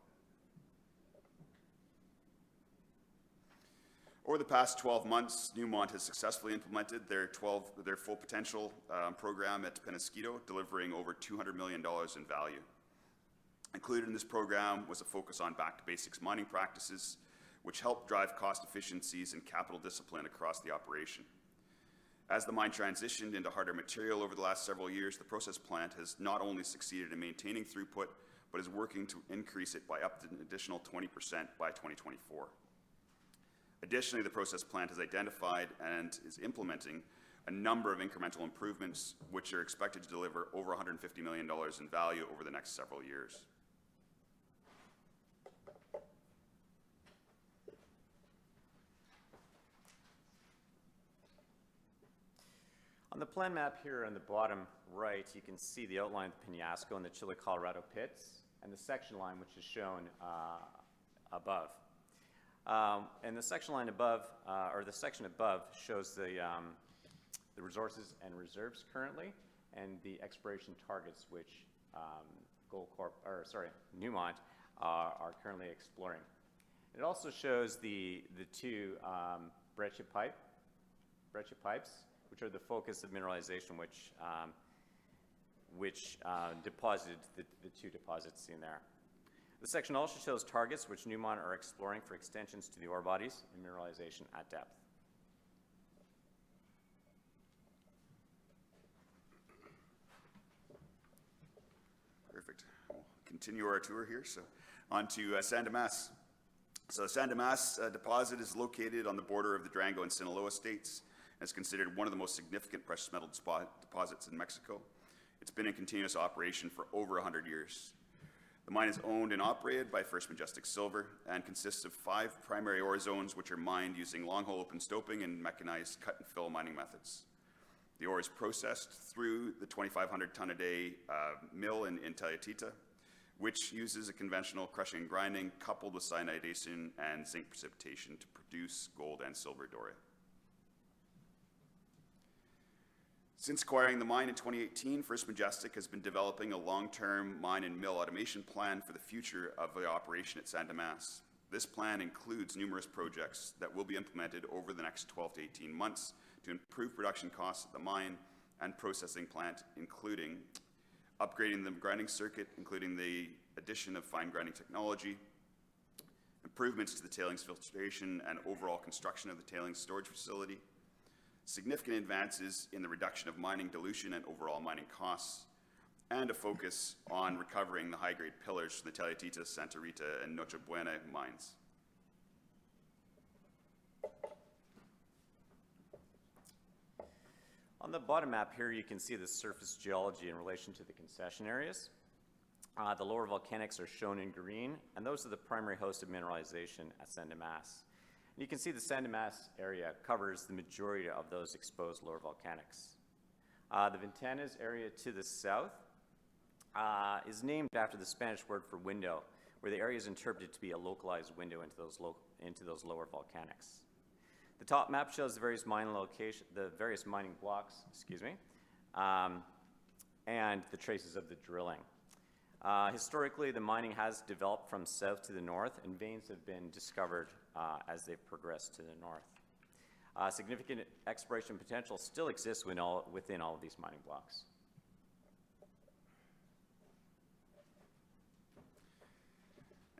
Over the past 12 months, Newmont has successfully implemented their Full Potential program at Peñasquito, delivering over $200 million in value. Included in this program was a focus on back-to-basics mining practices, which helped drive cost efficiencies and capital discipline across the operation. As the mine transitioned into harder material over the last several years, the process plant has not only succeeded in maintaining throughput, but is working to increase it by up to an additional 20% by 2024. Additionally, the process plant has identified and is implementing a number of incremental improvements, which are expected to deliver over $150 million in value over the next several years. On the plan map here in the bottom right, you can see the outline of Peñasquito and the Chile Colorado pits, and the section line, which is shown above. The section above shows the resources and reserves currently and the exploration targets which Newmont are currently exploring. It also shows the two breccia pipes, which are the focus of mineralization which deposited the two deposits seen there. The section also shows targets which Newmont are exploring for extensions to the ore bodies and mineralization at depth. Perfect. We'll continue our tour here. On to San Dimas. The San Dimas deposit is located on the border of the Durango and Sinaloa states, and is considered one of the most significant precious metal deposits in Mexico. It's been in continuous operation for over 100 years. The mine is owned and operated by First Majestic Silver and consists of five primary ore zones, which are mined using long-hole open stoping and mechanized cut and fill mining methods. The ore is processed through the 2,500-ton a day mill in Tayoltita, which uses a conventional crushing and grinding coupled with cyanidation and zinc precipitation to produce gold and silver Doré. Since acquiring the mine in 2018, First Majestic has been developing a long-term mine and mill automation plan for the future of the operation at San Dimas. This plan includes numerous projects that will be implemented over the next 12-18 months to improve production costs at the mine and processing plant, including upgrading the grinding circuit, including the addition of fine grinding technology, improvements to the tailings filtration, and overall construction of the tailings storage facility, significant advances in the reduction of mining dilution and overall mining costs, and a focus on recovering the high-grade pillars from the Tayoltita, Santa Rita, and Noche Buena mines. On the bottom map here, you can see the surface geology in relation to the concession areas. The lower volcanics are shown in green, and those are the primary host of mineralization at San Dimas. You can see the San Dimas area covers the majority of those exposed lower volcanics. The Ventanas area to the south is named after the Spanish word for window, where the area is interpreted to be a localized window into those lower volcanics. The top map shows the various mining blocks, and the traces of the drilling. Historically, the mining has developed from south to the north, and veins have been discovered as they've progressed to the north. Significant exploration potential still exists within all of these mining blocks.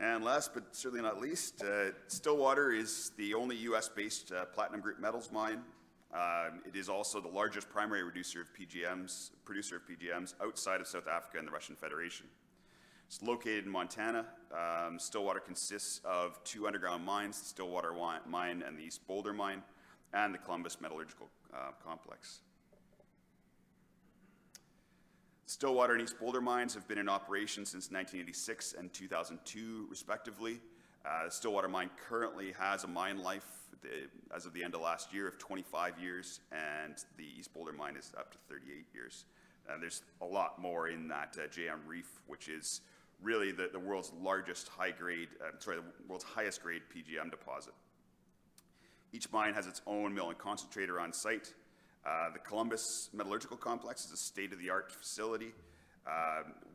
Last, but certainly not least, Stillwater is the only U.S.-based Platinum Group Metals mine. It is also the largest primary producer of PGMs outside of South Africa and the Russian Federation. It's located in Montana. Stillwater consists of two underground mines, the Stillwater Mine and the East Boulder Mine, and the Columbus Metallurgical Complex. Stillwater and East Boulder mines have been in operation since 1986 and 2002 respectively. Stillwater Mine currently has a mine life, as of the end of last year, of 25 years, and the East Boulder Mine is up to 38 years. There's a lot more in that J-M Reef, which is really the world's highest grade PGM deposit. Each mine has its own mill and concentrator on site. The Columbus Metallurgical Complex is a state-of-the-art facility,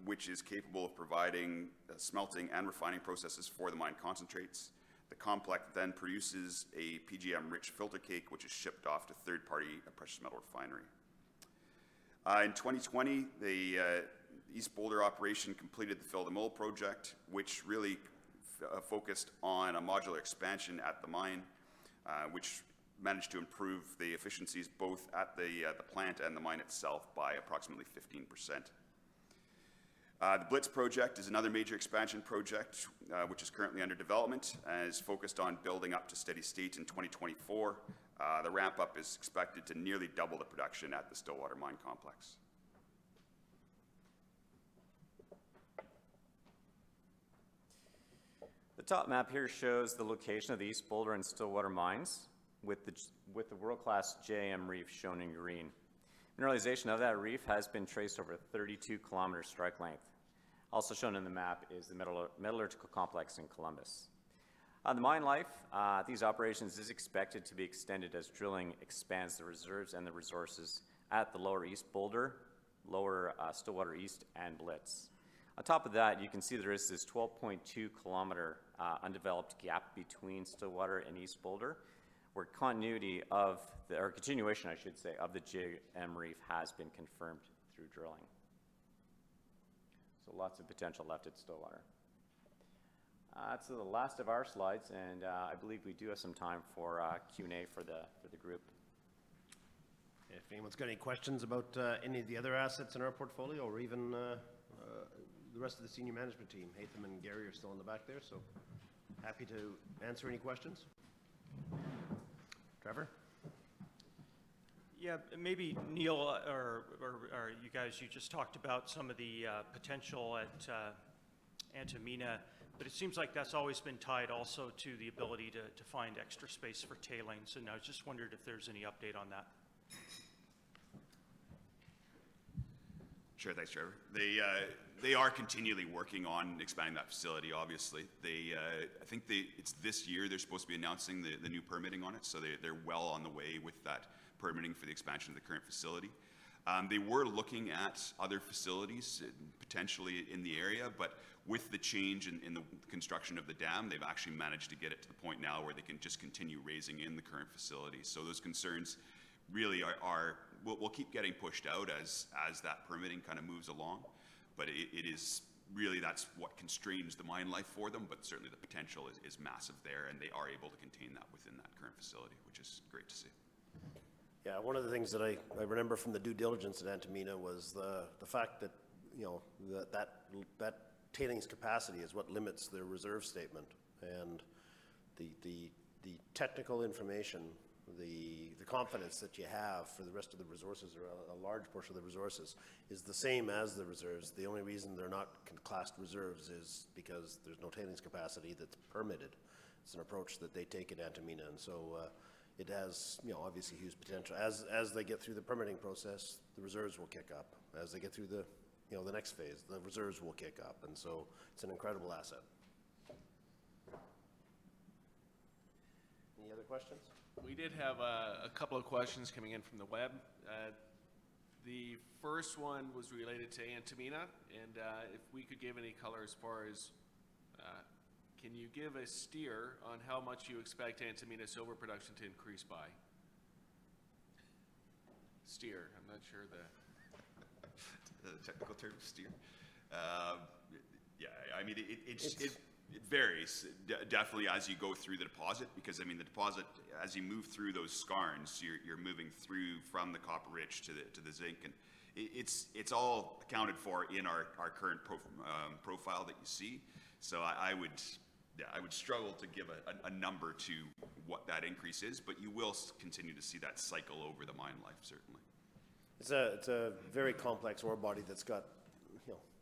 which is capable of providing smelting and refining processes for the mine concentrates. The complex produces a PGM-rich filter cake, which is shipped off to a third-party precious metal refinery. In 2020, the East Boulder operation completed the Fill the Mill project, which really focused on a modular expansion at the mine, which managed to improve the efficiencies, both at the plant and the mine itself, by approximately 15%. The Blitz Project is another major expansion project, which is currently under development and is focused on building up to steady state in 2024. The ramp-up is expected to nearly double the production at the Stillwater Mine complex. The top map here shows the location of the East Boulder and Stillwater mines with the world-class J-M Reef shown in green. Mineralization of that reef has been traced over a 32 km strike length. Also shown on the map is the Metallurgical Complex in Columbus. On the mine life, these operations are expected to be extended as drilling expands the reserves and the resources at the Lower East Boulder, Lower Stillwater East, and Blitz. On top of that, you can see there is this 12.2 km undeveloped gap between Stillwater and East Boulder, where continuation, I should say, of the J-M Reef has been confirmed through drilling. Lots of potential left at Stillwater. That's the last of our slides, and I believe we do have some time for Q&A for the group. If anyone's got any questions about any of the other assets in our portfolio or even the rest of the senior management team, Haytham and Gary are still in the back there, so happy to answer any questions. Trevor? Yeah. Maybe Neil or you guys, you just talked about some of the potential at Antamina, but it seems like that's always been tied also to the ability to find extra space for tailings, and I was just wondering if there's any update on that. Sure. Thanks, Trevor. They are continually working on expanding that facility, obviously. I think it's this year they're supposed to be announcing the new permitting on it, so they're well on the way with that permitting for the expansion of the current facility. They were looking at other facilities potentially in the area, but with the change in the construction of the dam, they've actually managed to get it to the point now where they can just continue raising in the current facility. Those concerns really will keep getting pushed out as that permitting moves along. Really, that's what constrains the mine life for them. Certainly, the potential is massive there, and they are able to contain that within that current facility, which is great to see. Thank you. Yeah, one of the things that I remember from the due diligence at Antamina was the fact that that tailings capacity is what limits their reserve statement and the technical information, the confidence that you have for the rest of the resources or a large portion of the resources is the same as the reserves. The only reason they're not classed reserves is because there's no tailings capacity that's permitted. It's an approach that they take at Antamina, and so it has obviously huge potential. As they get through the permitting process, the reserves will kick up. As they get through the next phase, the reserves will kick up. It's an incredible asset. Any other questions? We did have a couple of questions coming in from the web. The first one was related to Antamina, if we could give any color as far as can you give a steer on how much you expect Antamina silver production to increase by? The technical term steer. Yeah, it varies definitely as you go through the deposit because the deposit, as you move through those skarns, you're moving through from the copper-rich to the zinc, and it's all accounted for in our current profile that you see. I would struggle to give a number to what that increase is, but you will continue to see that cycle over the mine life certainly. It's a very complex orebody that's got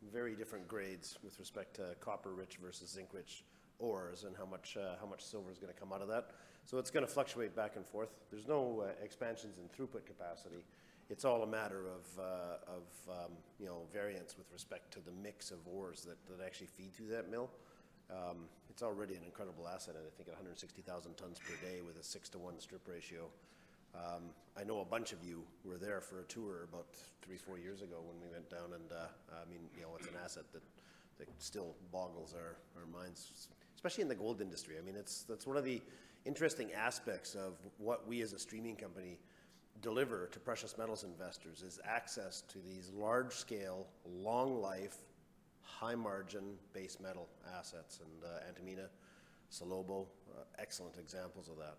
very different grades with respect to copper-rich versus zinc-rich ores and how much silver is going to come out of that. It's going to fluctuate back and forth. There's no expansions in throughput capacity. It's all a matter of variance with respect to the mix of ores that actually feed through that mill. It's already an incredible asset at I think 160,000 tons per day with a 6:1 strip ratio. I know a bunch of you were there for a tour about three, four years ago when we went down. It's an asset that still boggles our minds, especially in the gold industry. That's one of the interesting aspects of what we as a streaming company deliver to precious metals investors is access to these large scale, long life, high margin base metal assets. Antamina, Salobo are excellent examples of that.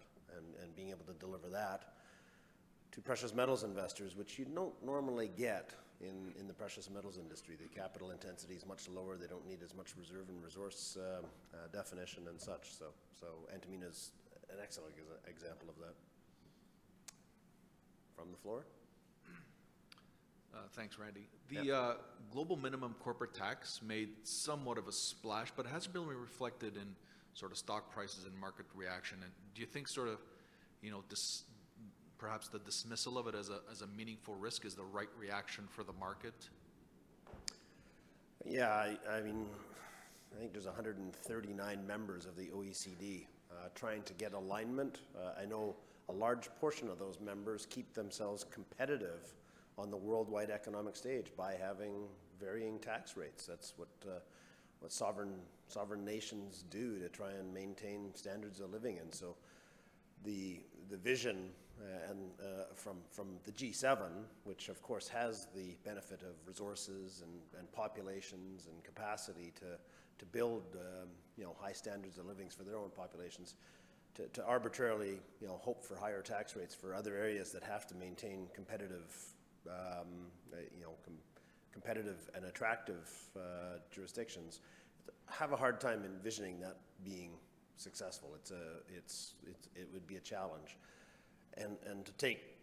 Being able to deliver that to precious metals investors, which you don't normally get in the precious metals industry. The capital intensity is much lower. They don't need as much reserve and resource definition and such. Antamina is an excellent example of that. From the floor? Thanks, Randy. Yeah. The global minimum corporate tax made somewhat of a splash, but it hasn't been really reflected in sort of stock prices and market reaction, and do you think perhaps the dismissal of it as a meaningful risk is the right reaction for the market? Yeah, I think there's 139 members of the OECD trying to get alignment. I know a large portion of those members keep themselves competitive on the worldwide economic stage by having varying tax rates. That's what sovereign nations do to try and maintain standards of living. The vision from the G7, which of course has the benefit of resources and populations and capacity to build high standards of livings for their own populations to arbitrarily hope for higher tax rates for other areas that have to maintain competitive and attractive jurisdictions, I have a hard time envisioning that being successful. It would be a challenge. To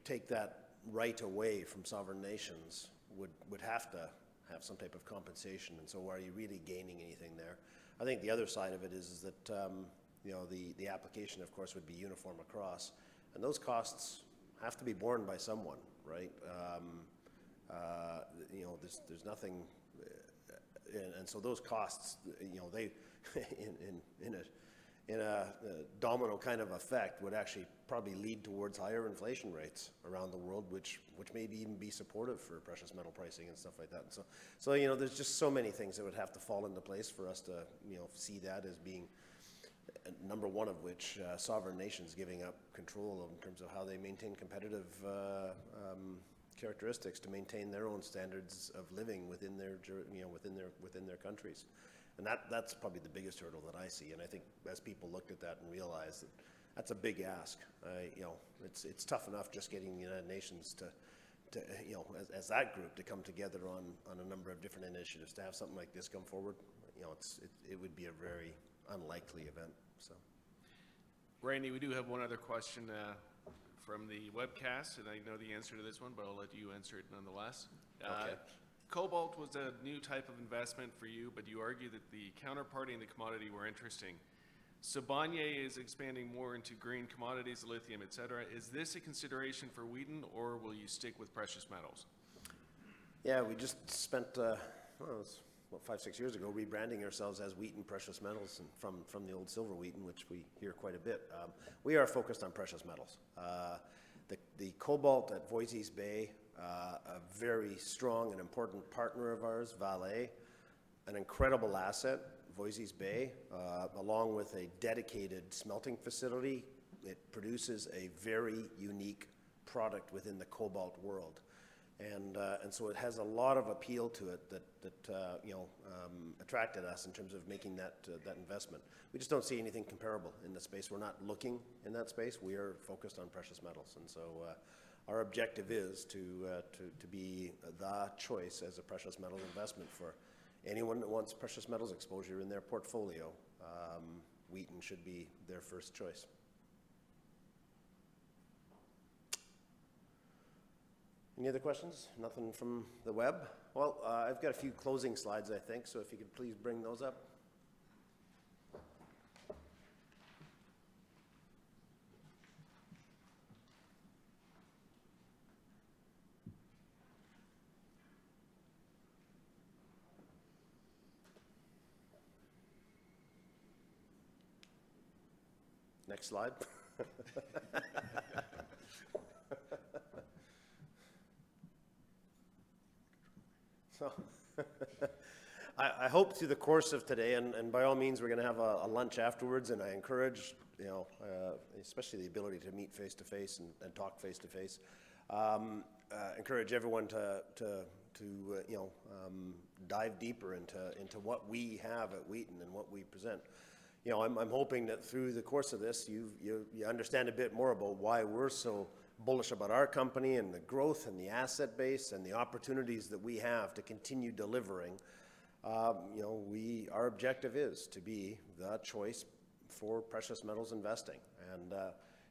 take that right away from sovereign nations would have to have some type of compensation, and so are you really gaining anything there? I think the other side of it is that the application, of course, would be uniform across, and those costs have to be borne by someone, right? Those costs, in a domino kind of effect, would actually probably lead towards higher inflation rates around the world, which may even be supportive for precious metal pricing and stuff like that. There's just so many things that would have to fall into place for us to see that as being number one of which sovereign nations giving up control in terms of how they maintain competitive characteristics to maintain their own standards of living within their countries. That's probably the biggest hurdle that I see, and I think as people look at that and realize that that's a big ask. It is tough enough just getting the United Nations as that group to come together on a number of different initiatives. To have something like this come forward, it would be a very unlikely event. Randy, we do have one other question from the webcast, and I know the answer to this one, but I'll let you answer it nonetheless. Okay. Cobalt was a new type of investment for you, but you argue that the counterparty and the commodity were interesting. Sibanye-Stillwater is expanding more into green commodities, lithium, et cetera. Is this a consideration for Wheaton, or will you stick with precious metals? Yeah, we just spent, it was what, five, six years ago, rebranding ourselves as Wheaton Precious Metals from the old Silver Wheaton, which we hear quite a bit. We are focused on precious metals. The cobalt at Voisey's Bay, a very strong and important partner of ours, Vale, an incredible asset, Voisey's Bay, along with a dedicated smelting facility. It produces a very unique product within the cobalt world. So it has a lot of appeal to it that attracted us in terms of making that investment. We just don't see anything comparable in the space. We're not looking in that space. We are focused on precious metals. So our objective is to be the choice as a precious metal investment for anyone that wants precious metals exposure in their portfolio. Wheaton should be their first choice. Any other questions? Nothing from the web? I've got a few closing slides, I think, if you could please bring those up. Next slide. I hope through the course of today, and by all means, we're going to have a lunch afterwards, and I encourage, especially the ability to meet face-to-face and talk face-to-face, everyone to dive deeper into what we have at Wheaton and what we present. I'm hoping that through the course of this, you understand a bit more about why we're so bullish about our company and the growth and the asset base and the opportunities that we have to continue delivering. Our objective is to be the choice for precious metals investing.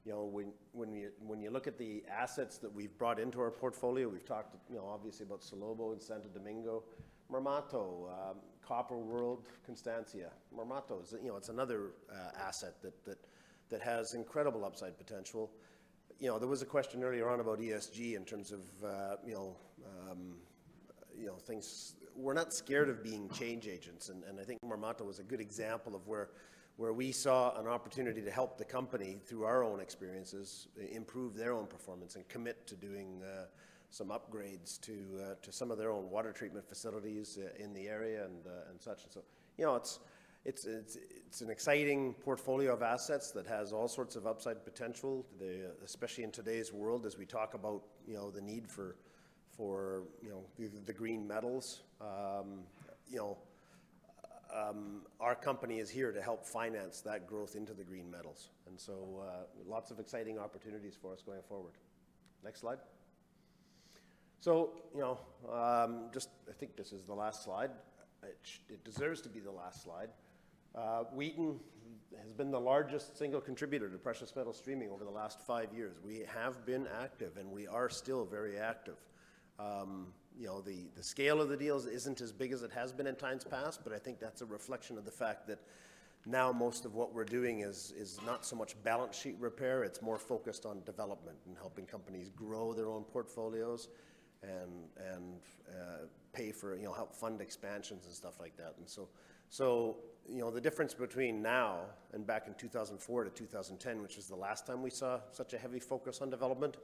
When you look at the assets that we've brought into our portfolio, we've talked obviously about Salobo and Santo Domingo, Marmato, Copper World, Constancia. Marmato, it's another asset that has incredible upside potential. There was a question earlier on about ESG in terms of things. We are not scared of being change agents, and I think Marmato was a good example of where we saw an opportunity to help the company, through our own experiences, improve their own performance and commit to doing some upgrades to some of their own water treatment facilities in the area and such. It is an exciting portfolio of assets that has all sorts of upside potential, especially in today's world, as we talk about the need for the green metals. Our company is here to help finance that growth into the green metals. Lots of exciting opportunities for us going forward. Next slide. Just I think this is the last slide. It deserves to be the last slide. Wheaton has been the largest single contributor to precious metal streaming over the last five years. We have been active, and we are still very active. The scale of the deals isn't as big as it has been in times past, but I think that's a reflection of the fact that now most of what we're doing is not so much balance sheet repair, it's more focused on development and helping companies grow their own portfolios and help fund expansions and stuff like that. The difference between now and back in 2004 to 2010, which was the last time we saw such a heavy focus on development,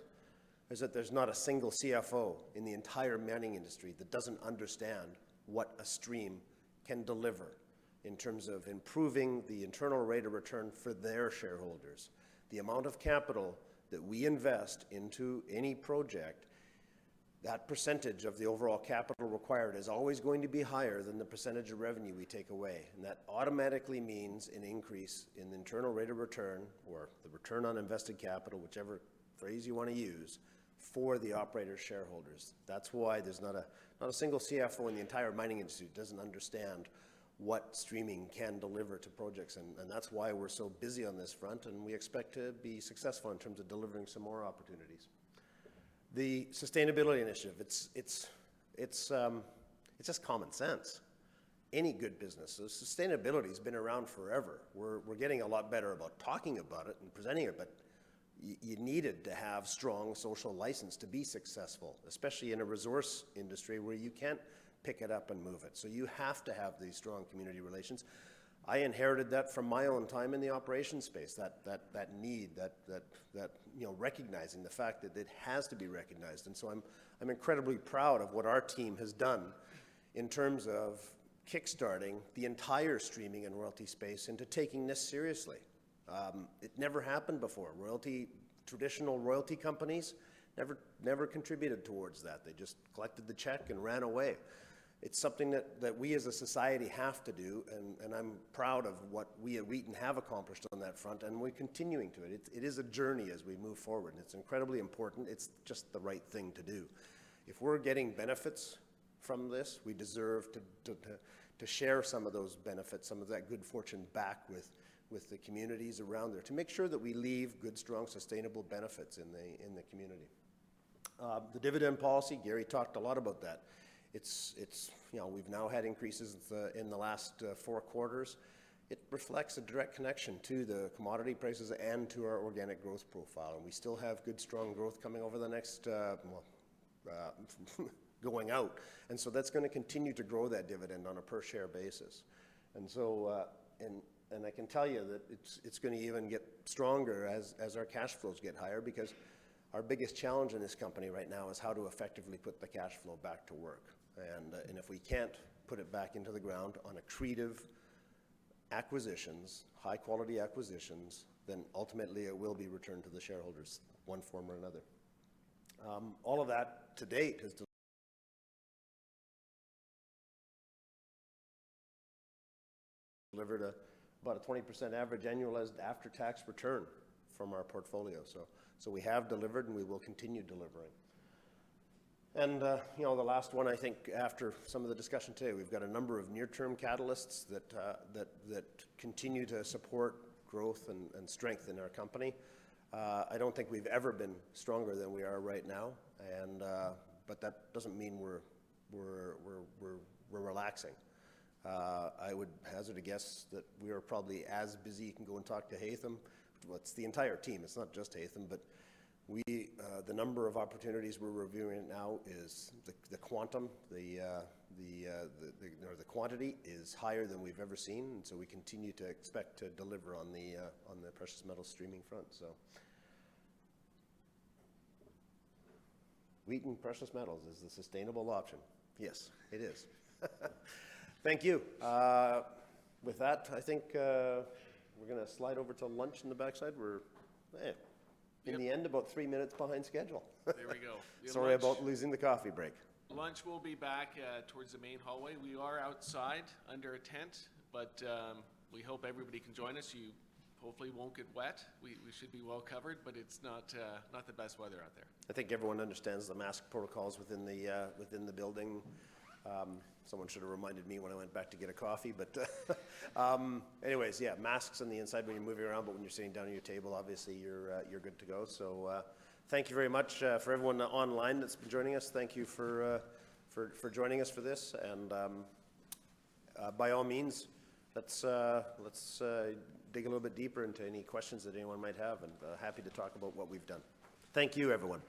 is that there's not a single CFO in the entire mining industry that doesn't understand what a stream can deliver in terms of improving the internal rate of return for their shareholders. The amount of capital that we invest into any project, that percentage of the overall capital required is always going to be higher than the percentage of revenue we take away. That automatically means an increase in the internal rate of return or the return on invested capital, whichever phrase you want to use, for the operator shareholders. That's why there's not a single CFO in the entire mining industry who doesn't understand what streaming can deliver to projects, and that's why we're so busy on this front, and we expect to be successful in terms of delivering some more opportunities. The sustainability initiative, it's just common sense. Any good business, sustainability's been around forever. We're getting a lot better about talking about it and presenting it. You needed to have strong social license to be successful, especially in a resource industry where you can't pick it up and move it. You have to have these strong community relations. I inherited that from my own time in the operations space, that need, that recognizing the fact that it has to be recognized. I'm incredibly proud of what our team has done in terms of kick-starting the entire streaming and royalty space into taking this seriously. It never happened before. Traditional royalty companies never contributed towards that. They just collected the check and ran away. It's something that we as a society have to do, and I'm proud of what we at Wheaton have accomplished on that front, and we're continuing to it. It is a journey as we move forward, it's incredibly important. It's just the right thing to do. If we're getting benefits from this, we deserve to share some of those benefits, some of that good fortune back with the communities around there to make sure that we leave good, strong, sustainable benefits in the community. The dividend policy, Gary talked a lot about that. We've now had increases in the last four quarters. It reflects a direct connection to the commodity prices and to our organic growth profile. We still have good, strong growth coming over the next Well, going out. That's going to continue to grow that dividend on a per share basis. I can tell you that it's going to even get stronger as our cash flows get higher because our biggest challenge in this company right now is how to effectively put the cash flow back to work. If we can't put it back into the ground on accretive acquisitions, high-quality acquisitions, then ultimately it will be returned to the shareholders one form or another. All of that to date has delivered about a 20% average annualized after-tax return from our portfolio. We have delivered, and we will continue delivering. The last one, I think after some of the discussion today, we've got a number of near-term catalysts that continue to support growth and strengthen our company. I don't think we've ever been stronger than we are right now, but that doesn't mean we're relaxing. I would hazard a guess that we are probably as busy. You can go and talk to Haytham. Well, it's the entire team, it's not just Haytham, but the number of opportunities we're reviewing now, the quantum or the quantity is higher than we've ever seen. We continue to expect to deliver on the precious metal streaming front. Wheaton Precious Metals is the sustainable option. Yes, it is. Thank you. With that, I think we're going to slide over to lunch in the backside. We're in the end, about three minutes behind schedule. There we go. Sorry about losing the coffee break. Lunch will be back towards the main hallway. We are outside under a tent, we hope everybody can join us. You hopefully won't get wet. We should be well covered, it's not the best weather out there. I think everyone understands the mask protocols within the building. Someone should have reminded me when I went back to get a coffee, but anyways, yeah, masks on the inside when you're moving around, but when you're sitting down at your table, obviously you're good to go. Thank you very much for everyone online that's been joining us. Thank you for joining us for this. By all means, let's dig a little bit deeper into any questions that anyone might have, and happy to talk about what we've done. Thank you, everyone.